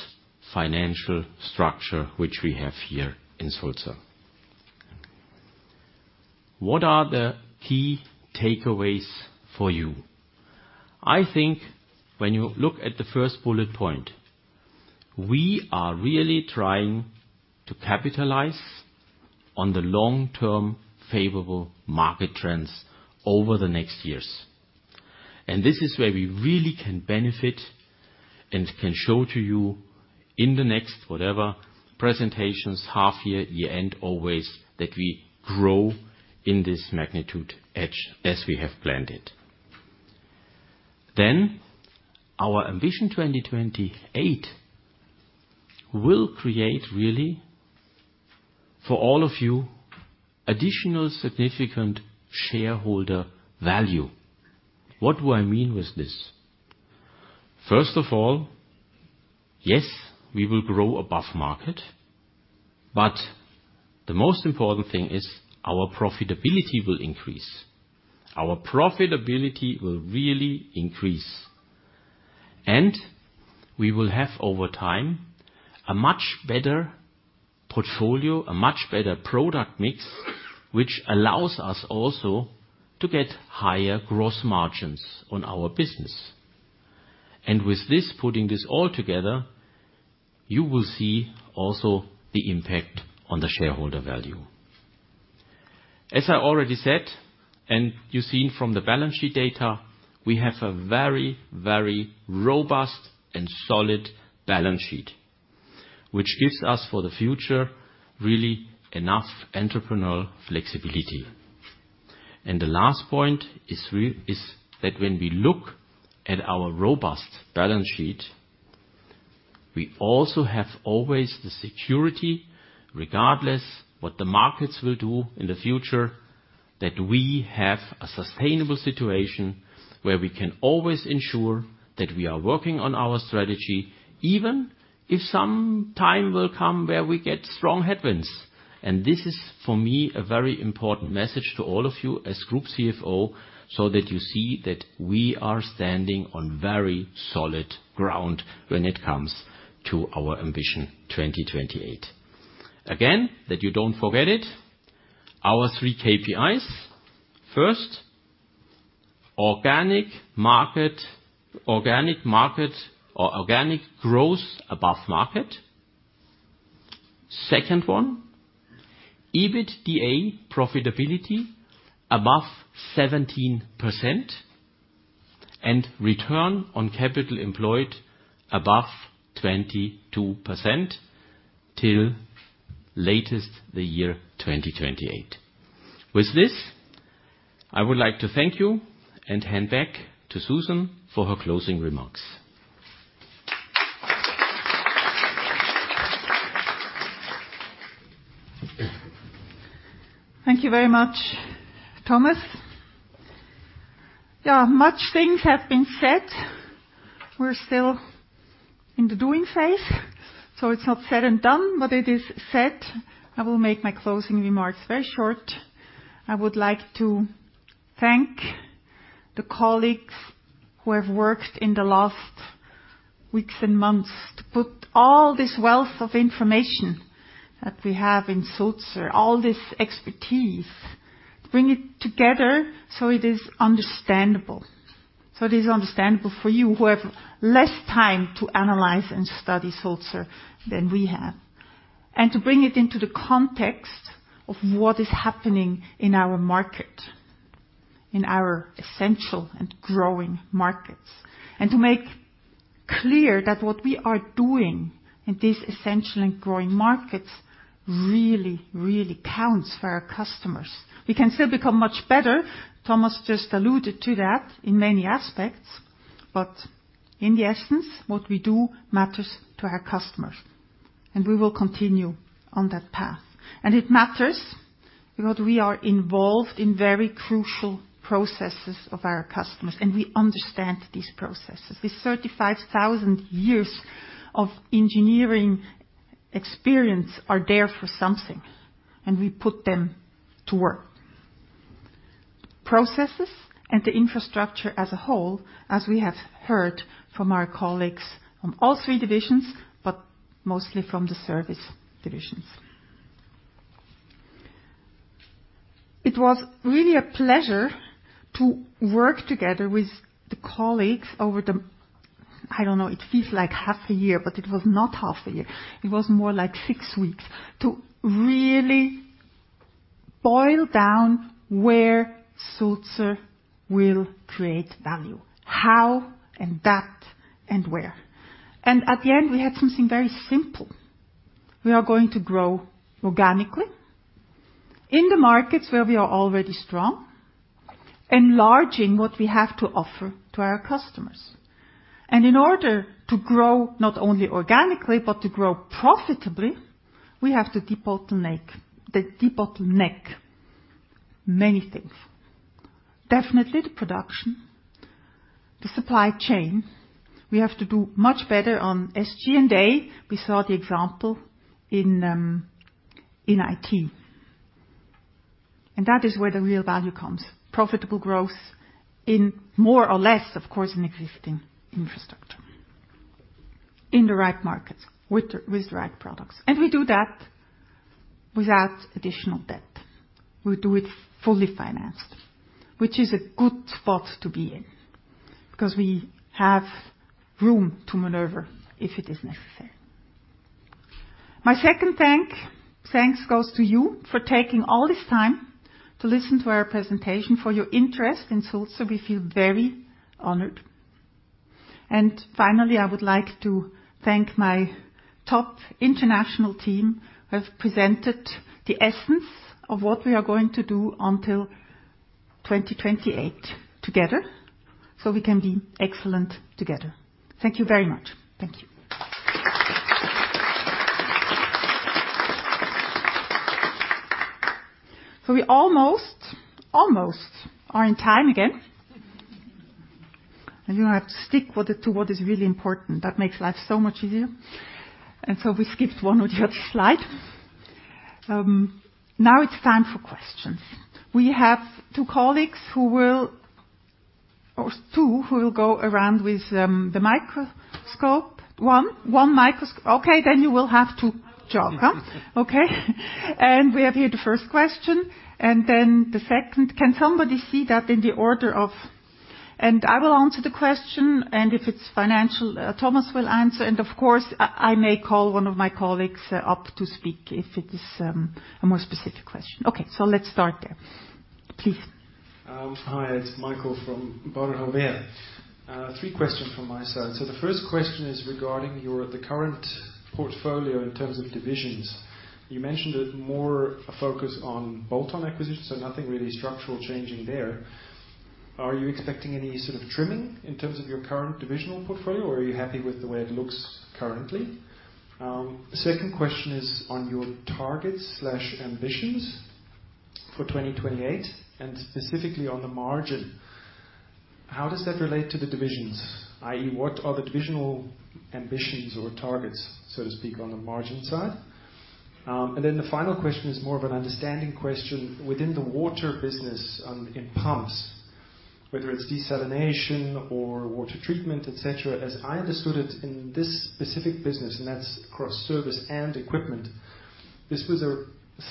S11: financial structure, which we have here in Sulzer. What are the key takeaways for you? I think when you look at the first bullet point, we are really trying to capitalize on the long-term favorable market trends over the next years. And this is where we really can benefit and can show to you in the next, whatever, presentations, half year, year end, always, that we grow in this magnitude edge as we have planned it. Then, our ambition 2028 will create really, for all of you, additional significant shareholder value. What do I mean with this?... First of all, yes, we will grow above market, but the most important thing is our profitability will increase. Our profitability will really increase, and we will have, over time, a much better portfolio, a much better product mix, which allows us also to get higher gross margins on our business. And with this, putting this all together, you will see also the impact on the shareholder value. As I already said, and you've seen from the balance sheet data, we have a very, very robust and solid balance sheet, which gives us, for the future, really enough entrepreneurial flexibility. The last point is that when we look at our robust balance sheet, we also have always the security, regardless what the markets will do in the future, that we have a sustainable situation where we can always ensure that we are working on our strategy, even if some time will come where we get strong headwinds. And this is, for me, a very important message to all of you as Group CFO, so that you see that we are standing on very solid ground when it comes to our ambition, 2028. Again, that you don't forget it, our 3 KPIs. First, organic market, organic market or organic growth above market. Second one, EBITDA profitability above 17%, and return on capital employed above 22% till latest the year 2028. With this, I would like to thank you and hand back to Suzanne for her closing remarks.
S1: Thank you very much, Thomas. Yeah, much things have been said. We're still in the doing phase, so it's not said and done, but it is said. I will make my closing remarks very short. I would like to thank the colleagues who have worked in the last weeks and months to put all this wealth of information that we have in Sulzer, all this expertise, to bring it together so it is understandable. So it is understandable for you, who have less time to analyze and study Sulzer than we have. And to bring it into the context of what is happening in our market, in our essential and growing markets, and to make clear that what we are doing in these essential and growing markets really, really counts for our customers. We can still become much better, Thomas just alluded to that, in many aspects, but in the essence, what we do matters to our customers, and we will continue on that path. It matters because we are involved in very crucial processes of our customers, and we understand these processes. These 35,000 years of engineering experience are there for something, and we put them to work. Processes and the infrastructure as a whole, as we have heard from our colleagues from all three divisions, but mostly from the Services Division. It was really a pleasure to work together with the colleagues over the... I don't know, it feels like half a year, but it was not half a year. It was more like six weeks, to really boil down where Sulzer will create value, how, and that, and where. And at the end, we had something very simple. We are going to grow organically in the markets where we are already strong, enlarging what we have to offer to our customers. In order to grow, not only organically, but to grow profitably, we have to de-bottleneck, de-bottleneck many things. Definitely the production, the supply chain. We have to do much better on SG&A. We saw the example in IT. That is where the real value comes, profitable growth in more or less, of course, in existing infrastructure, in the right markets with the right products. We do that without additional debt. We do it fully financed, which is a good spot to be in because we have room to maneuver if it is necessary. My second thanks goes to you for taking all this time to listen to our presentation, for your interest in Sulzer. We feel very honored. And finally, I would like to thank my top international team, who have presented the essence of what we are going to do until 2028 together, so we can be excellent together. Thank you very much. Thank you.... So we almost, almost are in time again. And you have to stick what the, to what is really important. That makes life so much easier. And so we skipped one or the other slide. Now it's time for questions. We have two colleagues who will, or two, who will go around with the microscope. One? One microscope. Okay, then you will have to jog, huh? Okay. And we have here the first question, and then the second. Can somebody see that in the order of... I will answer the question, and if it's financial, Thomas will answer, and of course, I, I may call one of my colleagues up to speak if it is a more specific question. Okay, let's start there. Please.
S12: Hi, it's Michael from Baader. Three questions from my side. So the first question is regarding your, the current portfolio in terms of divisions. You mentioned it more a focus on bolt-on acquisitions, so nothing really structural changing there. Are you expecting any sort of trimming in terms of your current divisional portfolio, or are you happy with the way it looks currently? Second question is on your targets/ambitions for 2028, and specifically on the margin. How does that relate to the divisions? i.e., what are the divisional ambitions or targets, so to speak, on the margin side? And then the final question is more of an understanding question. Within the water business, in pumps, whether it's desalination or water treatment, et cetera, as I understood it, in this specific business, and that's across service and equipment, this was a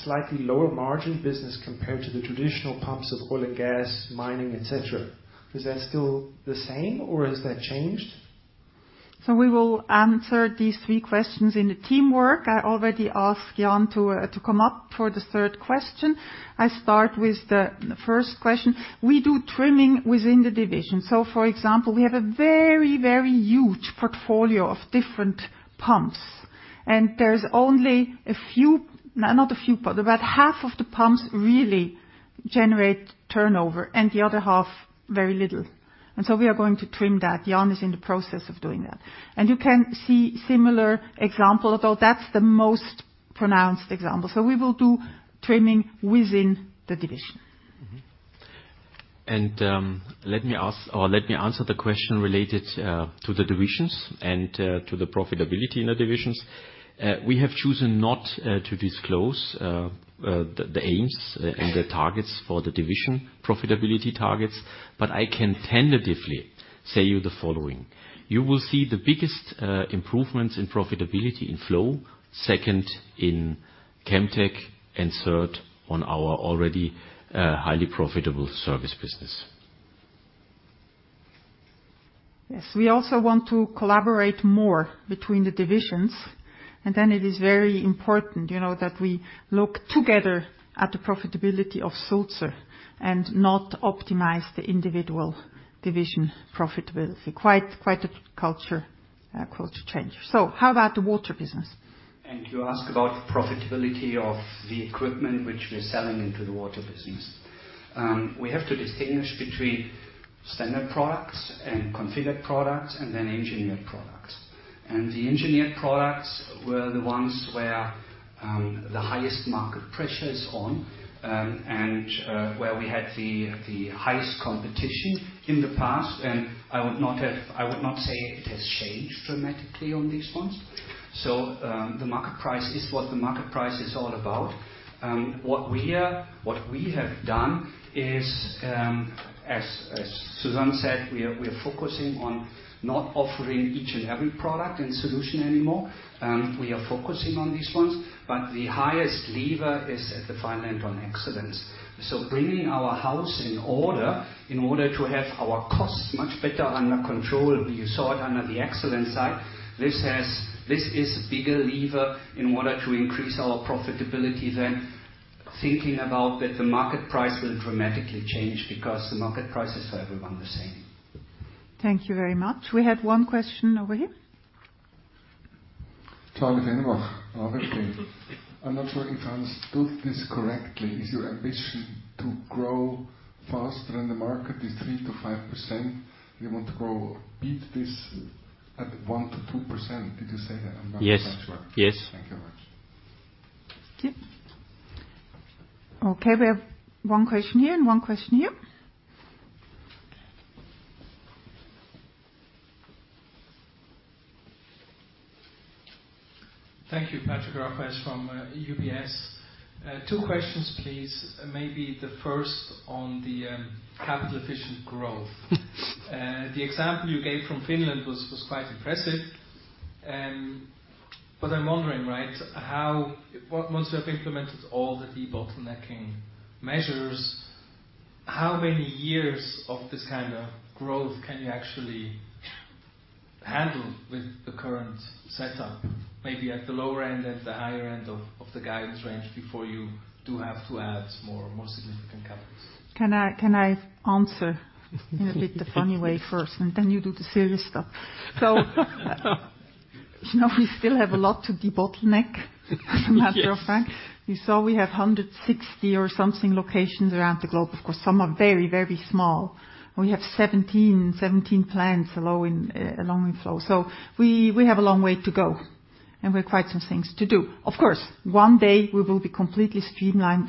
S12: slightly lower margin business compared to the traditional pumps of oil and gas, mining, et cetera. Is that still the same, or has that changed?
S1: So we will answer these three questions in the teamwork. I already asked Jan to come up for the third question. I start with the first question. We do trimming within the division. So, for example, we have a very, very huge portfolio of different pumps, and there's only a few, not a few, but about half of the pumps really generate turnover, and the other half, very little. And so we are going to trim that. Jan is in the process of doing that. And you can see similar example, although that's the most pronounced example. So we will do trimming within the division.
S11: Mm-hmm. Let me ask, or let me answer the question related to the divisions and to the profitability in the divisions. We have chosen not to disclose the aims and the targets for the division profitability targets, but I can tentatively say you the following: You will see the biggest improvements in profitability in Flow, second in Chemtech, and third on our already highly profitable service business.
S1: Yes, we also want to collaborate more between the divisions, and then it is very important, you know, that we look together at the profitability of Sulzer and not optimize the individual division profitability. Quite a culture change. So how about the water business?
S2: You ask about profitability of the equipment which we're selling into the water business. We have to distinguish between standard products and configured products and then engineered products. The engineered products were the ones where the highest market pressure is on, and where we had the highest competition in the past, and I would not have—I would not say it has changed dramatically on these ones. So, the market price is what the market price is all about. What we have done is, as Suzanne said, we are focusing on not offering each and every product and solution anymore. We are focusing on these ones, but the highest lever is in the focus on excellence. So bringing our house in order, in order to have our costs much better under control, you saw it under the excellence side. This is a bigger lever in order to increase our profitability than thinking about that the market price will dramatically change, because the market price is for everyone the same.
S1: Thank you very much. We had one question over here....
S13: I'm not sure if I understood this correctly. Is your ambition to grow faster than the market is 3%-5%? You want to grow, beat this at 1%-2%. Did you say that? I'm not sure.
S11: Yes. Yes.
S13: Thank you very much.
S1: Yep. Okay, we have one question here and one question here.
S14: Thank you. Patrick Rafaisz from, UBS. Two questions, please. Maybe the first on the, capital efficient growth. The example you gave from Finland was, was quite impressive. But I'm wondering, right, once you have implemented all the debottlenecking measures, how many years of this kind of growth can you actually handle with the current setup? Maybe at the lower end, at the higher end of, of the guidance range before you do have to add more, more significant capitals.
S1: Can I answer in a bit the funny way first, and then you do the serious stuff? So, you know, we still have a lot to debottleneck, as a matter of fact.
S11: Yes.
S1: You saw we have 160 or something locations around the globe. Of course, some are very, very small. We have 17, 17 plants along in, along in Flow. So we have a long way to go. And we have quite some things to do. Of course, one day we will be completely streamlined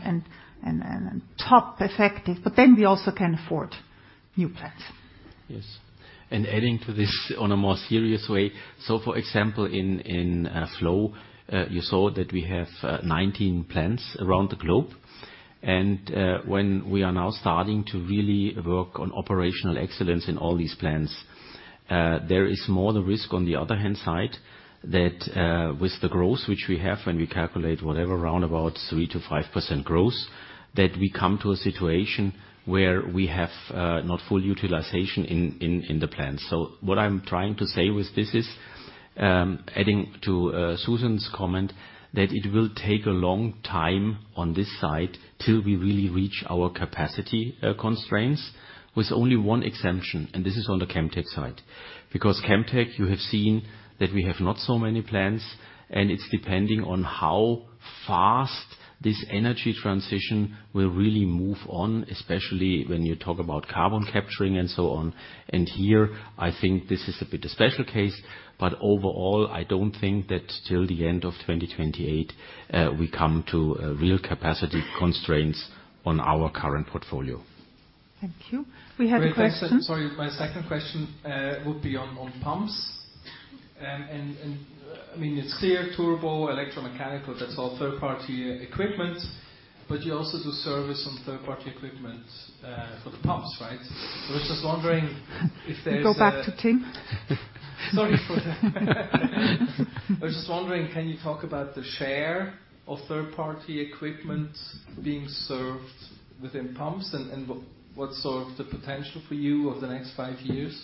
S1: and top effective, but then we also can afford new plants.
S11: Yes. And adding to this on a more serious way, so for example, in Flow, you saw that we have 19 plants around the globe. When we are now starting to really work on operational excellence in all these plants, there is more the risk on the other hand side, that with the growth which we have, when we calculate whatever, around about 3%-5% growth, that we come to a situation where we have not full utilization in the plant. So what I'm trying to say with this is, adding to Suzanne's comment, that it will take a long time on this side till we really reach our capacity constraints, with only one exemption, and this is on the Chemtech side. Because Chemtech, you have seen that we have not so many plants, and it's depending on how fast this energy transition will really move on, especially when you talk about carbon capturing and so on. And here, I think this is a bit a special case, but overall, I don't think that till the end of 2028, we come to, real capacity constraints on our current portfolio.
S1: Thank you. We have a question-
S14: Sorry, my second question would be on pumps. And, I mean, it's clear, turbo, electromechanical, that's all third-party equipment, but you also do service on third-party equipment for the pumps, right? So I was just wondering if there's a-
S1: We go back to Tim.
S14: Sorry for that. I was just wondering, can you talk about the share of third-party equipment being served within pumps, and what, what's sort of the potential for you over the next five years?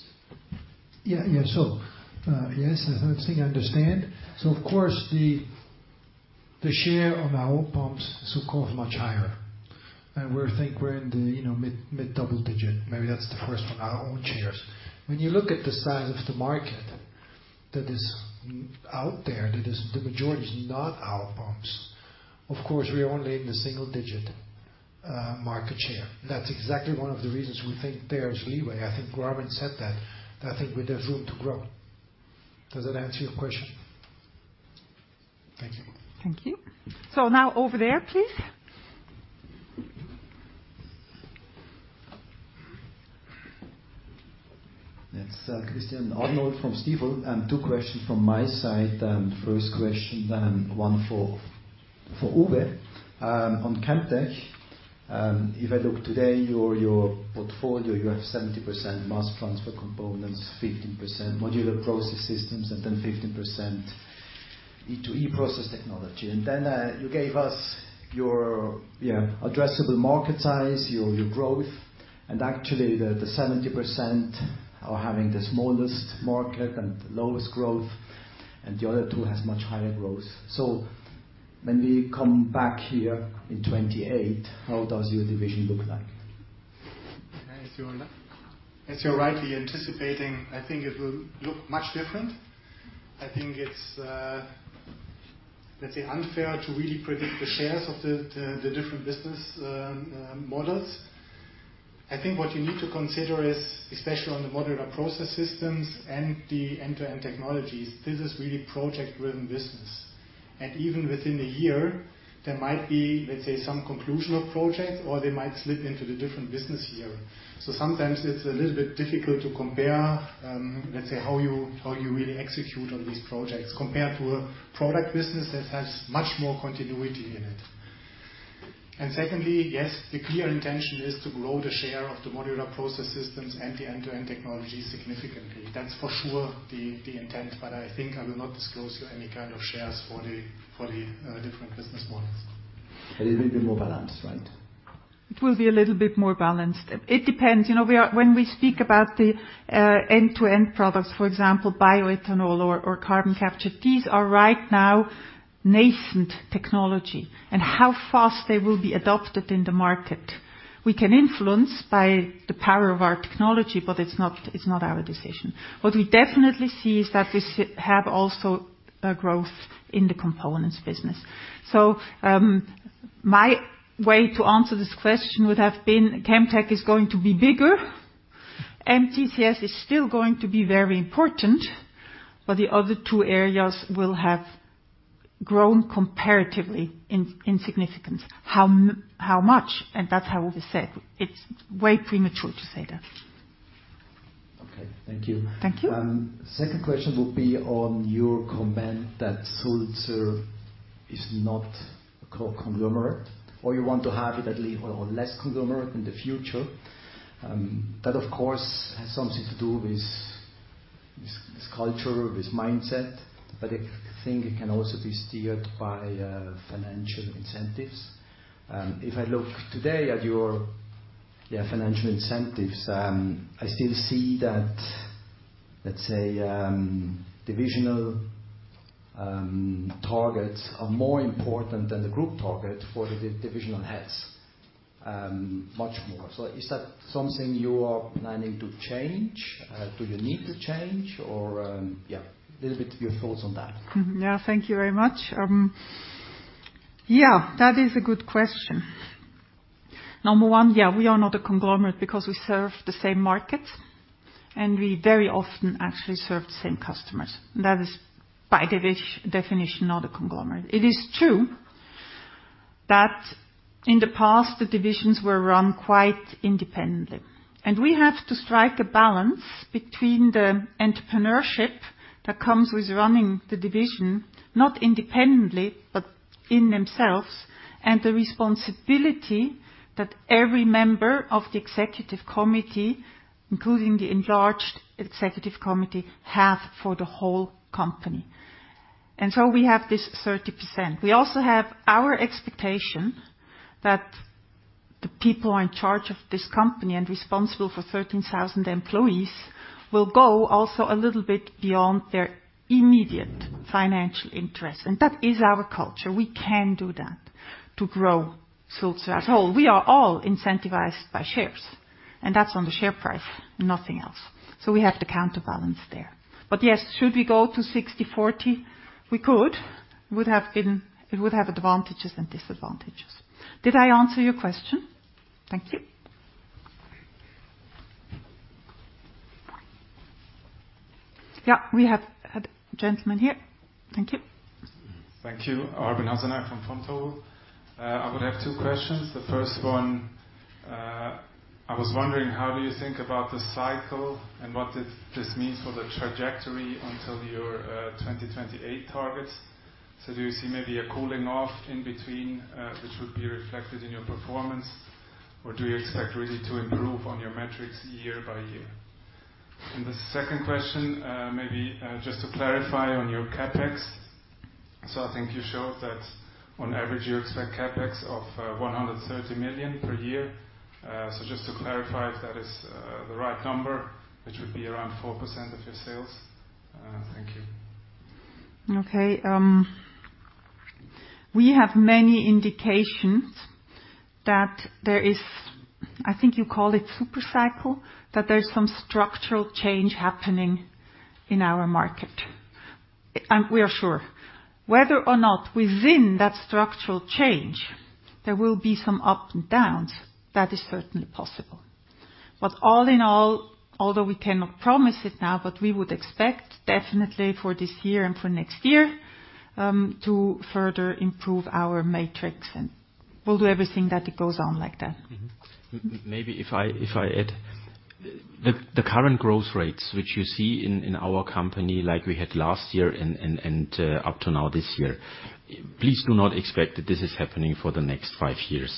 S4: Yeah, yeah. So, yes, I think I understand. So of course, the, the share on our own pumps is of course, much higher. And we think we're in the, you know, mid, mid-double digit. Maybe that's the first from our own shares. When you look at the size of the market that is out there, that is, the majority is not our pumps, of course, we are only in the single digit, market share. That's exactly one of the reasons we think there is leeway. I think Armand said that, that I think there's room to grow. Does that answer your question? Thank you.
S1: Thank you. So now over there, please.
S15: It's Christian Arnold from Stifel, and two questions from my side. First question, then one for, for Uwe. On Chemtech, if I look today, your, your portfolio, you have 70% Mass Transfer Components, 15% Modular Process Systems, and then 15% E2E process technology. And then, you gave us your addressable market size, your, your growth, and actually, the, the 70% are having the smallest market and lowest growth, and the other two has much higher growth. So when we come back here in 2028, how does your division look like?
S7: As you're rightly anticipating, I think it will look much different. I think it's, let's say, unfair to really predict the shares of the, the, the different business, models. I think what you need to consider is, especially on the Modular Process Systems and the end-to-end technologies, this is really project-driven business. And even within a year, there might be, let's say, some conclusion of project, or they might slip into the different business year. So sometimes it's a little bit difficult to compare, let's say, how you, how you really execute on these projects, compared to a product business that has much more continuity in it. And secondly, yes, the clear intention is to grow the share of the Modular Process Systems and the end-to-end technology significantly. That's for sure, the intent, but I think I will not disclose you any kind of shares for the different business models.
S15: It will be more balanced, right?
S1: It will be a little bit more balanced. It depends, you know, we are—when we speak about the end-to-end products, for example, bioethanol or carbon capture, these are right now nascent technology, and how fast they will be adopted in the market, we can influence by the power of our technology, but it's not, it's not our decision. What we definitely see is that this have also a growth in the components business. So, my way to answer this question would have been, Chemtech is going to be bigger. MTCs is still going to be very important, but the other two areas will have grown comparatively in significance. How much? And that's how Uwe said, it's way premature to say that.
S15: Okay, thank you.
S1: Thank you.
S15: Second question would be on your comment that Sulzer is not a conglomerate, or you want to have it at least or less conglomerate in the future. That, of course, has something to do with, with, with culture, with mindset, but I think it can also be steered by financial incentives. If I look today at your financial incentives, I still see that, let's say, divisional targets are more important than the group target for the divisional heads, much more. So is that something you are planning to change? Do you need to change or, yeah, a little bit of your thoughts on that.
S1: Yeah, thank you very much. Yeah, that is a good question. Number one, yeah, we are not a conglomerate because we serve the same markets, and we very often actually serve the same customers. That is, by definition, not a conglomerate. It is true that in the past, the divisions were run quite independently, and we have to strike a balance between the entrepreneurship that comes with running the division, not independently, but in themselves, and the responsibility that every member of the executive committee, including the enlarged executive committee, have for the whole company. And so we have this 30%. We also have our expectation that the people in charge of this company and responsible for 13,000 employees, will go also a little bit beyond their immediate financial interest, and that is our culture. We can do that to grow Sulzer as a whole. We are all incentivized by shares, and that's on the share price, nothing else. So we have the counterbalance there. But yes, should we go to 60/40? We could. It would have advantages and disadvantages. Did I answer your question? Thank you. Yeah, we have a gentleman here. Thank you.
S16: Thank you. Arben Hasanaj from Vontobel. I would have two questions. The first one, I was wondering, how do you think about the cycle and what does this mean for the trajectory until your, 2028 targets? So do you see maybe a cooling off in between, which would be reflected in your performance, or do you expect really to improve on your metrics year by year? And the second question, maybe, just to clarify on your CapEx. So I think you showed that on average, you expect CapEx of, 130 million per year. So just to clarify if that is, the right number, which would be around 4% of your sales. Thank you.
S1: Okay, we have many indications that there is, I think you call it super cycle, that there's some structural change happening in our market. And we are sure. Whether or not within that structural change, there will be some ups and downs, that is certainly possible. But all in all, although we cannot promise it now, but we would expect definitely for this year and for next year, to further improve our matrix, and we'll do everything that it goes on like that.
S11: Mm-hmm. Maybe if I, if I add. The current growth rates which you see in our company, like we had last year up to now this year, please do not expect that this is happening for the next five years.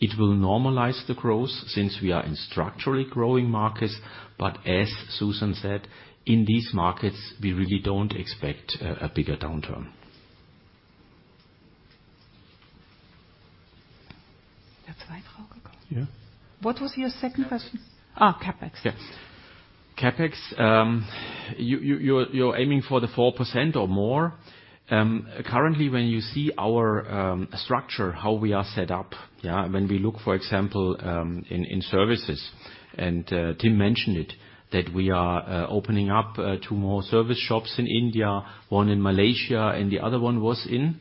S11: It will normalize the growth since we are in structurally growing markets, but as Susan said, in these markets, we really don't expect a bigger downturn.
S1: That's right, Franco?
S11: Yeah.
S1: What was your second question?
S16: CapEx.
S1: Ah, CapEx.
S11: Yes. CapEx, you, you're aiming for the 4% or more. Currently, when you see our structure, how we are set up, yeah, when we look, for example, in services, and Tim mentioned it, that we are opening up two more service shops in India, one in Malaysia, and the other one was in?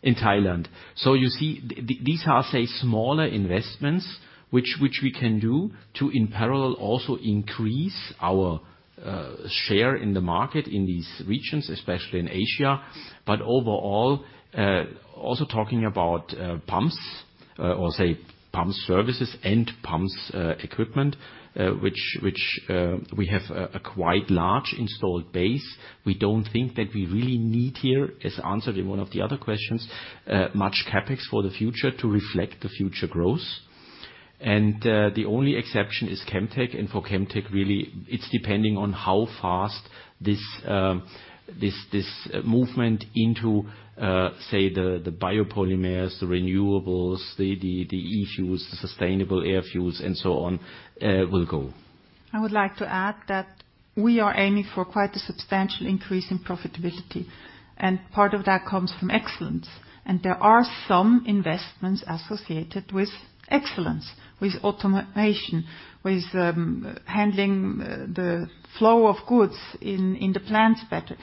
S11: Thailand. In Thailand. So you see, these are, say, smaller investments, which we can do to, in parallel, also increase our share in the market in these regions, especially in Asia, but overall, also talking about pumps, or say, Pump Services and pumps equipment, which we have a quite large installed base. We don't think that we really need here, as answered in one of the other questions, much CapEx for the future to reflect the future growth. The only exception is Chemtech, and for Chemtech, really, it's depending on how fast this movement into, say, the biopolymers, the renewables, the e-fuels, the sustainable aviation fuels, and so on, will go.
S1: I would like to add that we are aiming for quite a substantial increase in profitability, and part of that comes from excellence. There are some investments associated with excellence, with automation, with handling the flow of goods in the plants better.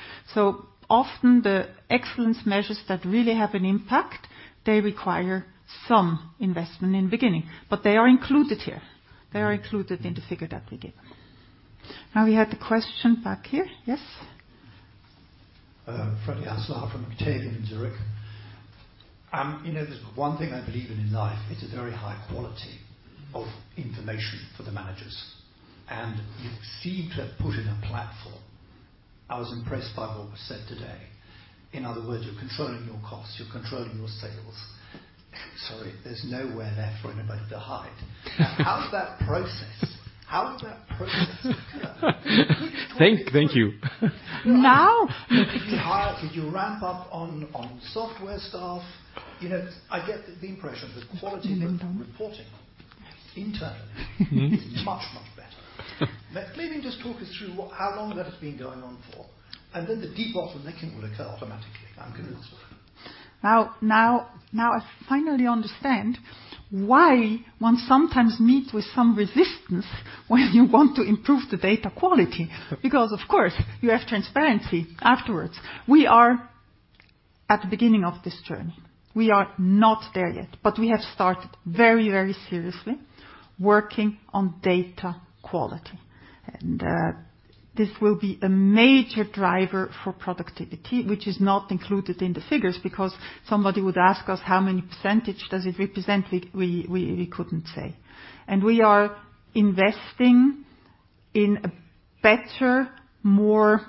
S1: Often the excellence measures that really have an impact, they require some investment in the beginning, but they are included here. They are included in the figure that we give. Now, we had a question back here. Yes?
S17: Freddy Aslar from Octavian in Zurich. You know, there's one thing I believe in, in life, it's a very high quality of information for the managers, and you seem to have put in a platform. I was impressed by what was said today. In other words, you're controlling your costs, you're controlling your sales. Sorry, there's nowhere left for anybody to hide. How is that processed? How is that processed?
S11: Thank you.
S1: Now?
S18: Did you hire, did you ramp up on, on software staff? You know, I get the impression that quality reporting internally is much, much better. Maybe just talk us through what, how long that has been going on for, and then the deep bottlenecking will occur automatically. I'm convinced of it.
S1: Now, now, now I finally understand why one sometimes meets with some resistance when you want to improve the data quality. Because, of course, you have transparency afterwards. We are at the beginning of this journey. We are not there yet, but we have started very, very seriously working on data quality. And this will be a major driver for productivity, which is not included in the figures, because somebody would ask us, how many percentage does it represent? We couldn't say. And we are investing in a better, more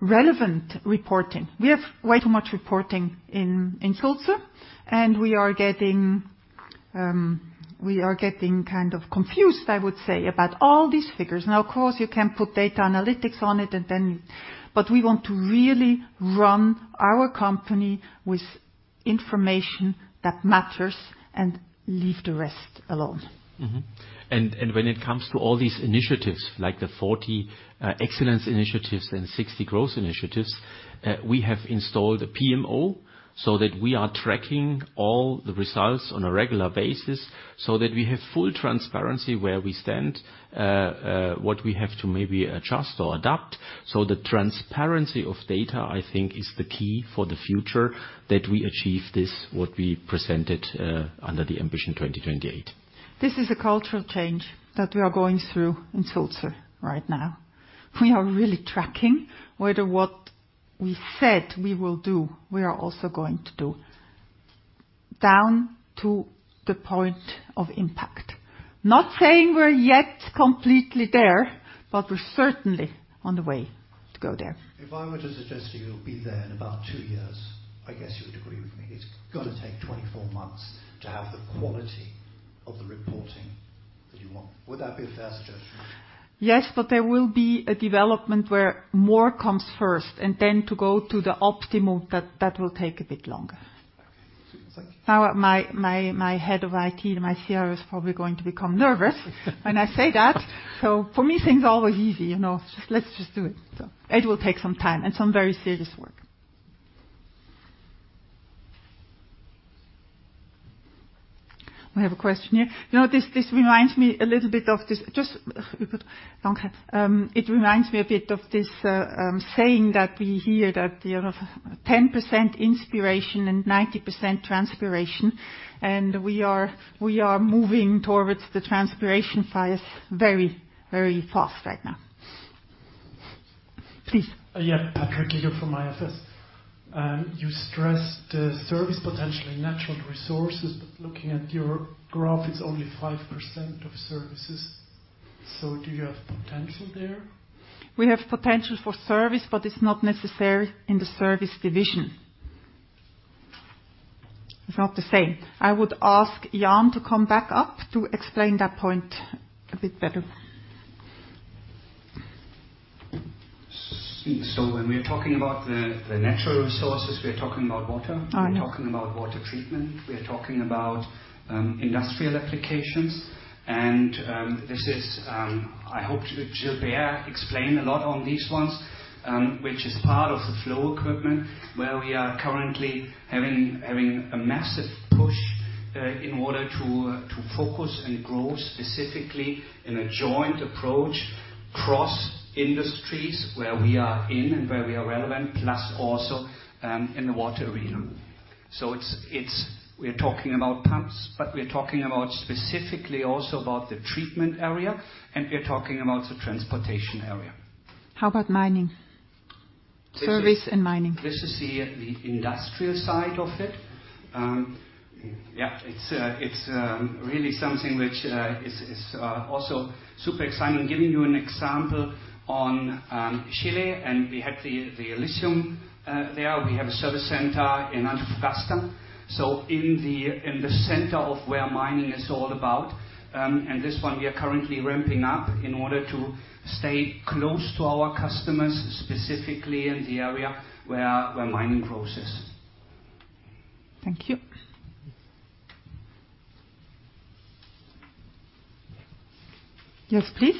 S1: relevant reporting. We have way too much reporting in Sulzer, and we are getting kind of confused, I would say, about all these figures. Now, of course, you can put data analytics on it, and then... But we want to really run our company with information that matters and leave the rest alone.
S11: Mm-hmm. And, and when it comes to all these initiatives, like the 40 excellence initiatives and 60 growth initiatives, we have installed a PMO so that we are tracking all the results on a regular basis, so that we have full transparency where we stand, what we have to maybe adjust or adapt. So the transparency of data, I think, is the key for the future, that we achieve this, what we presented, under the Ambition 2028.
S1: This is a cultural change that we are going through in Sulzer right now. We are really tracking whether what we said we will do, we are also going to do, down to the point of impact. Not saying we're yet completely there, but we're certainly on the way to go there.
S17: If I were to suggest you'll be there in about 2 years, I guess you would agree with me. It's gonna take 24 months to have the quality of the reporting that you want. Would that be a fair suggestion?
S1: Yes, but there will be a development where more comes first, and then to go to the optimal, that will take a bit longer.
S17: Thank you.
S1: Now, my head of IT and my CIO is probably going to become nervous when I say that. So for me, things are always easy, you know? Just, let's just do it. So it will take some time and some very serious work. We have a question here. You know, this reminds me a little bit of this saying that we hear that, you know, 10% inspiration and 90% transpiration, and we are moving towards the transpiration side very, very fast right now. Please.
S19: Yeah. Patrick from UBS. You stressed service, potentially natural resources, but looking at your graph, it's only 5% of services. So do you have potential there?
S1: We have potential for service, but it's not necessary in the Services Division. It's not the same. I would ask Jan to come back up to explain that point a bit better.
S2: When we're talking about the natural resources, we're talking about water.
S1: All right.
S2: We're talking about water treatment. We're talking about industrial applications, and this is, I hope Gilbert explained a lot on these ones, which is part of the Flow Equipment, where we are currently having a massive push in order to focus and grow specifically in a joint approach, cross-industries, where we are in and where we are relevant, plus also in the water arena. So it's we're talking about pumps, but we're talking about specifically also about the treatment area, and we're talking about the transportation area.
S1: How about mining? Service and mining.
S2: This is the industrial side of it. Yeah, it's really something which is also super exciting. Giving you an example on Chile, and we had the lithium there. We have a service center in Antofagasta, so in the center of where mining is all about. And this one, we are currently ramping up in order to stay close to our customers, specifically in the area where mining grows.
S1: Thank you. Yes, please.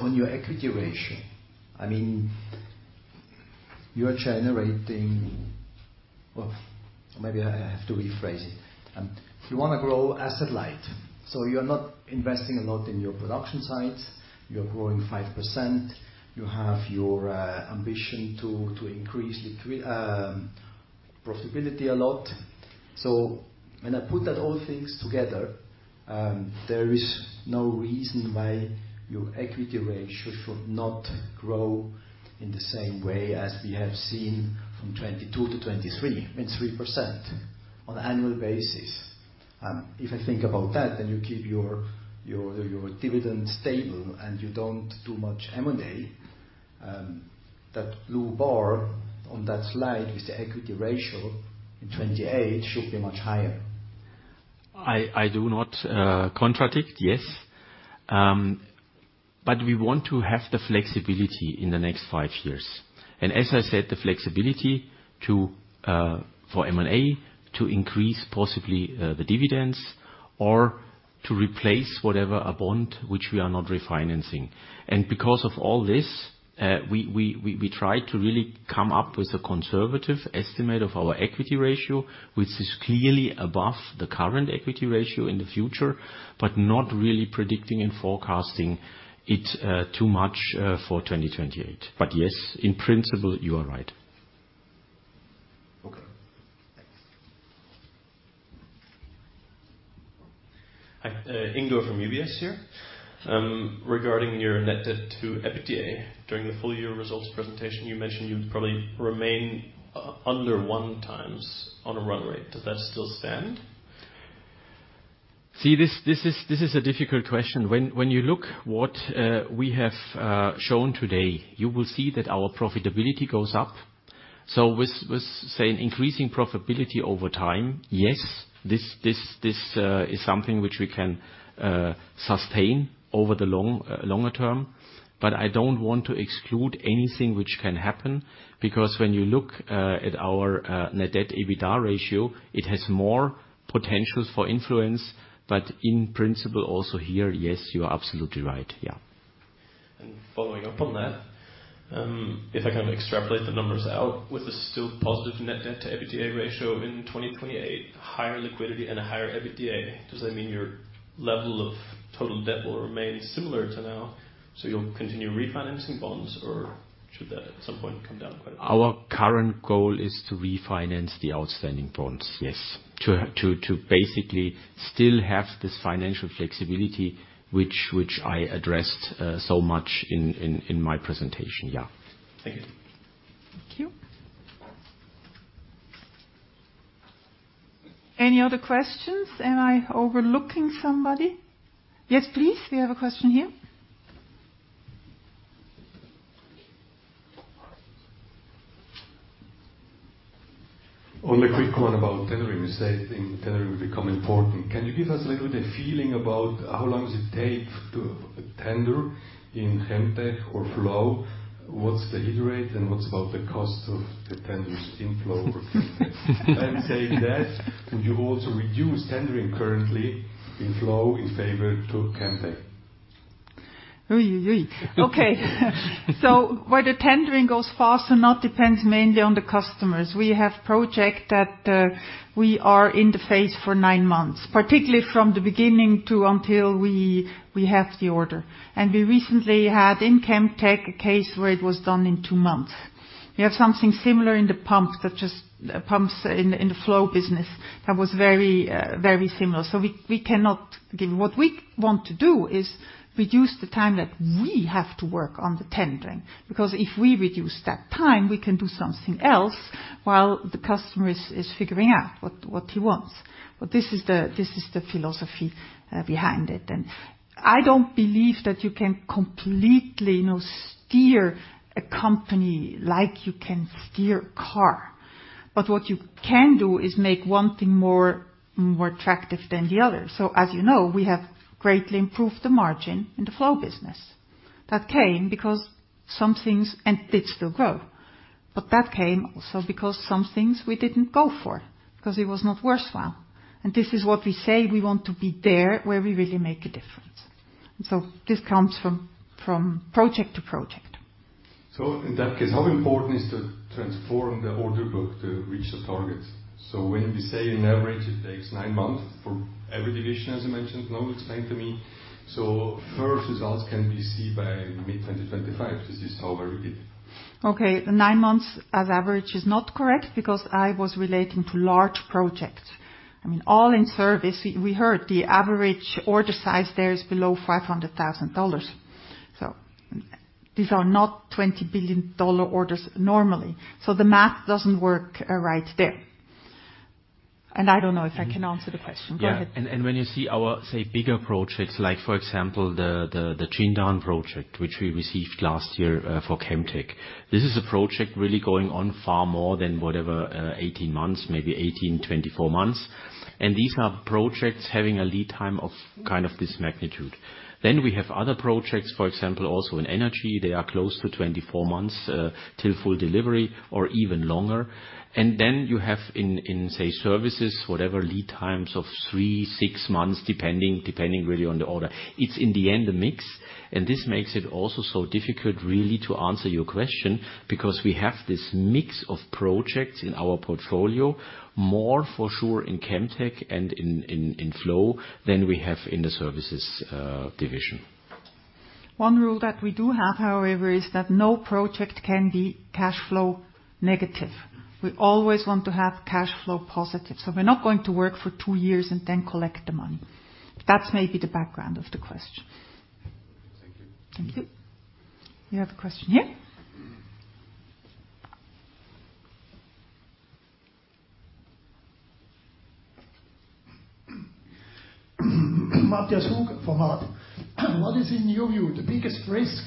S20: On your equity ratio, I mean, you are generating... Well, maybe I have to rephrase it. You wanna grow asset light, so you're not investing a lot in your production sites. You're growing 5%. You have your ambition to increase leverage profitability a lot. So when I put that all things together, there is no reason why your equity ratio should not grow in the same way as we have seen from 2022 to 2023, I mean, 3% on an annual basis. If I think about that, then you keep your dividend stable and you don't do much M&A, that blue bar on that slide, with the equity ratio in 2028, should be much higher.
S11: I do not contradict, yes. But we want to have the flexibility in the next five years. As I said, the flexibility to for M&A, to increase possibly the dividends or to replace whatever a bond which we are not refinancing. Because of all this, we try to really come up with a conservative estimate of our equity ratio, which is clearly above the current equity ratio in the future, but not really predicting and forecasting it too much for 2028. But yes, in principle, you are right....
S13: Okay, thanks. Hi, Ingo from UBS here. Regarding your net debt to EBITDA, during the full year results presentation, you mentioned you'd probably remain under one times on a run rate. Does that still stand?
S11: See, this is a difficult question. When you look what we have shown today, you will see that our profitability goes up. So with, say, an increasing profitability over time, yes, this is something which we can sustain over the longer term. But I don't want to exclude anything which can happen, because when you look at our net debt EBITDA ratio, it has more potentials for influence. But in principle, also here, yes, you are absolutely right. Yeah.
S13: Following up on that, if I can extrapolate the numbers out, with a still positive net debt to EBITDA ratio in 2028, higher liquidity and a higher EBITDA, does that mean your level of total debt will remain similar to now, so you'll continue refinancing bonds, or should that at some point come down quite a bit?
S11: Our current goal is to refinance the outstanding bonds, yes. To basically still have this financial flexibility, which I addressed so much in my presentation. Yeah.
S13: Thank you.
S1: Thank you. Any other questions? Am I overlooking somebody? Yes, please. We have a question here.
S14: Only a quick one about tendering. You say in tendering will become important. Can you give us a little bit a feeling about how long does it take to tender in Chemtech or Flow? What's the iterate, and what's about the cost of the tenders in Flow or Chemtech? I'm saying that, would you also reduce tendering currently in Flow in favor to Chemtech?
S1: Oi, yoi, yoi. Okay, so whether tendering goes fast or not, depends mainly on the customers. We have project that we are in the phase for nine months, particularly from the beginning to until we have the order. We recently had in Chemtech a case where it was done in two months. We have something similar in the pumps, that just pumps in the Flow business. That was very, very similar. So we cannot give... What we want to do is reduce the time that we have to work on the tendering, because if we reduce that time, we can do something else while the customer is figuring out what he wants. But this is the, this is the philosophy behind it, and I don't believe that you can completely, you know, steer a company like you can steer a car. But what you can do is make one thing more, more attractive than the other. So as you know, we have greatly improved the margin in the Flow business. That came because some things... And did still grow, but that came also because some things we didn't go for, because it was not worthwhile. And this is what we say, we want to be there where we really make a difference. And so this comes from, from project to project.
S14: So in that case, how important is to transform the order book to reach the targets? So when we say on average, it takes nine months for every division, as you mentioned, now explain to me, so first results can be seen by mid-2025. This is how I read it.
S1: Okay, the 9 months as average is not correct because I was relating to large projects. I mean, all in service, we heard the average order size there is below $500,000. So these are not $20 billion orders normally. So the math doesn't work right there. And I don't know if I can answer the question. Go ahead.
S11: Yeah, and when you see our, say, bigger projects, like for example, the Qingdao project, which we received last year for Chemtech, this is a project really going on far more than whatever 18 months, maybe 18, 24 months. And these are projects having a lead time of kind of this magnitude. Then we have other projects, for example, also in energy, they are close to 24 months till full delivery or even longer. And then you have in, say, services, whatever, lead times of 3, 6 months, depending, depending really on the order. It's in the end, a mix, and this makes it also so difficult, really, to answer your question, because we have this mix of projects in our portfolio, more for sure in Chemtech and in Flow than we have in the services division.
S1: One rule that we do have, however, is that no project can be cash flow negative. We always want to have cash flow positive, so we're not going to work for two years and then collect the money. That's maybe the background of the question.
S14: Thank you.
S1: Thank you. We have a question here.
S21: Matthias Holz from Hauck. What is, in your view, the biggest risk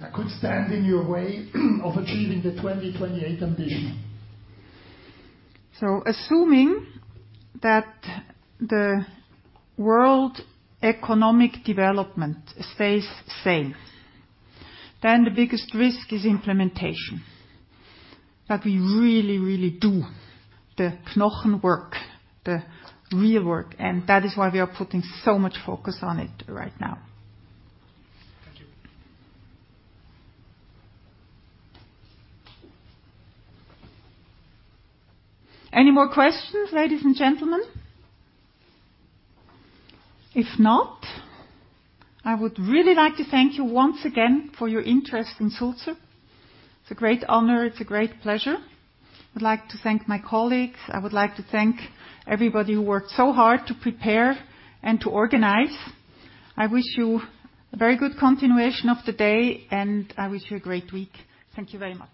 S21: that could stand in your way of achieving the 2028 ambition?
S1: Assuming that the world economic development stays same, then the biggest risk is implementation. That we really, really do the knochen work, the real work, and that is why we are putting so much focus on it right now.
S22: Thank you.
S1: Any more questions, ladies and gentlemen? If not, I would really like to thank you once again for your interest in Sulzer. It's a great honor. It's a great pleasure. I'd like to thank my colleagues. I would like to thank everybody who worked so hard to prepare and to organize. I wish you a very good continuation of the day, and I wish you a great week. Thank you very much.